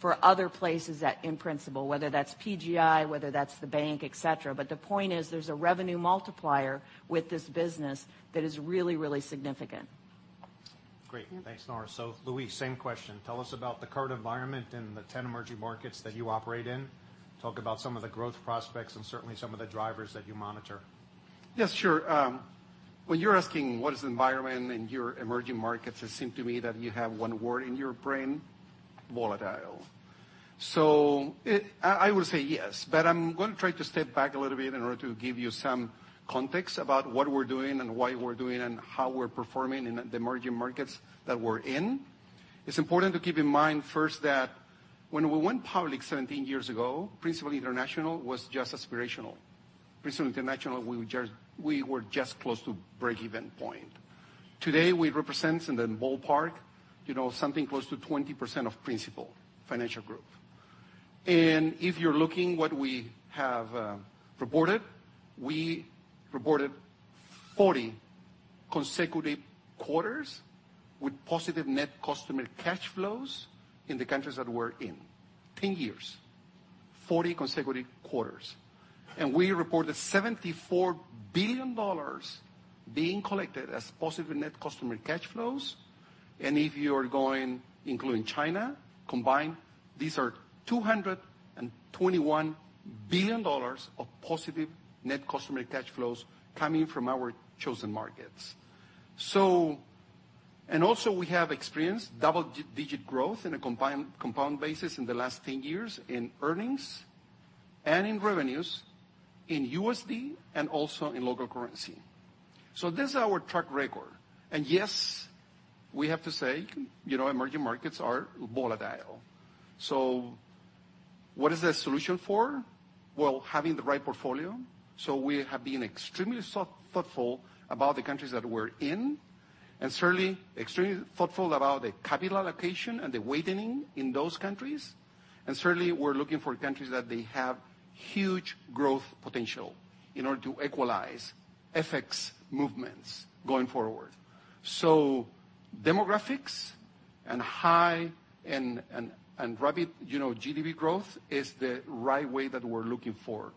for other places in Principal, whether that's PGI, whether that's the bank, et cetera. The point is there's a revenue multiplier with this business that is really, really significant. Great. Thanks, Nora. Luis, same question. Tell us about the current environment in the 10 emerging markets that you operate in. Talk about some of the growth prospects and certainly some of the drivers that you monitor. Yes, sure. When you're asking what is the environment in your emerging markets, it seems to me that you have one word in your brain, volatile. I would say yes. I'm going to try to step back a little bit in order to give you some context about what we're doing and why we're doing and how we're performing in the emerging markets that we're in. It's important to keep in mind first that when we went public 17 years ago, Principal International was just aspirational. Principal International, we were just close to breakeven point. Today, we represent in the ballpark something close to 20% of Principal Financial Group. If you're looking what we have reported, we reported 40 consecutive quarters with positive net customer cash flows in the countries that we're in. Ten years, 40 consecutive quarters. We reported $74 billion being collected as positive net customer cash flows. If you are going, including China, combined, these are $221 billion of positive net customer cash flows coming from our chosen markets. Also we have experienced double-digit growth in a compound basis in the last 10 years in earnings and in revenues in USD and also in local currency. This is our track record. Yes, we have to say, emerging markets are volatile. What is the solution for? Well, having the right portfolio. We have been extremely thoughtful about the countries that we're in, and certainly extremely thoughtful about the capital allocation and the weightening in those countries. Certainly, we're looking for countries that they have huge growth potential in order to equalize FX movements going forward. Demographics and high and rapid GDP growth is the right way that we're looking for.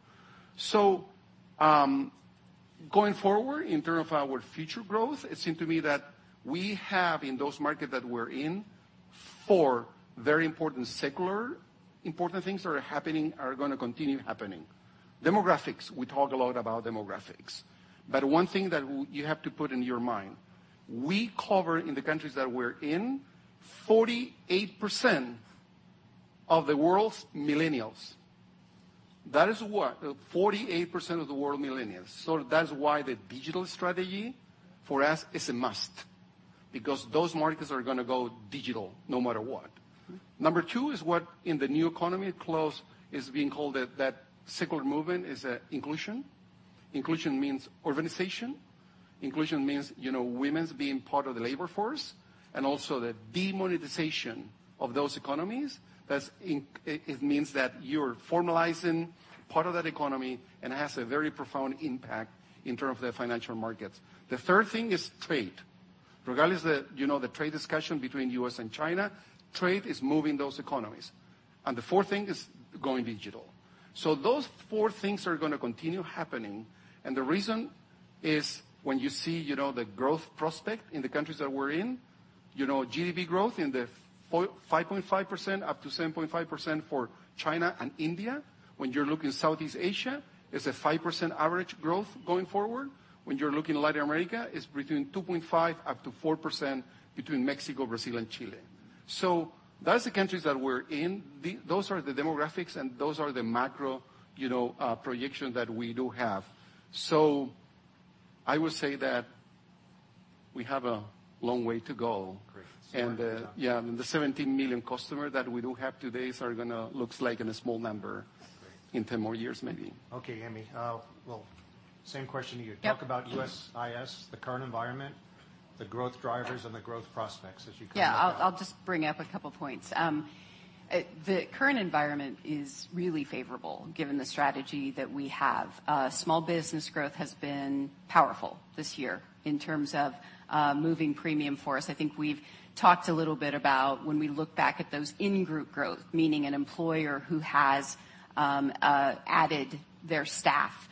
Going forward, in terms of our future growth, it seems to me that we have in those markets that we're in, four very important secular important things are happening, are going to continue happening. Demographics, we talk a lot about demographics, but one thing that you have to put in your mind, we cover in the countries that we're in, 48% of the world's Millennials. That is what? 48% of the world Millennials. That's why the digital strategy for us is a must, because those markets are going to go digital no matter what. Number two is what in the new economy clause is being called that secular movement, is inclusion. Inclusion means organization. Inclusion means women being part of the labor force, and also the demonetization of those economies. It means that you're formalizing part of that economy and has a very profound impact in terms of the financial markets. The third thing is trade. Regardless the trade discussion between U.S. and China, trade is moving those economies. The fourth thing is going digital. Those four things are going to continue happening, and the reason is when you see the growth prospect in the countries that we're in, GDP growth in the 5.5% up to 7.5% for China and India. When you're looking Southeast Asia, it's a 5% average growth going forward. When you're looking Latin America, it's between 2.5 up to 4% between Mexico, Brazil, and Chile. That's the countries that we're in, those are the demographics, and those are the macro projection that we do have. I would say that we have a long way to go. Great. Yeah, the 17 million customer that we do have today are going to looks like in a small number. Great In 10 more years, maybe. Okay, Amy. Well, same question to you. Yep. Talk about USIS, the current environment, the growth drivers, and the growth prospects as you kind of. I'll just bring up a couple points. The current environment is really favorable given the strategy that we have. Small business growth has been powerful this year in terms of moving premium for us. I think we've talked a little bit about when we look back at those in-group growth, meaning an employer who has added their staff,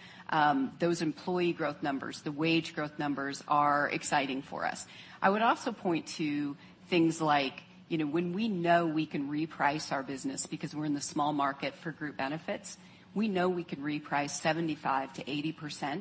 those employee growth numbers, the wage growth numbers are exciting for us. I would also point to things like when we know we can reprice our business because we're in the small market for group benefits, we know we can reprice 75%-80%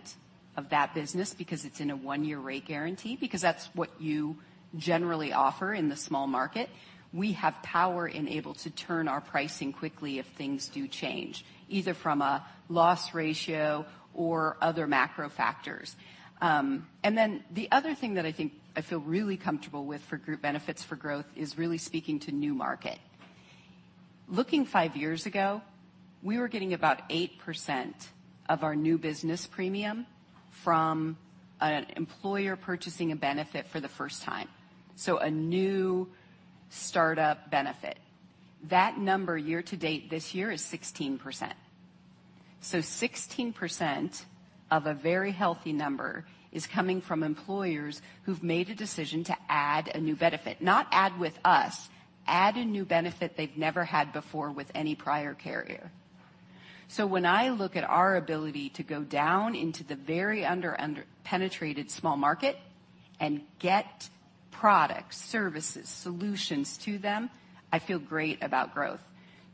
of that business because it's in a 1-year rate guarantee, because that's what you generally offer in the small market. We have power in able to turn our pricing quickly if things do change, either from a loss ratio or other macro factors. The other thing that I think I feel really comfortable with for group benefits for growth is really speaking to new market. Looking five years ago, we were getting about 8% of our new business premium from an employer purchasing a benefit for the first time. A new startup benefit. That number year to date this year is 16%. 16% of a very healthy number is coming from employers who've made a decision to add a new benefit. Not add with us, add a new benefit they've never had before with any prior carrier. When I look at our ability to go down into the very under-penetrated small market and get products, services, solutions to them, I feel great about growth.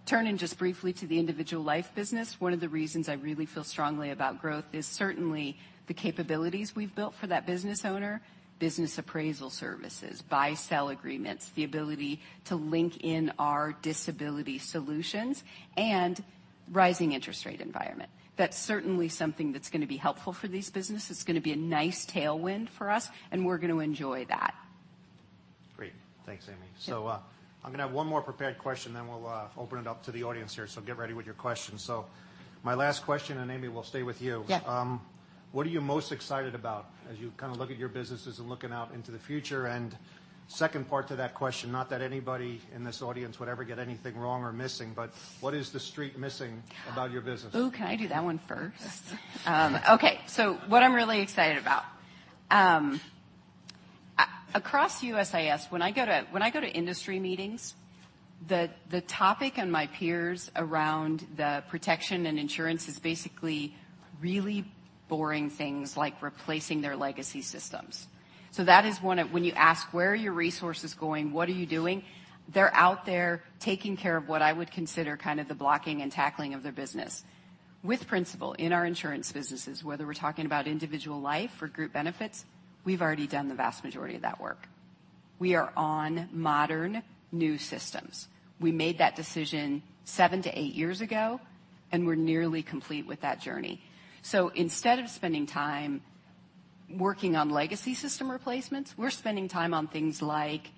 Turning just briefly to the individual life business, one of the reasons I really feel strongly about growth is certainly the capabilities we've built for that business owner, business appraisal services, buy-sell agreements, the ability to link in our disability solutions, and rising interest rate environment. That's certainly something that's going to be helpful for these businesses. It's going to be a nice tailwind for us, and we're going to enjoy that. Great. Thanks, Amy. Yeah. I'm going to have one more prepared question, then we'll open it up to the audience here, so get ready with your questions. My last question, and Amy, we'll stay with you. Yeah. What are you most excited about as you look at your businesses and looking out into the future? Second part to that question, not that anybody in this audience would ever get anything wrong or missing, but what is the Street missing about your business? Ooh, can I do that one first? Okay. What I'm really excited about. Across USIS, when I go to industry meetings, the topic and my peers around the protection and insurance is basically really boring things like replacing their legacy systems. That is when you ask, where are your resources going, what are you doing? They're out there taking care of what I would consider the blocking and tackling of their business. With Principal, in our insurance businesses, whether we're talking about individual life or group benefits, we've already done the vast majority of that work. We are on modern new systems. We made that decision seven to eight years ago, and we're nearly complete with that journey. Instead of spending time working on legacy system replacements, we're spending time on things like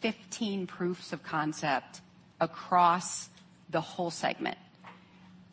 15 proofs of concept across the whole segment.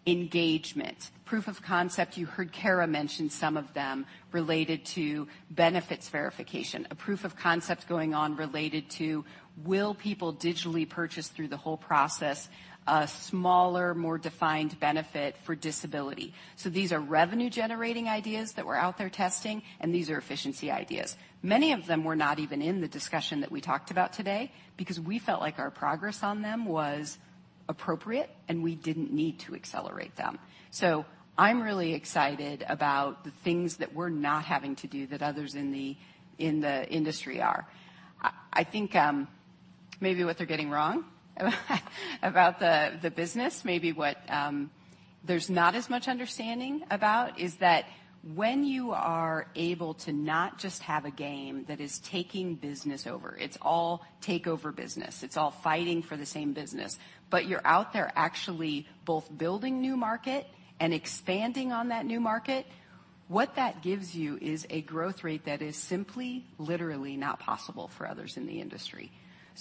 Engagement. Proof of concept, you heard Cara mention some of them related to benefits verification. A proof of concept going on related to will people digitally purchase through the whole process a smaller, more defined benefit for disability? These are revenue-generating ideas that we're out there testing, and these are efficiency ideas. Many of them were not even in the discussion that we talked about today because we felt like our progress on them was appropriate, and we didn't need to accelerate them. I'm really excited about the things that we're not having to do that others in the industry are. I think maybe what they're getting wrong about the business, maybe what there's not as much understanding about, is that when you are able to not just have a game that is taking business over, it's all takeover business, it's all fighting for the same business, but you're out there actually both building new market and expanding on that new market. What that gives you is a growth rate that is simply, literally not possible for others in the industry.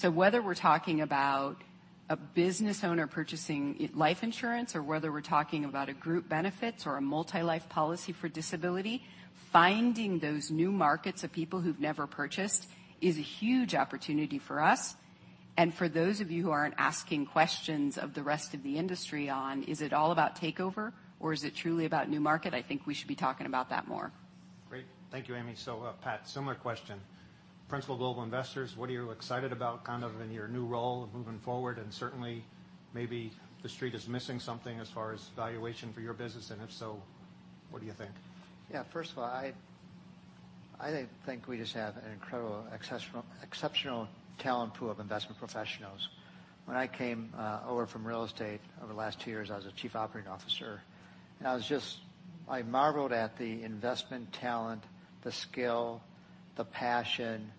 Whether we're talking about a business owner purchasing life insurance or whether we're talking about a group benefits or a multi-life policy for disability, finding those new markets of people who've never purchased is a huge opportunity for us. For those of you who aren't asking questions of the rest of the industry on, is it all about takeover or is it truly about new market? I think we should be talking about that more. Great. Thank you, Amy. Pat, similar question. Principal Global Investors, what are you excited about in your new role moving forward? Certainly, maybe the Street is missing something as far as valuation for your business, and if so, what do you think? Yeah. First of all, I think we just have an incredible, exceptional talent pool of investment professionals. When I came over from real estate over the last 2 years, I was a Chief Operating Officer, and I marveled at the investment talent, the skill, the passion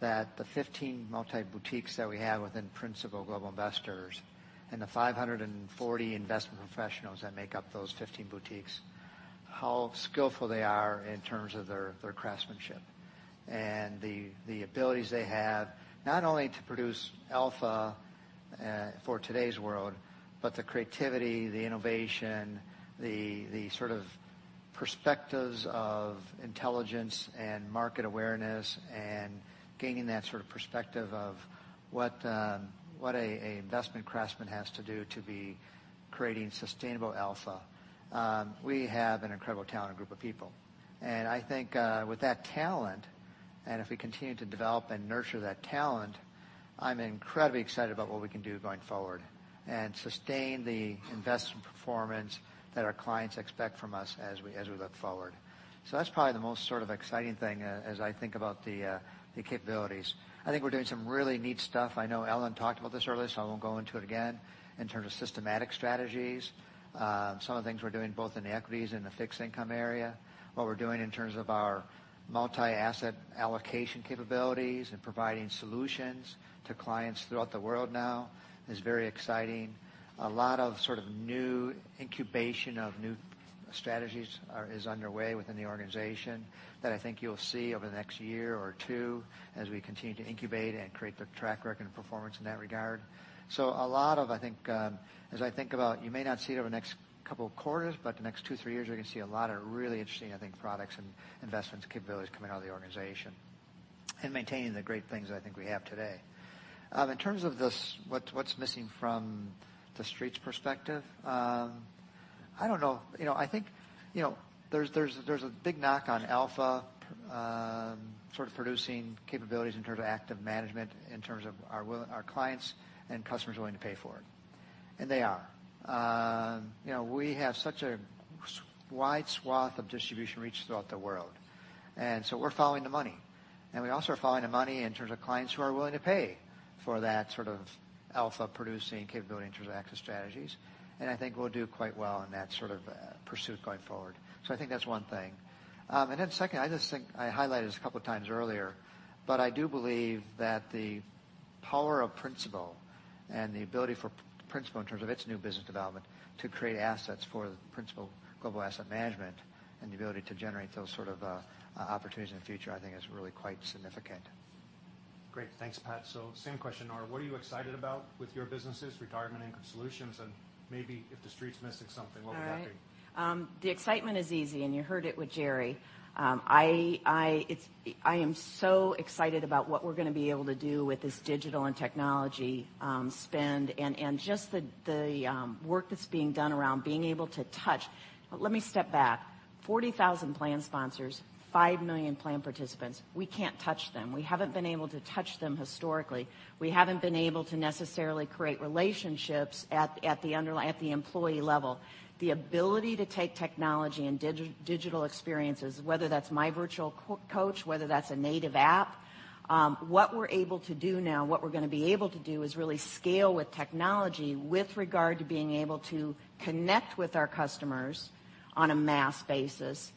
that the 15 multi-boutiques that we have within Principal Global Investors and the 540 investment professionals that make up those 15 boutiques, how skillful they are in terms of their craftsmanship. The abilities they have not only to produce alpha for today's world, but the creativity, the innovation, the sort of perspectives of intelligence and market awareness and gaining that sort of perspective of what an investment craftsman has to do to be creating sustainable alpha. We have an incredible, talented group of people. I think with that talent, and if we continue to develop and nurture that talent, I'm incredibly excited about what we can do going forward and sustain the investment performance that our clients expect from us as we look forward. That's probably the most exciting thing as I think about the capabilities. I think we're doing some really neat stuff. I know Ellen talked about this earlier, so I won't go into it again. In terms of systematic strategies, some of the things we're doing both in the equities and the fixed income area, what we're doing in terms of our multi-asset allocation capabilities and providing solutions to clients throughout the world now is very exciting. A lot of new incubation of new strategies is underway within the organization that I think you'll see over the next year or two as we continue to incubate and create the track record and performance in that regard. A lot of, as I think about, you may not see it over the next couple of quarters, but the next two, three years, you're going to see a lot of really interesting, I think, products and investments capabilities coming out of the organization and maintaining the great things I think we have today. In terms of what's missing from the Street's perspective, I don't know. I think there's a big knock on alpha, sort of producing capabilities in terms of active management, in terms of are our clients and customers willing to pay for it? They are. We have such a wide swath of distribution reach throughout the world, we're following the money. We also are following the money in terms of clients who are willing to pay for that sort of alpha producing capability in terms of access strategies. I think we'll do quite well in that sort of pursuit going forward. I think that's one thing. Then second, I just think I highlighted this a couple of times earlier, but I do believe that the power of Principal and the ability for Principal in terms of its new business development to create assets for the Principal Global Asset Management and the ability to generate those sort of opportunities in the future, I think is really quite significant. Great. Thanks, Pat. Same question, Nora, what are you excited about with your businesses, Retirement and Income Solutions, and maybe if the Street's missing something, what would that be? All right. The excitement is easy. You heard it with Jerry. I am so excited about what we're going to be able to do with this digital and technology spend and just the work that's being done around being able to touch. Let me step back. 40,000 plan sponsors, 5 million plan participants. We can't touch them. We haven't been able to touch them historically. We haven't been able to necessarily create relationships at the employee level. The ability to take technology and digital experiences, whether that's My Virtual Coach, whether that's a native app, what we're able to do now, what we're going to be able to do is really scale with technology with regard to being able to connect with our customers on a mass basis,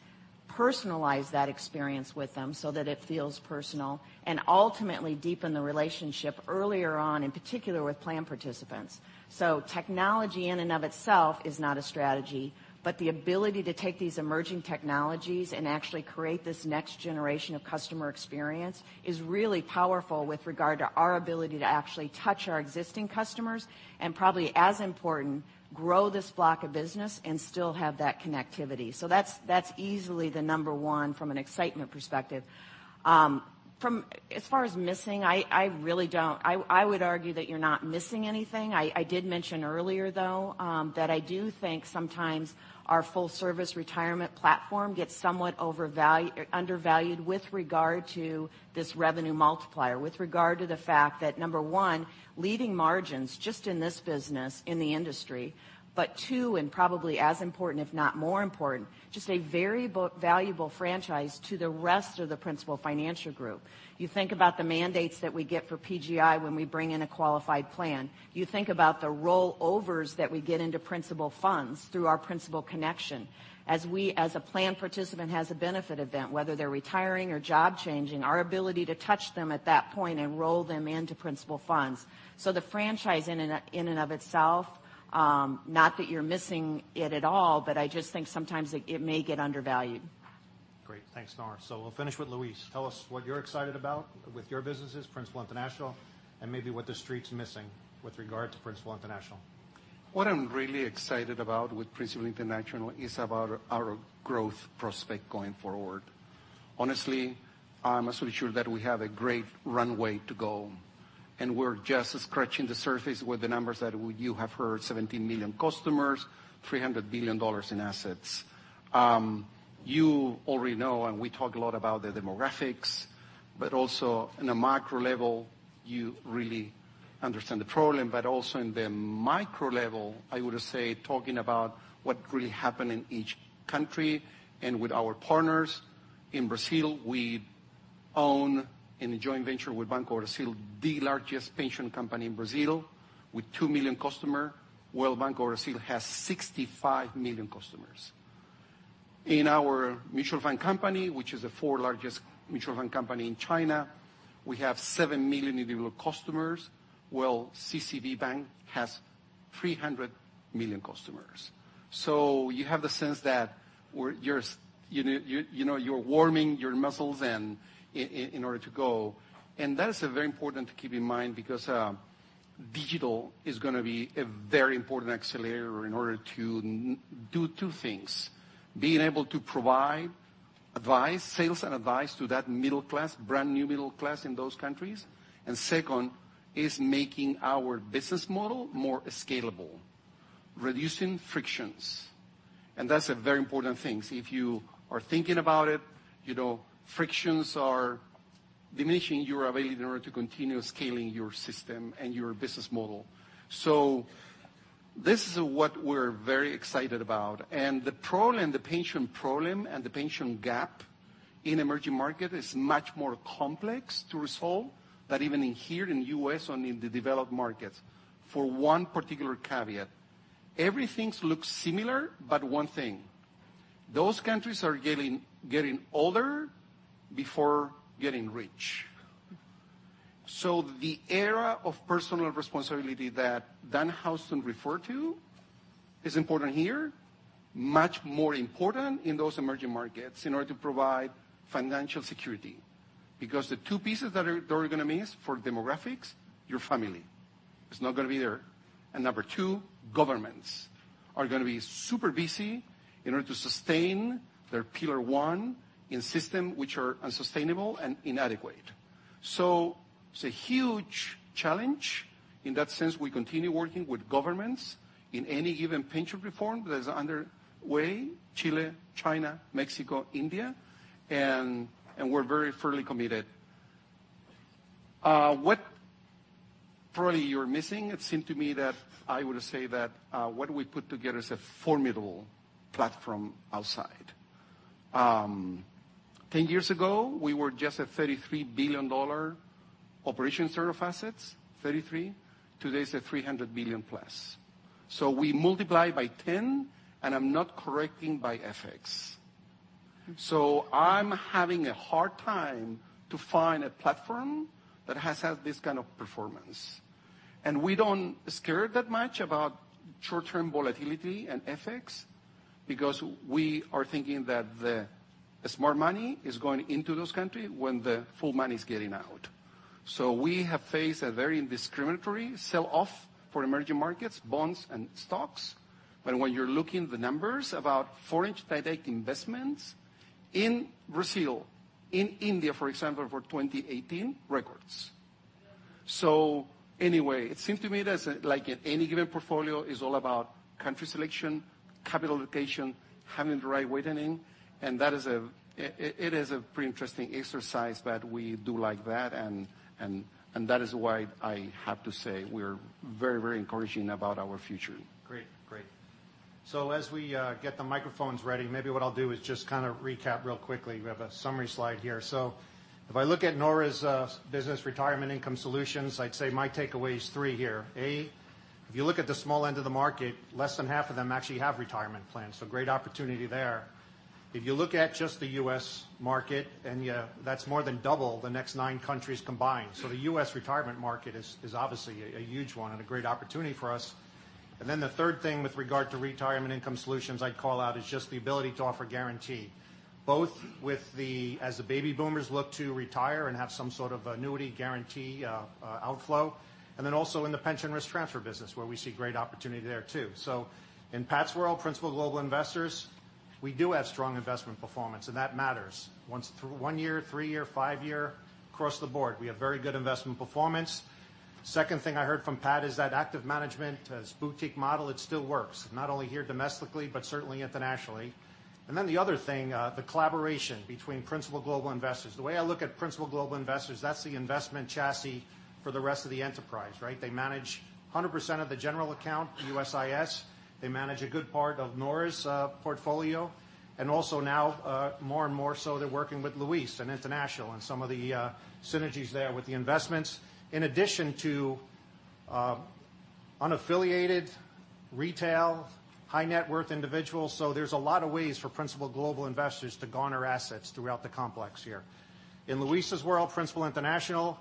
personalize that experience with them so that it feels personal, and ultimately deepen the relationship earlier on, in particular with plan participants. Technology in and of itself is not a strategy, the ability to take these emerging technologies and actually create this next generation of customer experience is really powerful with regard to our ability to actually touch our existing customers and probably as important, grow this block of business and still have that connectivity. That's easily the number one from an excitement perspective. As far as missing, I would argue that you're not missing anything. I did mention earlier, though, that I do think sometimes our full service retirement platform gets somewhat undervalued with regard to this revenue multiplier, with regard to the fact that, number one, leading margins just in this business in the industry, two, and probably as important, if not more important, just a very valuable franchise to the rest of the Principal Financial Group. You think about the mandates that we get for PGI when we bring in a qualified plan. You think about the rollovers that we get into Principal funds through our Principal Connection. As a plan participant has a benefit event, whether they're retiring or job changing, our ability to touch them at that point and roll them into Principal funds. The franchise in and of itself, not that you're missing it at all, I just think sometimes it may get undervalued. Great. Thanks, Nora. We'll finish with Luis. Tell us what you're excited about with your businesses, Principal International, and maybe what the street's missing with regard to Principal International. What I'm really excited about with Principal International is about our growth prospect going forward. Honestly, I'm so sure that we have a great runway to go, and we're just scratching the surface with the numbers that you have heard, 17 million customers, $300 billion in assets. You already know, and we talk a lot about the demographics, but also on a macro level, you really understand the problem, but also in the micro level, I would say, talking about what really happened in each country and with our partners. In Brazil, we own in a joint venture with Banco do Brasil, the largest pension company in Brazil with 2 million customers, while Banco do Brasil has 65 million customers. In our mutual fund company, which is the fourth largest mutual fund company in China, we have 7 million individual customers, while CCB Bank has 300 million customers. You have the sense that you're warming your muscles in order to go. That is very important to keep in mind because digital is going to be a very important accelerator in order to do two things, being able to provide sales and advice to that middle class, brand new middle class in those countries. Second is making our business model more scalable, reducing frictions. That's a very important thing. If you are thinking about it, frictions are diminishing your ability in order to continue scaling your system and your business model. This is what we're very excited about. The problem, the pension problem and the pension gap in emerging market is much more complex to resolve than even in here in the U.S. or in the developed markets for one particular caveat. Everything looks similar, but one thing, those countries are getting older before getting rich. The era of personal responsibility that Dan Houston referred to is important here, much more important in those emerging markets in order to provide financial security. The two pieces that are going to miss for demographics, your family. It's not going to be there. Number 2, governments are going to be super busy in order to sustain their pillar 1 in system which are unsustainable and inadequate. It's a huge challenge in that sense. We continue working with governments in any given pension reform that is underway, Chile, China, Mexico, India, and we're very firmly committed. What probably you're missing, it seemed to me that I would say that what we put together is a formidable platform outside. 10 years ago, we were just a $33 billion operation set of assets, $33 billion. Today, it's at $300 billion plus. We multiply by 10, and I'm not correcting by FX. I'm having a hard time to find a platform that has had this kind of performance. We don't scare that much about short-term volatility and FX because we are thinking that the smart money is going into those countries when the fool money is getting out. We have faced a very discriminatory sell-off for emerging markets, bonds and stocks. When you're looking at the numbers about foreign direct investments in Brazil, in India, for example, for 2018, records. Anyway, it seems to me that like any given portfolio is all about country selection, capital allocation, having the right weighting, and it is a pretty interesting exercise, but we do like that, and that is why I have to say we're very encouraging about our future. Great. As we get the microphones ready, maybe what I'll do is just kind of recap real quickly. We have a summary slide here. If I look at Nora's business, Retirement and Income Solutions, I'd say my takeaway is three here. A, if you look at the small end of the market, less than half of them actually have retirement plans. Great opportunity there. If you look at just the U.S. market and that's more than double the next nine countries combined. The U.S. retirement market is obviously a huge one and a great opportunity for us. The third thing with regard to Retirement and Income Solutions I'd call out is just the ability to offer guarantee, both as the baby boomers look to retire and have some sort of annuity guarantee outflow, and then also in the pension risk transfer business where we see great opportunity there too. In Pat's world, Principal Global Investors, we do have strong investment performance, and that matters. One year, three year, five year, across the board, we have very good investment performance. Second thing I heard from Pat is that active management as boutique model, it still works, not only here domestically, but certainly internationally. The other thing, the collaboration between Principal Global Investors. The way I look at Principal Global Investors, that's the investment chassis for the rest of the enterprise. They manage 100% of the general account, the USIS. They manage a good part of Nora's portfolio, and also now, more and more so, they're working with Luis in Principal International and some of the synergies there with the investments. In addition to unaffiliated retail, high net worth individuals, there's a lot of ways for Principal Global Investors to garner assets throughout the complex here. In Luis' world, Principal International,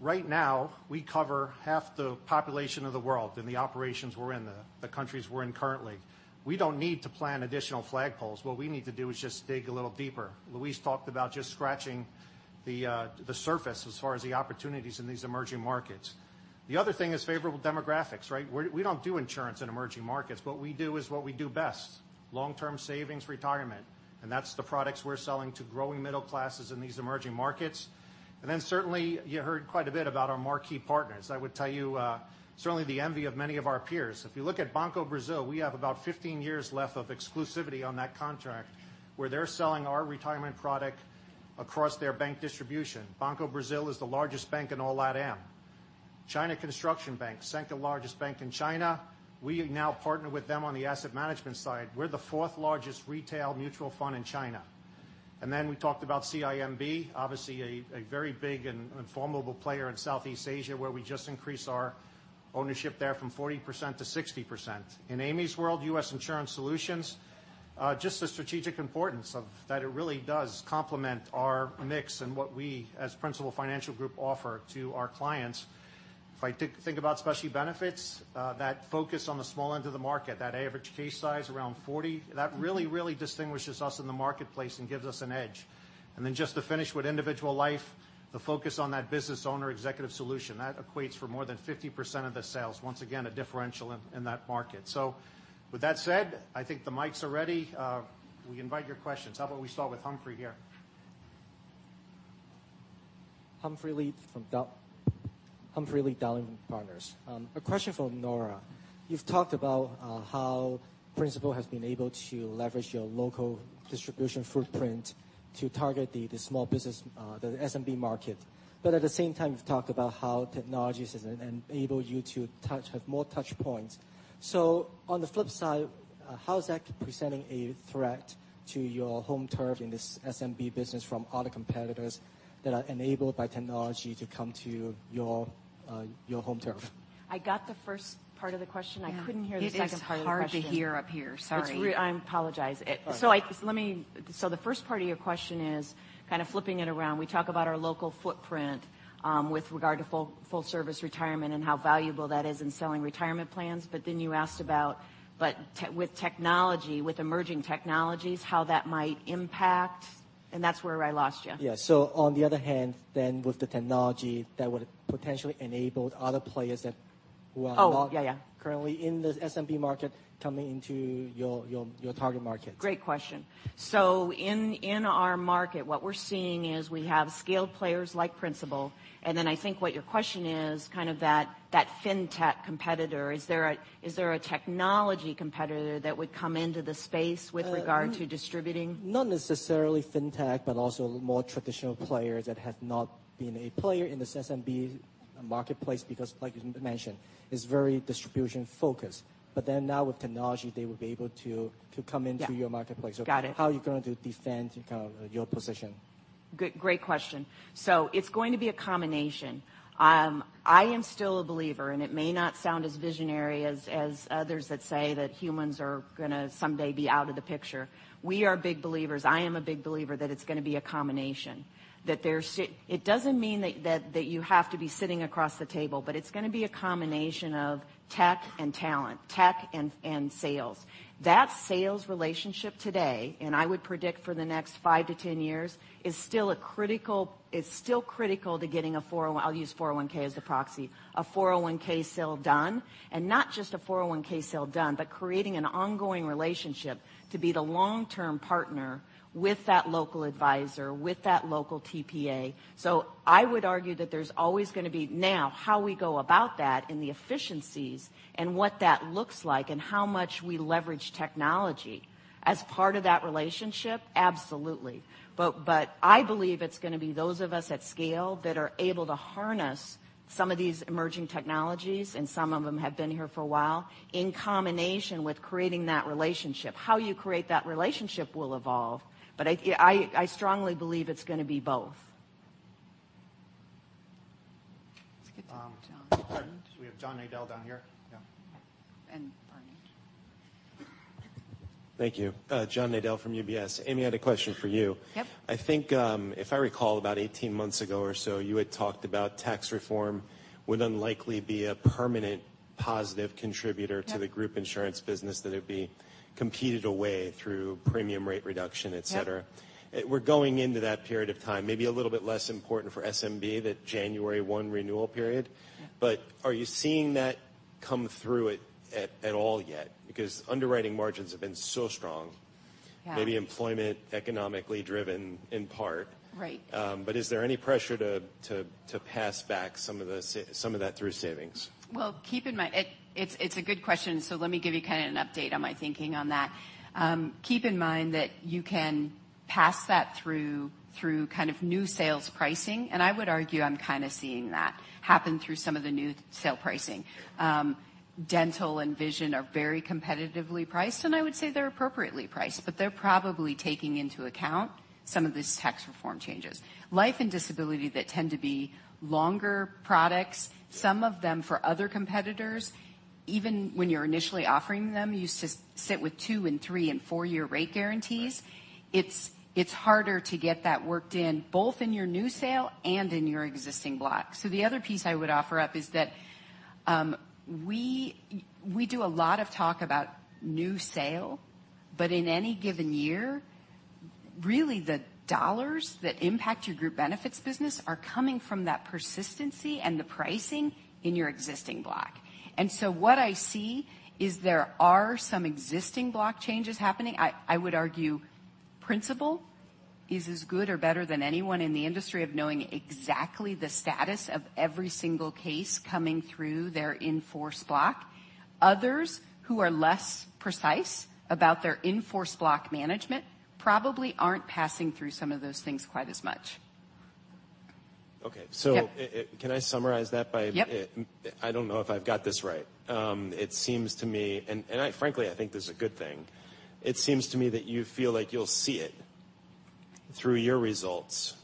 right now, we cover half the population of the world in the operations we're in, the countries we're in currently. We don't need to plan additional flagpoles. What we need to do is just dig a little deeper. Luis talked about just scratching the surface as far as the opportunities in these emerging markets. The other thing is favorable demographics. We don't do insurance in emerging markets. What we do is what we do best, long-term savings retirement, and that's the products we're selling to growing middle classes in these emerging markets. Certainly you heard quite a bit about our marquee partners. I would tell you, certainly the envy of many of our peers. If you look at Banco do Brasil, we have about 15 years left of exclusivity on that contract where they're selling our retirement product across their bank distribution. Banco do Brasil is the largest bank in all LATAM. China Construction Bank, second largest bank in China, we now partner with them on the asset management side. We're the fourth largest retail mutual fund in China. And then we talked about CIMB, obviously a very big and formidable player in Southeast Asia where we just increased our ownership there from 40% to 60%. In Amy's world, U.S. Insurance Solutions, just the strategic importance of that it really does complement our mix and what we as Principal Financial Group offer to our clients. If I think about Specialty Benefits, that focus on the small end of the market, that average case size around 40, that really distinguishes us in the marketplace and gives us an edge. Just to finish with individual life, the focus on that business owner executive solution, that equates for more than 50% of the sales, once again, a differential in that market. With that said, I think the mics are ready. We invite your questions. How about we start with Humphrey here? Humphrey Lee from Dowling & Partners. A question for Nora. You've talked about how Principal has been able to leverage your local distribution footprint to target the SMB market. At the same time, you've talked about how technology has enabled you to have more touch points. On the flip side, how is that presenting a threat to your home turf in this SMB business from other competitors that are enabled by technology to come to your home turf? I got the first part of the question. I couldn't hear the second part of the question. It is hard to hear up here. Sorry. I apologize. The first part of your question is kind of flipping it around. We talk about our local footprint with regard to full service retirement and how valuable that is in selling retirement plans. You asked about, but with technology, with emerging technologies, how that might impact, and that's where I lost you. Yeah. On the other hand then with the technology that would potentially enable other players who are Oh, yeah currently in the SMB market coming into your target market. Great question. In our market, what we're seeing is we have scaled players like Principal, and then I think what your question is kind of that fintech competitor, is there a technology competitor that would come into the space with regard to distributing? Not necessarily fintech, but also more traditional players that have not been a player in the SMB marketplace because like you mentioned, it's very distribution focused. Now with technology, they will be able to come into your marketplace. Yeah. Got it. How are you going to defend your position? Great question. It's going to be a combination. I am still a believer, and it may not sound as visionary as others that say that humans are going to someday be out of the picture. We are big believers, I am a big believer that it's going to be a combination. It doesn't mean that you have to be sitting across the table, but it's going to be a combination of tech and talent, tech and sales. That sales relationship today, and I would predict for the next 5 to 10 years, is still critical to getting a 401(k), I'll use 401(k) as the proxy, a 401(k) sale done, and not just a 401(k) sale done, but creating an ongoing relationship to be the long-term partner with that local advisor, with that local TPA. I would argue that there's always going to be Now, how we go about that and the efficiencies and what that looks like and how much we leverage technology as part of that relationship, absolutely. I believe it's going to be those of us at scale that are able to harness some of these emerging technologies, and some of them have been here for a while, in combination with creating that relationship. How you create that relationship will evolve, but I strongly believe it's going to be both. Let's get to John. Pardon? We have John Nadel down here. Yeah. Barney. Thank you. John Nadel from UBS. Amy, I had a question for you. Yep. I think, if I recall, about 18 months ago or so, you had talked about tax reform would unlikely be a permanent positive contributor- Yep to the group insurance business, that it'd be competed away through premium rate reduction, et cetera. Yep. We're going into that period of time, maybe a little bit less important for SMB, that January 1 renewal period. Yeah. Are you seeing that come through at all yet? Because underwriting margins have been so strong. Yeah. Maybe employment, economically driven in part. Right. Is there any pressure to pass back some of that through savings? Well, it's a good question. Let me give you an update on my thinking on that. Keep in mind that you can pass that through new sales pricing, and I would argue I'm kind of seeing that happen through some of the new sale pricing. Dental and vision are very competitively priced, and I would say they're appropriately priced, but they're probably taking into account some of these tax reform changes. Life and disability that tend to be longer products, some of them for other competitors, even when you're initially offering them, you sit with two and three and four-year rate guarantees. Right. It's harder to get that worked in both in your new sale and in your existing block. The other piece I would offer up is that we do a lot of talk about new sale, but in any given year, really the dollars that impact your group benefits business are coming from that persistency and the pricing in your existing block. What I see is there are some existing block changes happening. I would argue Principal is as good or better than anyone in the industry of knowing exactly the status of every single case coming through their in-force block. Others who are less precise about their in-force block management probably aren't passing through some of those things quite as much. Okay. Yeah. Can I summarize that? Yep I don't know if I've got this right. It seems to me, and frankly, I think this is a good thing, it seems to me that you feel like you'll see it through your results,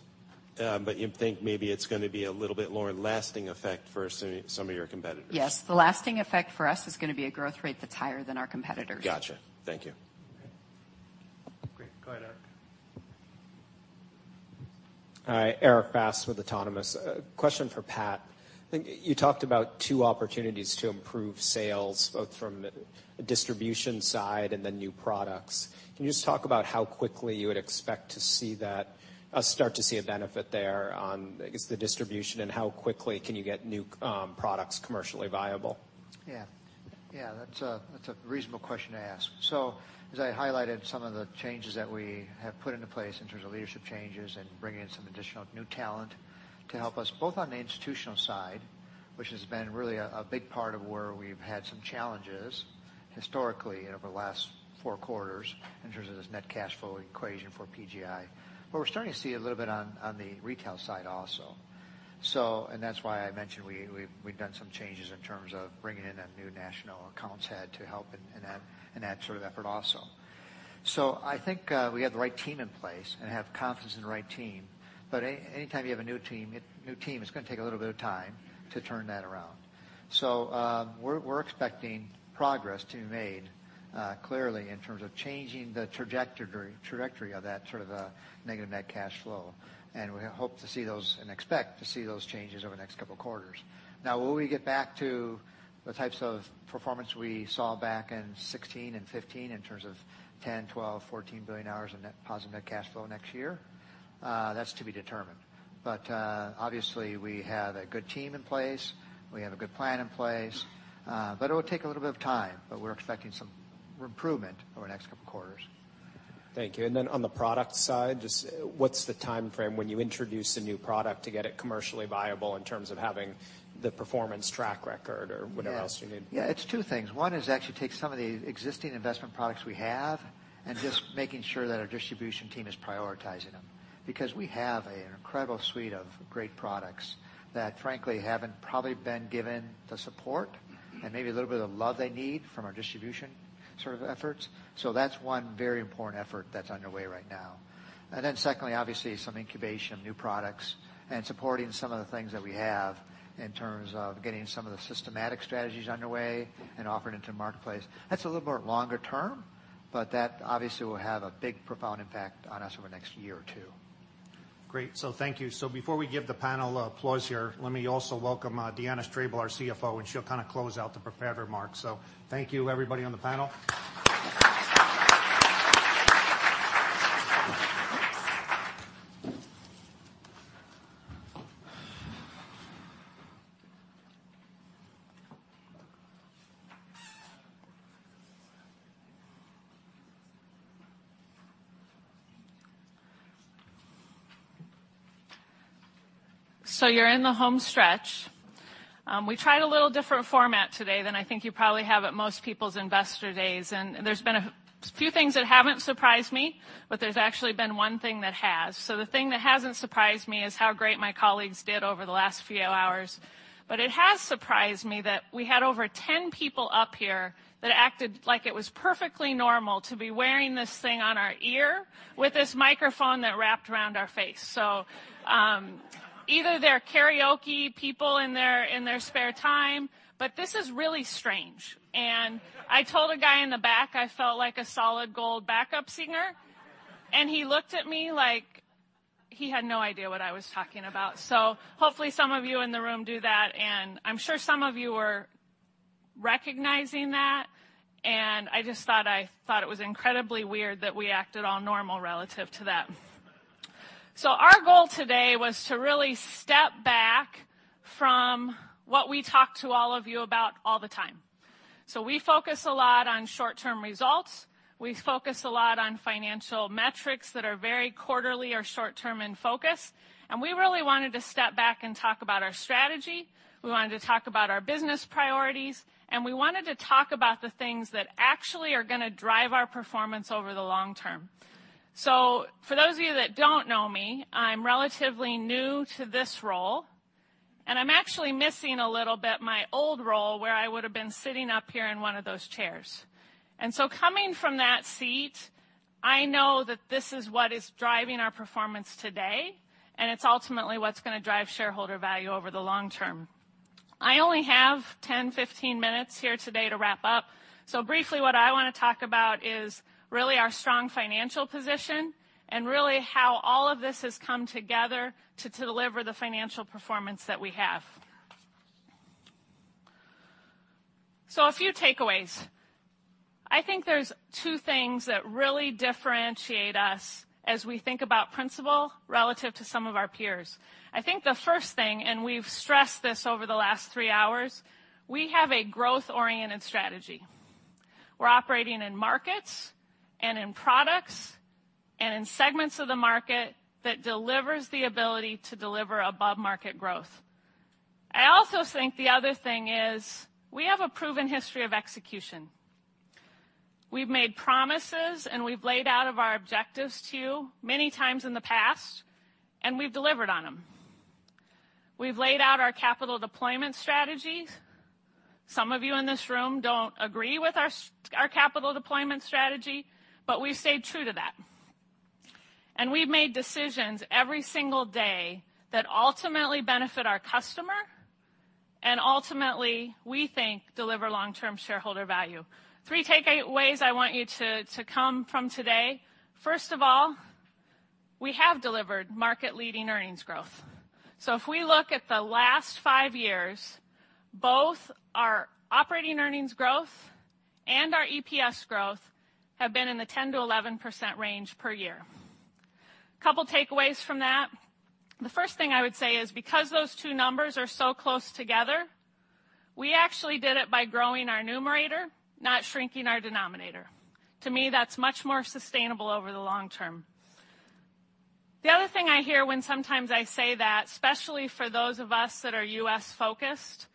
but you think maybe it's going to be a little bit lower lasting effect for some of your competitors. Yes. The lasting effect for us is going to be a growth rate that's higher than our competitors. Got you. Thank you. Okay, great. Go ahead, Erik. Hi, Erik Bass with Autonomous. Question for Pat. You talked about two opportunities to improve sales, both from a distribution side and then new products. Can you just talk about how quickly you would expect to start to see a benefit there on the distribution, and how quickly can you get new products commercially viable? That's a reasonable question to ask. As I highlighted, some of the changes that we have put into place in terms of leadership changes and bringing in some additional new talent to help us both on the institutional side, which has been really a big part of where we've had some challenges historically over the last four quarters in terms of this net cash flow equation for PGI, we're starting to see a little bit on the retail side also. That's why I mentioned we've done some changes in terms of bringing in a new national accounts head to help in that sort of effort also. I think we have the right team in place and have confidence in the right team. Anytime you have a new team, it's going to take a little bit of time to turn that around. We're expecting progress to be made, clearly, in terms of changing the trajectory of that negative net cash flow, we hope to see those and expect to see those changes over the next couple of quarters. Will we get back to the types of performance we saw back in 2016 and 2015 in terms of $10 billion, $12 billion, $14 billion in net positive net cash flow next year? That's to be determined. Obviously we have a good team in place. We have a good plan in place. It'll take a little bit of time, we're expecting some improvement over the next couple of quarters. Thank you. On the product side, just what's the timeframe when you introduce a new product to get it commercially viable in terms of having the performance track record or whatever else you need? It's two things. One is actually take some of the existing investment products we have and just making sure that our distribution team is prioritizing them. Because we have an incredible suite of great products that frankly haven't probably been given the support and maybe a little bit of love they need from our distribution sort of efforts. That's one very important effort that's underway right now. Secondly, obviously, some incubation of new products and supporting some of the things that we have in terms of getting some of the systematic strategies underway and offered into the marketplace. That's a little more longer term, but that obviously will have a big, profound impact on us over the next year or two. Great. Thank you. Before we give the panel applause here, let me also welcome Deanna Strable, our CFO, and she'll close out the prepared remarks. Thank you everybody on the panel. You're in the home stretch. We tried a little different format today than I think you probably have at most people's investor days, there's been a few things that haven't surprised me, there's actually been one thing that has. The thing that hasn't surprised me is how great my colleagues did over the last few hours. It has surprised me that we had over 10 people up here that acted like it was perfectly normal to be wearing this thing on our ear with this microphone that wrapped around our face. Either they're karaoke people in their spare time, but this is really strange. I told a guy in the back I felt like a Solid Gold backup singer, and he looked at me like he had no idea what I was talking about. Hopefully, some of you in the room do that, I'm sure some of you are recognizing that, I just thought it was incredibly weird that we acted all normal relative to that. Our goal today was to really step back from what we talk to all of you about all the time. We focus a lot on short-term results. We focus a lot on financial metrics that are very quarterly or short-term in focus, we really wanted to step back and talk about our strategy. We wanted to talk about our business priorities, we wanted to talk about the things that actually are going to drive our performance over the long term. For those of you that don't know me, I'm relatively new to this role, I'm actually missing a little bit my old role, where I would've been sitting up here in one of those chairs. Coming from that seat, I know that this is what is driving our performance today, it's ultimately what's going to drive shareholder value over the long term. I only have 10, 15 minutes here today to wrap up. Briefly what I want to talk about is really our strong financial position and really how all of this has come together to deliver the financial performance that we have. A few takeaways. I think there's two things that really differentiate us as we think about Principal relative to some of our peers. We've stressed this over the last three hours, we have a growth-oriented strategy. We're operating in markets and in products and in segments of the market that delivers the ability to deliver above-market growth. I also think the other thing is we have a proven history of execution. We've made promises, and we've laid out our objectives to you many times in the past, and we've delivered on them. We've laid out our capital deployment strategy. Some of you in this room don't agree with our capital deployment strategy, but we've stayed true to that. We've made decisions every single day that ultimately benefit our customer and ultimately, we think, deliver long-term shareholder value. Three takeaways I want you to come from today. First of all, we have delivered market-leading earnings growth. If we look at the last five years, both our operating earnings growth and our EPS growth have been in the 10%-11% range per year. Couple takeaways from that. The first thing I would say is because those two numbers are so close together, we actually did it by growing our numerator, not shrinking our denominator. To me, that's much more sustainable over the long term. The other thing I hear when sometimes I say that, especially for those of us that are U.S.-focused,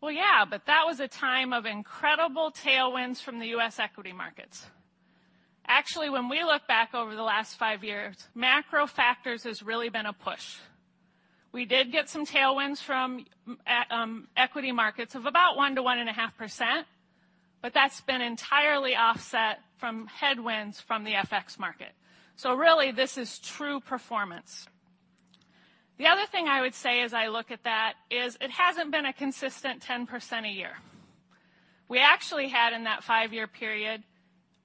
"Well, yeah, but that was a time of incredible tailwinds from the U.S. equity markets." Actually, when we look back over the last five years, macro factors has really been a push. We did get some tailwinds from equity markets of about 1%-1.5%, but that's been entirely offset from headwinds from the FX market. Really, this is true performance. The other thing I would say as I look at that is it hasn't been a consistent 10% a year. We actually had in that five-year period,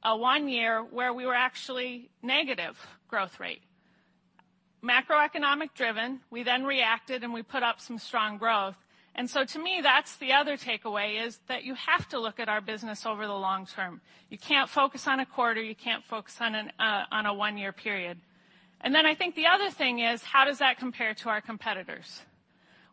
a one year where we were actually negative growth rate. Macroeconomic-driven, we then reacted, and we put up some strong growth. To me, that's the other takeaway, is that you have to look at our business over the long term. You can't focus on a quarter. You can't focus on a one-year period. I think the other thing is, how does that compare to our competitors?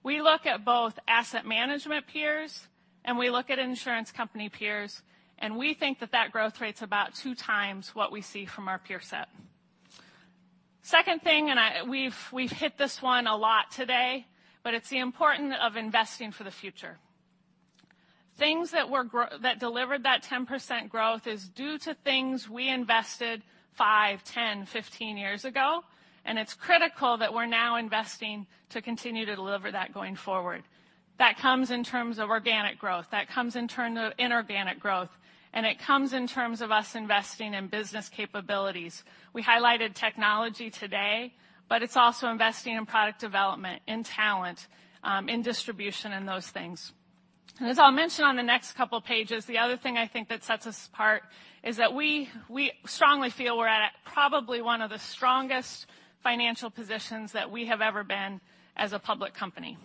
We look at both asset management peers, and we look at insurance company peers, and we think that that growth rate's about two times what we see from our peer set. Second thing, we've hit this one a lot today, but it's the importance of investing for the future. Things that delivered that 10% growth is due to things we invested five, 10, 15 years ago, and it's critical that we're now investing to continue to deliver that going forward. That comes in terms of organic growth, that comes in terms of inorganic growth, and it comes in terms of us investing in business capabilities. We highlighted technology today, but it's also investing in product development, in talent, in distribution, and those things. As I'll mention on the next couple pages, the other thing I think that sets us apart is that we strongly feel we're at probably one of the strongest financial positions that we have ever been as a public company.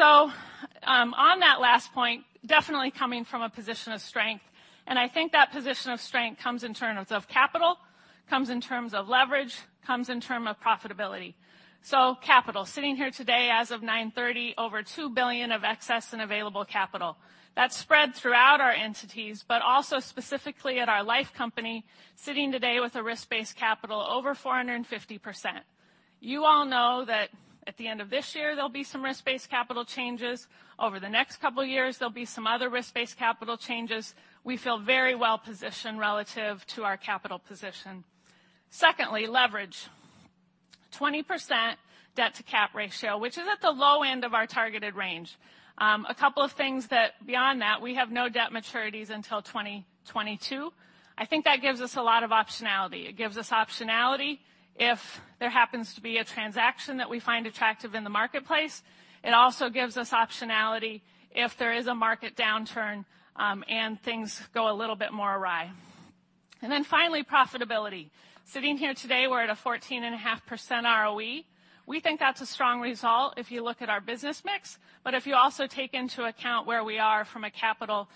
On that last point, definitely coming from a position of strength, I think that position of strength comes in terms of capital, comes in terms of leverage, comes in term of profitability. Capital, sitting here today as of 9:30, over $2 billion of excess and available capital. That's spread throughout our entities, but also specifically at our life company, sitting today with a risk-based capital over 450%. You all know that at the end of this year, there will be some risk-based capital changes. Over the next couple years, there will be some other risk-based capital changes. We feel very well-positioned relative to our capital position. Secondly, leverage. 20% debt-to-cap ratio, which is at the low end of our targeted range. A couple of things that beyond that, we have no debt maturities until 2022. I think that gives us a lot of optionality. It gives us optionality if there happens to be a transaction that we find attractive in the marketplace. It also gives us optionality if there is a market downturn, things go a little bit more awry. Finally, profitability. Sitting here today, we're at a 14.5% ROE. We think that's a strong result if you look at our business mix, but if you also take into account where we are from a capital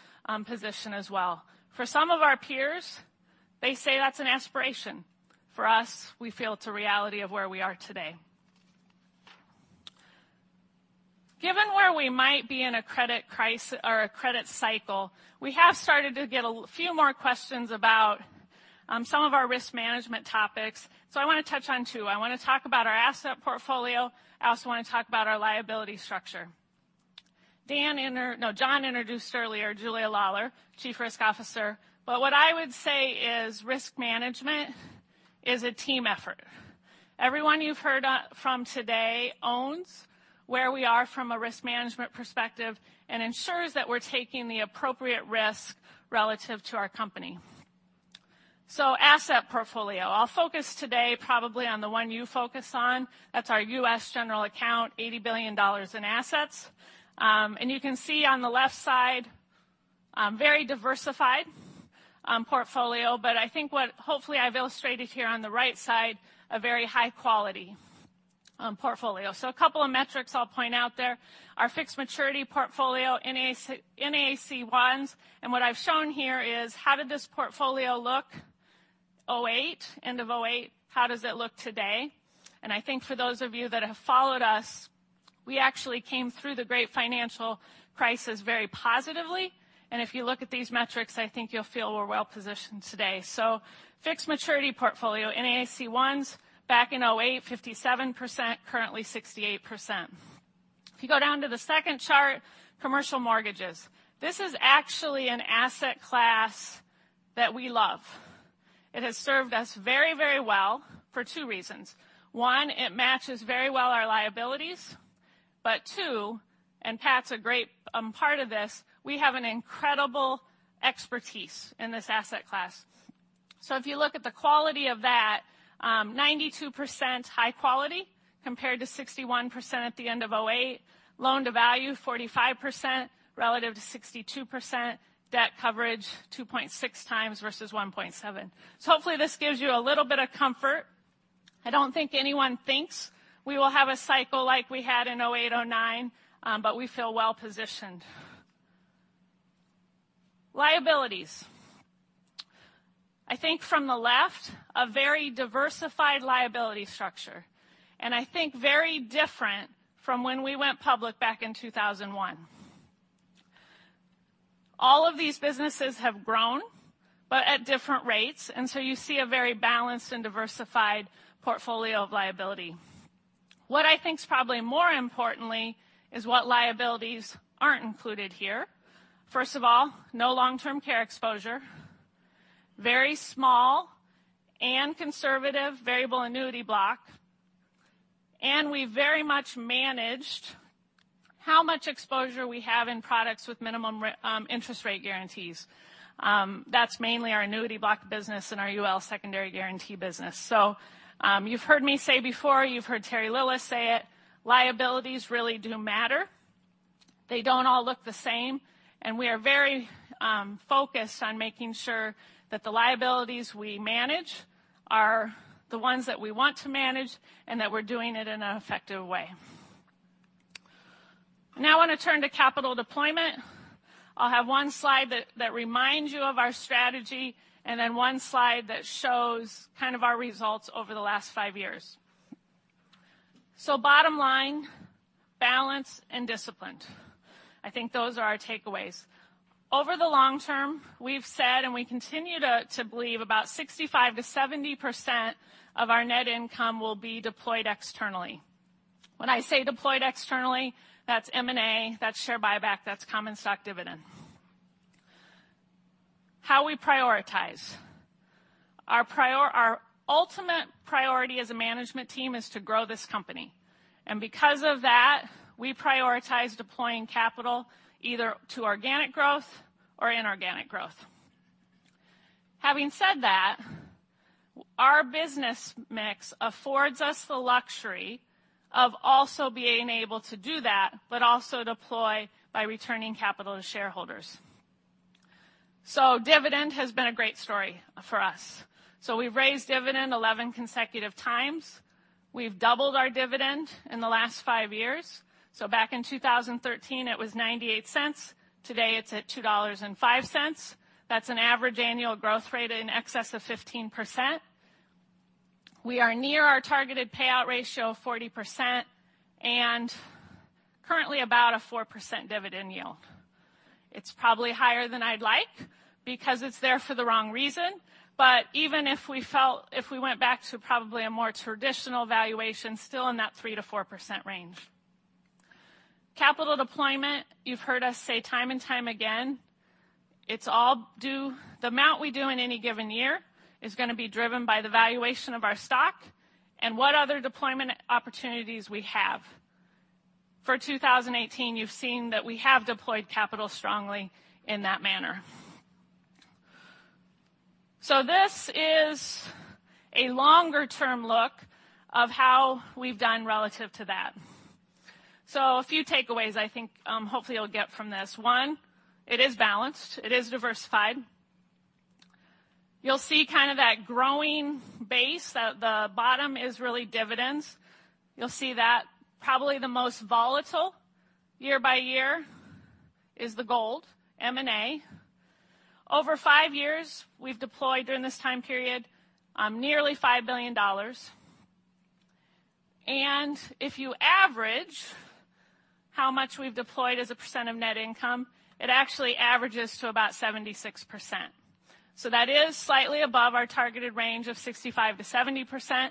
position as well. For some of our peers, they say that's an aspiration. For us, we feel it's a reality of where we are today. Given where we might be in a credit cycle, we have started to get a few more questions about some of our risk management topics. I want to touch on two. I want to talk about our asset portfolio. I also want to talk about our liability structure. John introduced earlier Julia Lawler, Chief Risk Officer. What I would say is risk management is a team effort. Everyone you've heard from today owns where we are from a risk management perspective and ensures that we're taking the appropriate risk relative to our company. Asset portfolio, I'll focus today probably on the one you focus on. That's our U.S. general account, $80 billion in assets. You can see on the left side, very diversified portfolio, but I think what hopefully I've illustrated here on the right side, a very high-quality portfolio. A couple of metrics I'll point out there. Our fixed maturity portfolio, NACOs. What I've shown here is how did this portfolio look '08, end of '08? How does it look today? I think for those of you that have followed us, we actually came through the great financial crisis very positively. If you look at these metrics, I think you'll feel we're well-positioned today. Fixed maturity portfolio, NACOs, back in '08, 57%, currently 68%. If you go down to the second chart, commercial mortgages. This is actually an asset class that we love. It has served us very well for two reasons. One, it matches very well our liabilities. Two, and Pat's a great part of this, we have an incredible expertise in this asset class. If you look at the quality of that, 92% high quality compared to 61% at the end of '08. Loan-to-value, 45% relative to 62%. Debt coverage, 2.6 times versus 1.7. Hopefully, this gives you a little bit of comfort. I don't think anyone thinks we will have a cycle like we had in '08, '09, but we feel well-positioned. Liabilities. I think from the left, a very diversified liability structure. I think very different from when we went public back in 2001. All of these businesses have grown, but at different rates, you see a very balanced and diversified portfolio of liability. What I think is probably more important is what liabilities aren't included here. First of all, no long-term care exposure, very small and conservative variable annuity block, and we very much managed how much exposure we have in products with minimum interest rate guarantees. That's mainly our annuity block business and our UL secondary guarantee business. You've heard me say before, you've heard Terry Lillis say it, liabilities really do matter. They don't all look the same, and we are very focused on making sure that the liabilities we manage are the ones that we want to manage, and that we're doing it in an effective way. I want to turn to capital deployment. I'll have one slide that reminds you of our strategy, then one slide that shows kind of our results over the last five years. Bottom line, balance and discipline. I think those are our takeaways. Over the long term, we've said, and we continue to believe, about 65%-70% of our net income will be deployed externally. When I say deployed externally, that's M&A, that's share buyback, that's common stock dividend. How we prioritize. Our ultimate priority as a management team is to grow this company. Because of that, we prioritize deploying capital either to organic growth or inorganic growth. Having said that, our business mix affords us the luxury of also being able to do that, but also deploy by returning capital to shareholders. Dividend has been a great story for us. We've raised dividend 11 consecutive times. We've doubled our dividend in the last five years. Back in 2013, it was $0.98. Today, it's at $2.05. That's an average annual growth rate in excess of 15%. We are near our targeted payout ratio of 40% and currently about a 4% dividend yield. It's probably higher than I'd like because it's there for the wrong reason. Even if we went back to probably a more traditional valuation, still in that 3%-4% range. Capital deployment, you've heard us say time and time again, the amount we do in any given year is going to be driven by the valuation of our stock and what other deployment opportunities we have. For 2018, you've seen that we have deployed capital strongly in that manner. This is a longer-term look of how we've done relative to that. A few takeaways I think hopefully you'll get from this. One, it is balanced. It is diversified. You'll see that growing base, the bottom is really dividends. You'll see that probably the most volatile year by year is the gold, M&A. Over five years, we've deployed during this time period nearly $5 billion. If you average how much we've deployed as a percent of net income, it actually averages to about 76%. That is slightly above our targeted range of 65%-70%.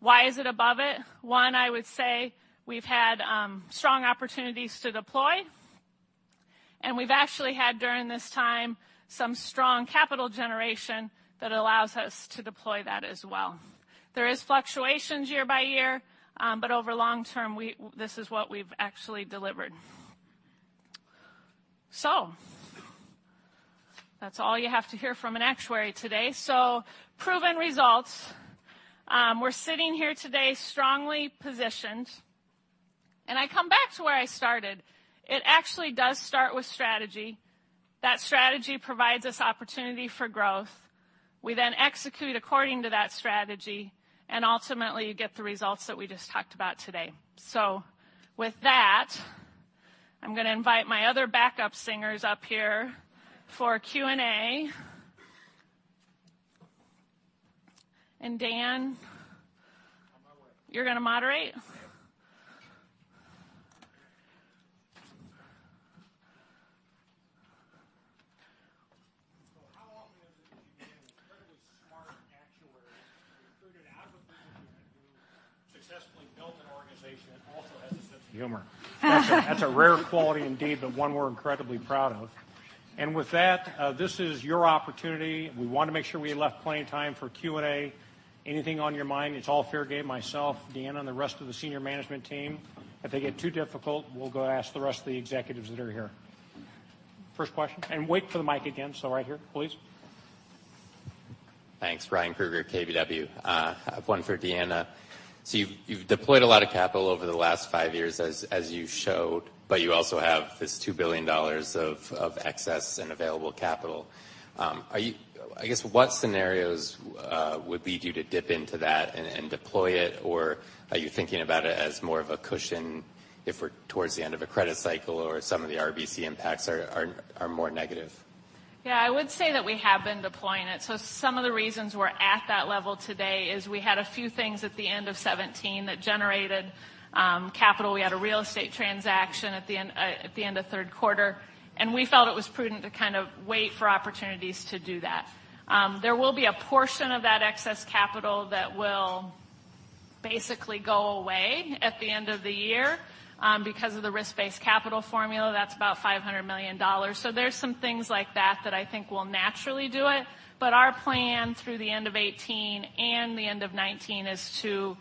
Why is it above it? One, I would say we've had strong opportunities to deploy, and we've actually had, during this time, some strong capital generation that allows us to deploy that as well. There is fluctuations year by year, but over long term, this is what we've actually delivered. That's all you have to hear from an actuary today. Proven results. We're sitting here today strongly positioned. I come back to where I started. It actually does start with strategy. That strategy provides us opportunity for growth. We execute according to that strategy, and ultimately, you get the results that we just talked about today. With that, I'm going to invite my other backup singers up here for Q&A. Dan- On my way. You're going to moderate? Yep. How often is it that you get an incredibly smart actuary who figured out a business that you could do, successfully built an organization that also has a sense of humor? That's a rare quality indeed, but one we're incredibly proud of. With that, this is your opportunity. We want to make sure we left plenty of time for Q&A. Anything on your mind, it's all fair game. Myself, Dan, and the rest of the senior management team. If they get too difficult, we'll go ask the rest of the executives that are here. First question. Wait for the mic again. Right here, please. Thanks. Ryan Krueger, KBW. I have one for Deanna. You've deployed a lot of capital over the last five years as you showed, but you also have this $2 billion of excess and available capital. I guess what scenarios would lead you to dip into that and deploy it? Or are you thinking about it as more of a cushion if we're towards the end of a credit cycle or some of the RBC impacts are more negative? Yeah, I would say that we have been deploying it. Some of the reasons we're at that level today is we had a few things at the end of 2017 that generated capital. We had a real estate transaction at the end of third quarter, and we felt it was prudent to kind of wait for opportunities to do that. There will be a portion of that excess capital that will basically go away at the end of the year because of the risk-based capital formula. That's about $500 million. There's some things like that I think will naturally do it. Our plan through the end of 2018 and the end of 2019 is to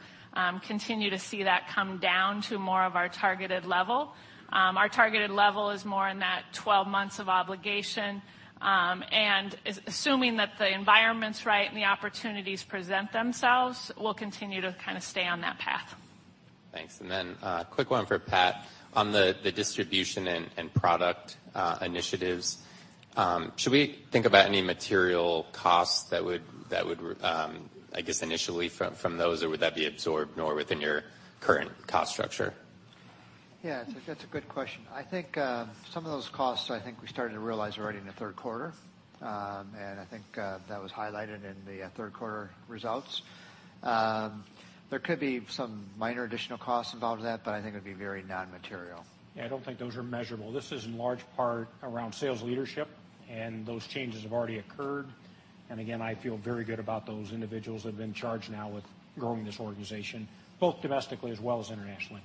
continue to see that come down to more of our targeted level. Our targeted level is more in that 12 months of obligation. Assuming that the environment's right and the opportunities present themselves, we'll continue to kind of stay on that path. Thanks. Then a quick one for Pat. On the distribution and product initiatives, should we think about any material costs that would, I guess, initially from those, or would that be absorbed more within your current cost structure? That's a good question. I think some of those costs, I think we started to realize already in the third quarter. I think that was highlighted in the third quarter results. There could be some minor additional costs involved with that, but I think it'd be very non-material. I don't think those are measurable. This is in large part around sales leadership, and those changes have already occurred. I feel very good about those individuals that have been charged now with growing this organization, both domestically as well as internationally.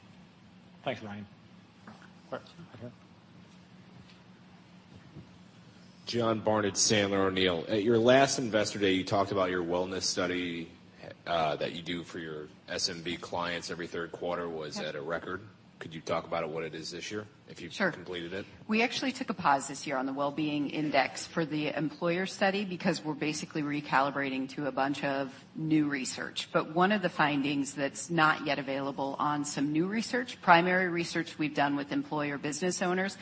Thanks, Ryan. All right. Okay. John Barnidge, Sandler O'Neill. At your last Investor Day, you talked about your wellness study that you do for your SMB clients every third quarter. Was that a record? Could you talk about it, what it is this year- Sure If you've completed it? One of the findings that's not yet available on some new research, primary research we've done with employer business owners,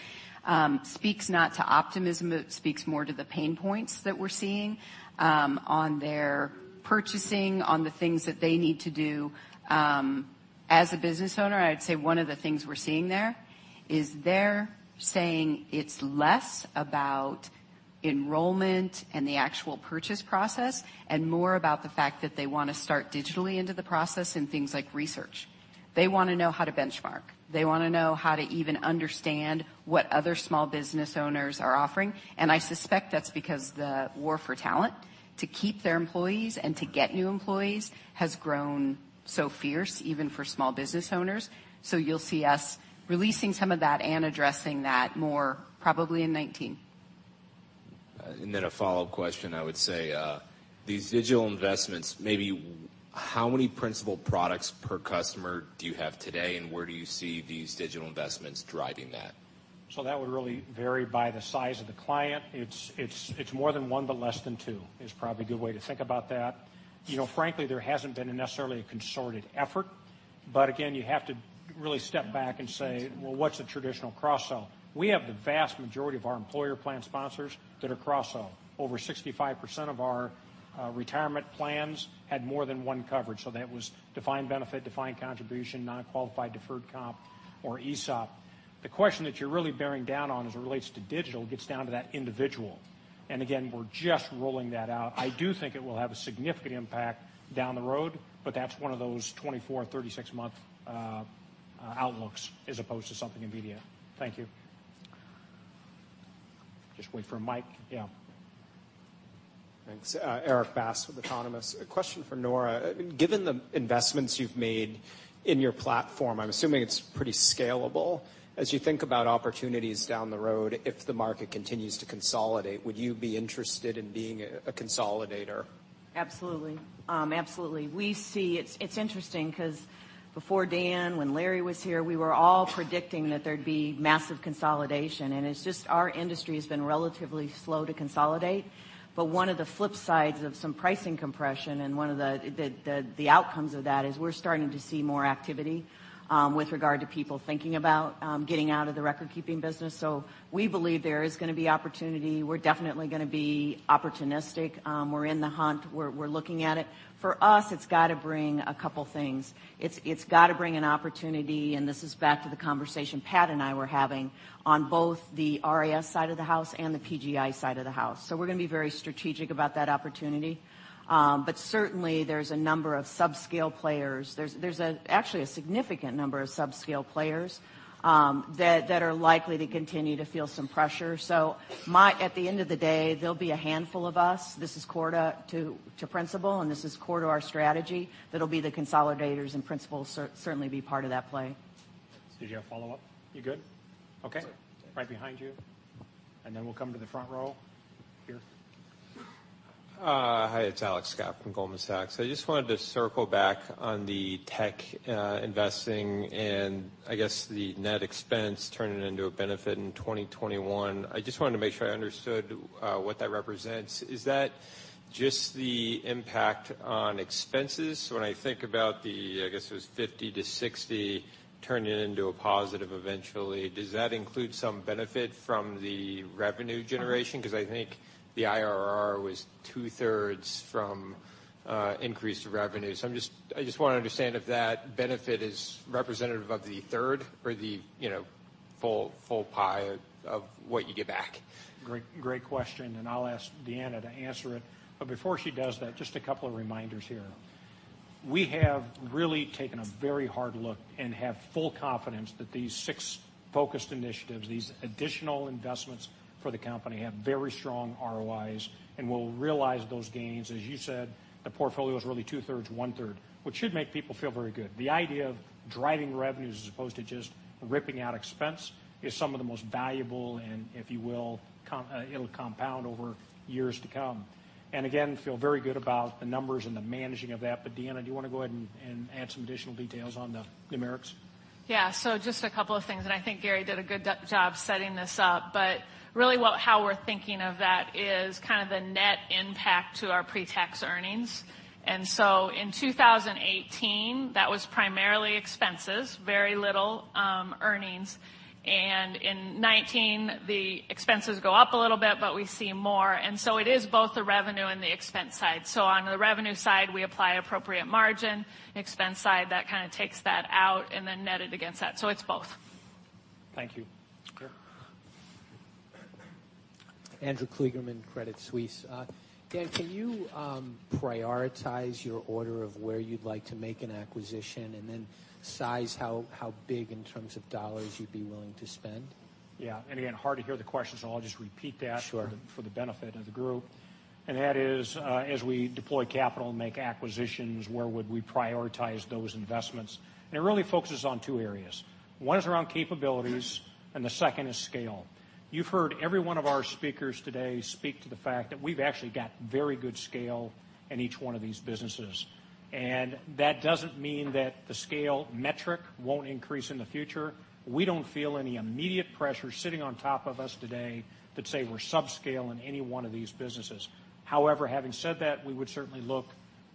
speaks not to optimism, it speaks more to the pain points that we're seeing on their purchasing, on the things that they need to do. As a business owner, I'd say one of the things we're seeing there is they're saying it's less about enrollment and the actual purchase process and more about the fact that they want to start digitally into the process in things like research. They want to know how to benchmark. They want to know how to even understand what other small business owners are offering. I suspect that's because the war for talent to keep their employees and to get new employees has grown so fierce, even for small business owners. You'll see us releasing some of that and addressing that more, probably in 2019. A follow-up question, I would say. These digital investments, maybe how many Principal products per customer do you have today, and where do you see these digital investments driving that? That would really vary by the size of the client. It's more than one but less than two is probably a good way to think about that. Frankly, there hasn't been necessarily a concerted effort, but again, you have to really step back and say, well, what's the traditional cross-sell? We have the vast majority of our employer plan sponsors that are cross-sell. Over 65% of our retirement plans had more than one coverage, so that was defined benefit, defined contribution, non-qualified deferred comp, or ESOP. The question that you're really bearing down on as it relates to digital gets down to that individual. Again, we're just rolling that out. I do think it will have a significant impact down the road, but that's one of those 24-36-month outlooks as opposed to something immediate. Thank you. Just wait for a mic. Yeah. Thanks. Erik Bass with Autonomous Research. A question for Nora. Given the investments you've made in your platform, I'm assuming it's pretty scalable. As you think about opportunities down the road, if the market continues to consolidate, would you be interested in being a consolidator? Absolutely. It's interesting because before Dan, when Larry was here, we were all predicting that there'd be massive consolidation, it's just our industry has been relatively slow to consolidate. One of the flip sides of some pricing compression and one of the outcomes of that is we're starting to see more activity with regard to people thinking about getting out of the record-keeping business. We believe there is going to be opportunity. We're definitely going to be opportunistic. We're in the hunt. We're looking at it. For us, it's got to bring a couple things. It's got to bring an opportunity, this is back to the conversation Pat and I were having on both the RIS side of the house and the PGI side of the house. We're going to be very strategic about that opportunity. Certainly, there's a number of sub-scale players. There's actually a significant number of sub-scale players that are likely to continue to feel some pressure. At the end of the day, there'll be a handful of us, this is core to Principal and this is core to our strategy, that'll be the consolidators and Principal will certainly be part of that play. Did you have follow-up? You good? Okay. Sure. Right behind you. Then we'll come to the front row here. Hi, it's Alex Scott from Goldman Sachs. I just wanted to circle back on the tech investing and I guess the net expense turning into a benefit in 2021. I just wanted to make sure I understood what that represents. Is that just the impact on expenses? When I think about the, I guess it was 50 to 60 turning into a positive eventually, does that include some benefit from the revenue generation? Because I think the IRR was two-thirds from increased revenue. I just want to understand if that benefit is representative of the third or the full pie of what you get back. Great question, I'll ask Deanna to answer it. Before she does that, just a couple of reminders here. We have really taken a very hard look and have full confidence that these six focused initiatives, these additional investments for the company, have very strong ROIs and will realize those gains. You said, the portfolio is really two-thirds, one-third, which should make people feel very good. The idea of driving revenues as opposed to just ripping out expense is some of the most valuable and, if you will, it'll compound over years to come. Again, feel very good about the numbers and the managing of that. Deanna, do you want to go ahead and add some additional details on the numerics? Just a couple of things, I think Gary did a good job setting this up. Really how we're thinking of that is kind of the net impact to our pre-tax earnings. In 2018, that was primarily expenses, very little earnings. In 2019, the expenses go up a little bit, but we see more. It is both the revenue and the expense side. On the revenue side, we apply appropriate margin. Expense side, that kind of takes that out and then net it against that. It's both. Thank you. Sure Andrew Kligerman, Credit Suisse. Dan, can you prioritize your order of where you'd like to make an acquisition, and then size how big in terms of dollars you'd be willing to spend? Again, hard to hear the question, I'll just repeat that. Sure for the benefit of the group. That is, as we deploy capital and make acquisitions, where would we prioritize those investments? It really focuses on two areas. One is around capabilities and the second is scale. You've heard every one of our speakers today speak to the fact that we've actually got very good scale in each one of these businesses. That doesn't mean that the scale metric won't increase in the future. We don't feel any immediate pressure sitting on top of us today that say we're subscale in any one of these businesses. However, having said that, we would certainly look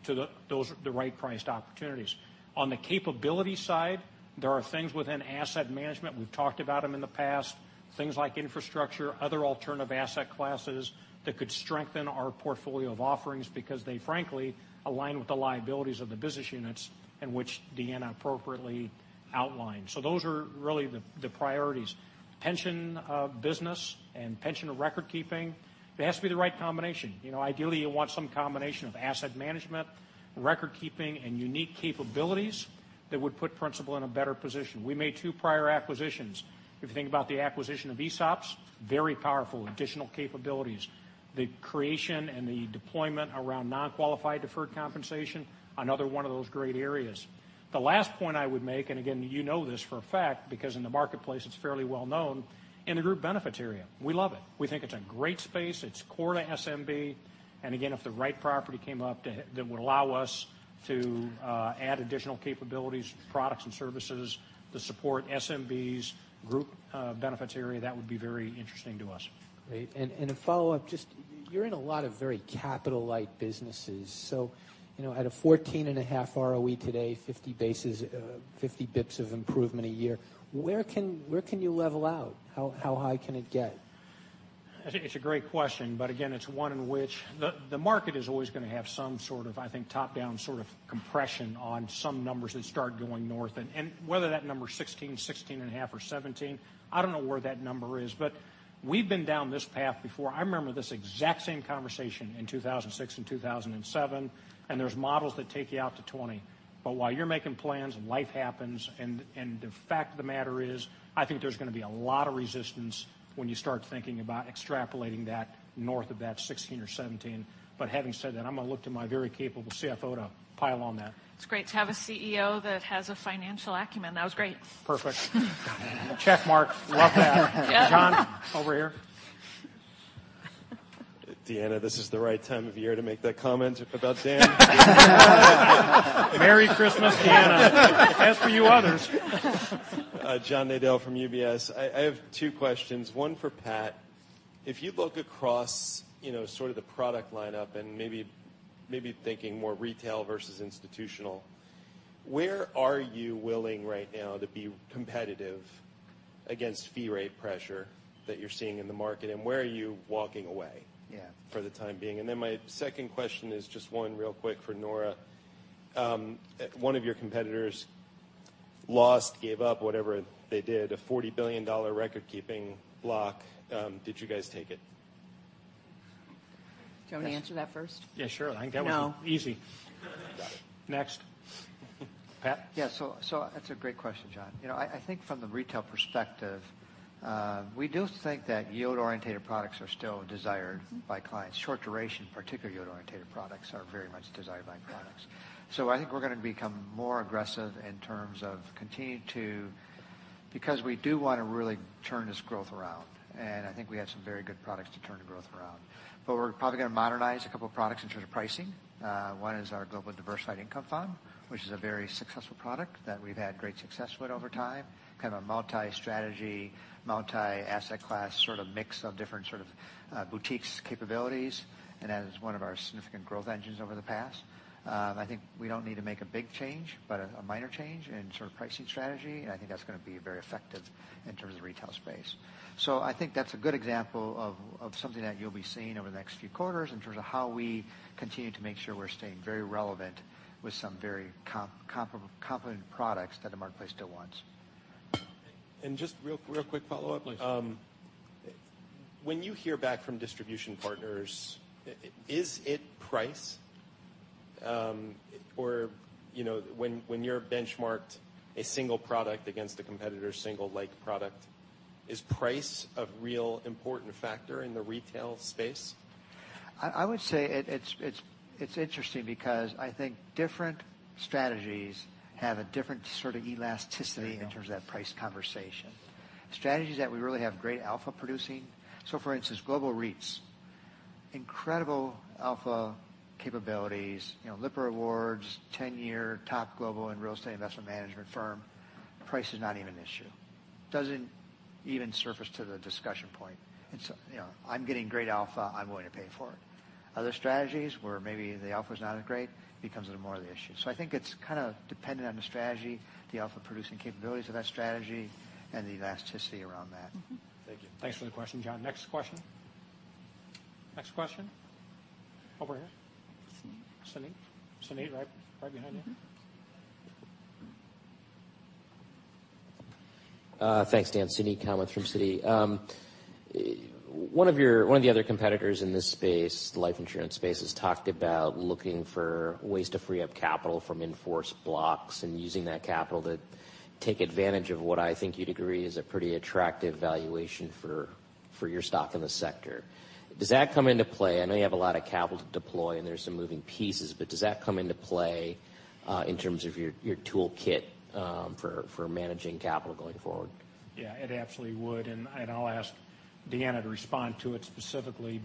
to the right priced opportunities. On the capability side, there are things within asset management, we've talked about them in the past, things like infrastructure, other alternative asset classes that could strengthen our portfolio of offerings because they frankly align with the liabilities of the business units in which Deanna appropriately outlined. Those are really the priorities. Pension business and pension record keeping, it has to be the right combination. Ideally, you want some combination of asset management, record keeping, and unique capabilities that would put Principal in a better position. We made two prior acquisitions. If you think about the acquisition of ESOPs, very powerful, additional capabilities. The creation and the deployment around non-qualified deferred compensation, another one of those great areas. The last point I would make, again, you know this for a fact because in the marketplace it's fairly well known, in the group benefits area. We love it. We think it's a great space. It's core to SMB, and again, if the right property came up that would allow us to add additional capabilities, products, and services to support SMB's group benefits area, that would be very interesting to us. Great. A follow-up, you're in a lot of very capital-light businesses. At a 14.5% ROE today, 50 basis points of improvement a year, where can you level out? How high can it get? I think it's a great question, but again, it's one in which the market is always going to have some sort of, I think, top-down compression on some numbers that start going north. Whether that number is 16.5 or 17, I don't know where that number is. We've been down this path before. I remember this exact same conversation in 2006 and 2007, and there's models that take you out to 20. While you're making plans, life happens, and the fact of the matter is, I think there's going to be a lot of resistance when you start thinking about extrapolating that north of that 16 or 17. Having said that, I'm going to look to my very capable CFO to pile on that. It's great to have a CEO that has a financial acumen. That was great. Perfect. Check mark. Love that. Yeah. John, over here. Deanna, this is the right time of year to make that comment about Dan. Merry Christmas, Deanna. As for you others John Nadel from UBS. I have two questions, one for Pat. If you look across the product lineup and maybe thinking more retail versus institutional, where are you willing right now to be competitive against fee rate pressure that you're seeing in the market, and where are you walking away for the time being? My second question is just one real quick for Nora. One of your competitors lost, gave up, whatever they did, a $40 billion record-keeping block. Did you guys take it? Do you want me to answer that first? Yeah, sure. I think that. No easy. Next. Pat? Yeah, that's a great question, John. I think from the retail perspective, we do think that yield-oriented products are still desired by clients. Short duration, particularly yield-oriented products are very much desired by clients. I think we're going to become more aggressive in terms of continuing to because we do want to really turn this growth around, and I think we have some very good products to turn the growth around. We're probably going to modernize a couple products in terms of pricing. One is our Global Diversified Income Fund, which is a very successful product that we've had great success with over time, kind of a multi-strategy, multi-asset class sort of mix of different sort of boutiques capabilities, and that is one of our significant growth engines over the past. I think we don't need to make a big change, but a minor change in pricing strategy, and I think that's going to be very effective in terms of retail space. I think that's a good example of something that you'll be seeing over the next few quarters in terms of how we continue to make sure we're staying very relevant with some very competent products that the marketplace still wants. Just real quick follow-up. Please. When you hear back from distribution partners, is it price? Or when you're benchmarked a single product against a competitor's single like product, is price a real important factor in the retail space? I would say it's interesting because I think different strategies have a different sort of elasticity in terms of that price conversation. Strategies that we really have great alpha producing. For instance, Global REITs, incredible alpha capabilities, Lipper Awards, 10-year top global and real estate investment management firm. Price is not even an issue. Doesn't even surface to the discussion point. I'm getting great alpha, I'm willing to pay for it. Other strategies where maybe the alpha's not as great becomes more of the issue. I think it's kind of dependent on the strategy, the alpha-producing capabilities of that strategy, and the elasticity around that. Thank you. Thanks for the question, John. Next question? Next question? Over here. Suneet. Suneet. Suneet, right behind you. Thanks, Dan. Suneet Kamath from Citi. One of the other competitors in this space, life insurance space, has talked about looking for ways to free up capital from in-force blocks and using that capital to take advantage of what I think you'd agree is a pretty attractive valuation for your stock in the sector. Does that come into play? I know you have a lot of capital to deploy, and there's some moving pieces, does that come into play in terms of your toolkit for managing capital going forward? Yeah, it absolutely would, I'll ask Deanna to respond to it specifically.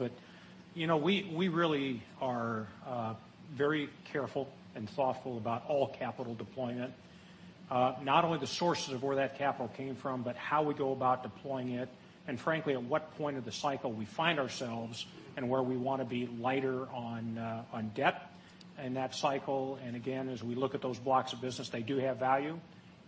We really are very careful and thoughtful about all capital deployment. Not only the sources of where that capital came from, but how we go about deploying it, and frankly, at what point of the cycle we find ourselves and where we want to be lighter on debt in that cycle. Again, as we look at those blocks of business, they do have value,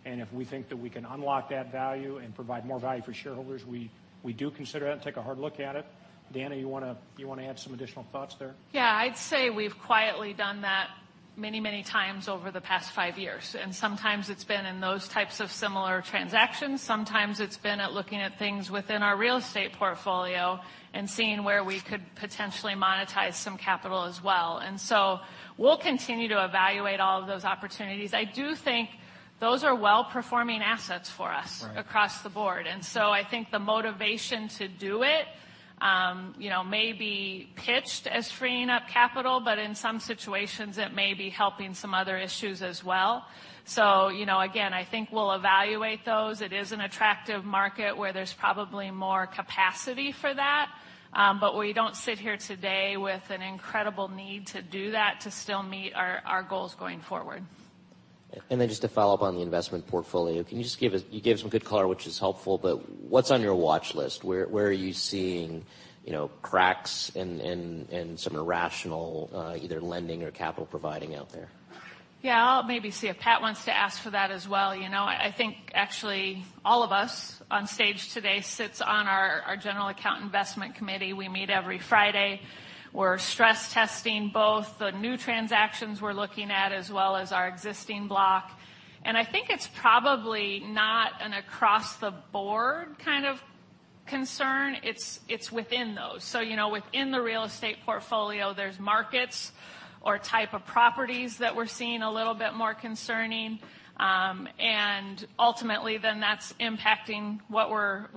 and if we think that we can unlock that value and provide more value for shareholders, we do consider that and take a hard look at it. Deanna, you want to add some additional thoughts there? Yeah. I'd say we've quietly done that many times over the past five years, Sometimes it's been at looking at things within our real estate portfolio and seeing where we could potentially monetize some capital as well. We'll continue to evaluate all of those opportunities. I do think those are well-performing assets for us- Right across the board. I think the motivation to do it may be pitched as freeing up capital, but in some situations, it may be helping some other issues as well. Again, I think we'll evaluate those. It is an attractive market where there's probably more capacity for that. We don't sit here today with an incredible need to do that to still meet our goals going forward. Just to follow up on the investment portfolio, you gave some good color, which is helpful, but what's on your watch list? Where are you seeing cracks and some irrational either lending or capital providing out there? Yeah, I'll maybe see if Pat wants to ask for that as well. I think actually all of us on stage today sits on our general account investment committee. We meet every Friday. We're stress testing both the new transactions we're looking at as well as our existing block. I think it's probably not an across-the-board kind of concern. It's within those. Within the real estate portfolio, there's markets or type of properties that we're seeing a little bit more concerning. Ultimately, then that's impacting what we're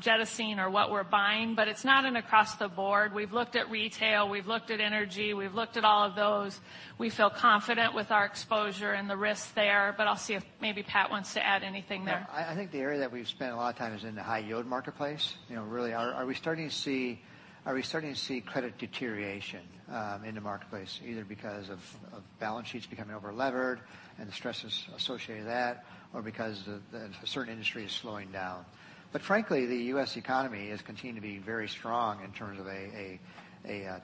jettisoning or what we're buying, It's not an across the board. We've looked at retail, we've looked at energy, we've looked at all of those. We feel confident with our exposure and the risks there, I'll see if maybe Pat wants to add anything there. No. I think the area that we've spent a lot of time is in the high-yield marketplace. Really, are we starting to see credit deterioration in the marketplace, either because of balance sheets becoming over-levered and the stresses associated with that, or because a certain industry is slowing down? Frankly, the U.S. economy has continued to be very strong in terms of a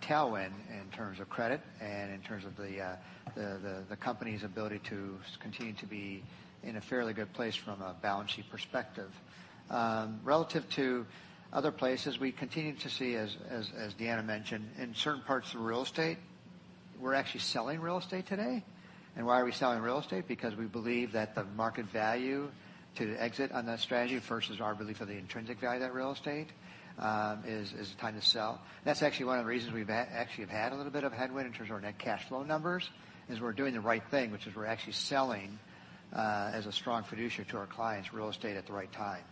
tailwind in terms of credit and in terms of the company's ability to continue to be in a fairly good place from a balance sheet perspective. Relative to other places, we continue to see, as Deanna mentioned, in certain parts of real estate, we're actually selling real estate today. Why are we selling real estate? Because we believe that the market value to exit on that strategy versus our belief of the intrinsic value of that real estate is the time to sell. That's actually one of the reasons we've actually have had a little bit of a headwind in terms of our net cash flow numbers, is we're doing the right thing, which is we're actually selling as a strong fiduciary to our clients real estate at the right time.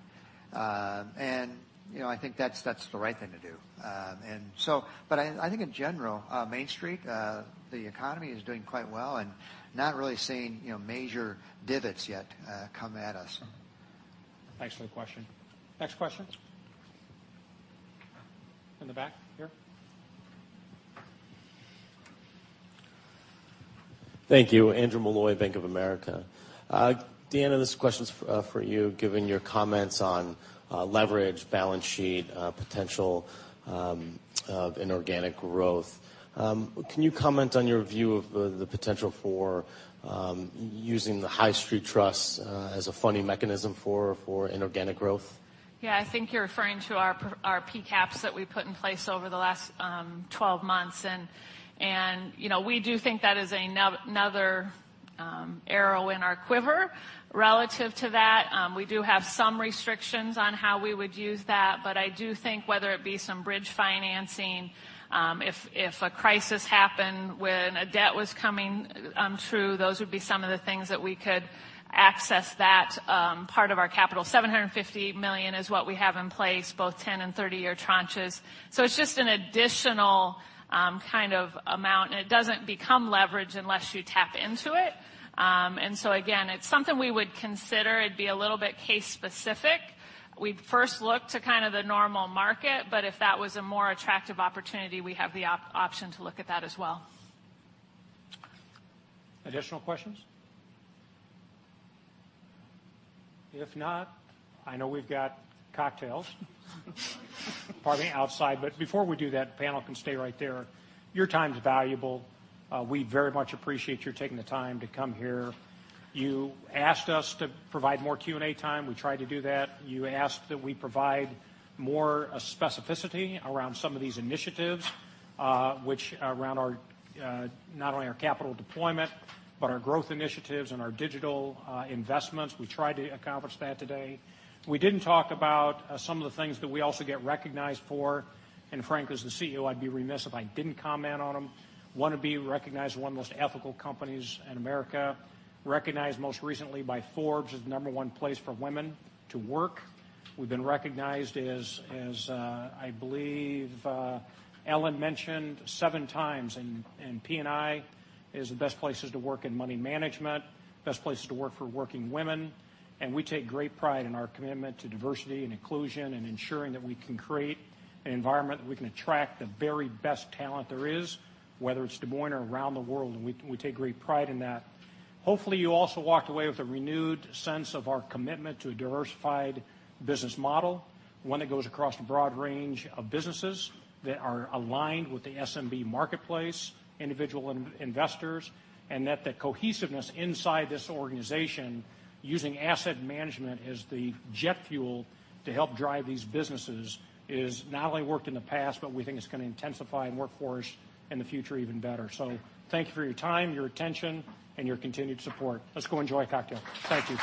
I think that's the right thing to do. I think in general, Main Street, the economy is doing quite well and not really seeing major divots yet come at us. Thanks for the question. Next question? In the back here. Thank you. Andrew Molloy, Bank of America. Deanna, this question's for you, given your comments on leverage, balance sheet, potential of inorganic growth. Can you comment on your view of the potential for using the High Street Trust as a funding mechanism for inorganic growth? Yeah, I think you're referring to our P-Caps that we put in place over the last 12 months, and we do think that is another arrow in our quiver relative to that. We do have some restrictions on how we would use that, but I do think whether it be some bridge financing if a crisis happened when a debt was coming true, those would be some of the things that we could access that part of our capital. $750 million is what we have in place, both 10 and 30-year tranches. It's just an additional kind of amount, and it doesn't become leverage unless you tap into it. Again, it's something we would consider. It'd be a little bit case specific. We'd first look to kind of the normal market, if that was a more attractive opportunity, we have the option to look at that as well. Additional questions? If not, I know we've got cocktails. Pardon me, outside. Before we do that, panel can stay right there. Your time's valuable. We very much appreciate your taking the time to come here. You asked us to provide more Q&A time. We tried to do that. You asked that we provide more specificity around some of these initiatives, around not only our capital deployment, but our growth initiatives and our digital investments. We tried to accomplish that today. We didn't talk about some of the things that we also get recognized for, and Frank, as the CEO, I'd be remiss if I didn't comment on them. Wannabe recognized one of the most ethical companies in America. Recognized most recently by Forbes as the number one place for women to work. We've been recognized as, I believe Ellen mentioned, seven times in P&I as the best places to work in money management, best places to work for working women, and we take great pride in our commitment to diversity and inclusion and ensuring that we can create an environment that we can attract the very best talent there is, whether it's Des Moines or around the world, and we take great pride in that. Hopefully, you also walked away with a renewed sense of our commitment to a diversified business model, one that goes across a broad range of businesses that are aligned with the SMB marketplace, individual investors, and that the cohesiveness inside this organization using asset management as the jet fuel to help drive these businesses is not only worked in the past, but we think it's going to intensify and work for us in the future even better. Thank you for your time, your attention, and your continued support. Let's go enjoy a cocktail. Thank you.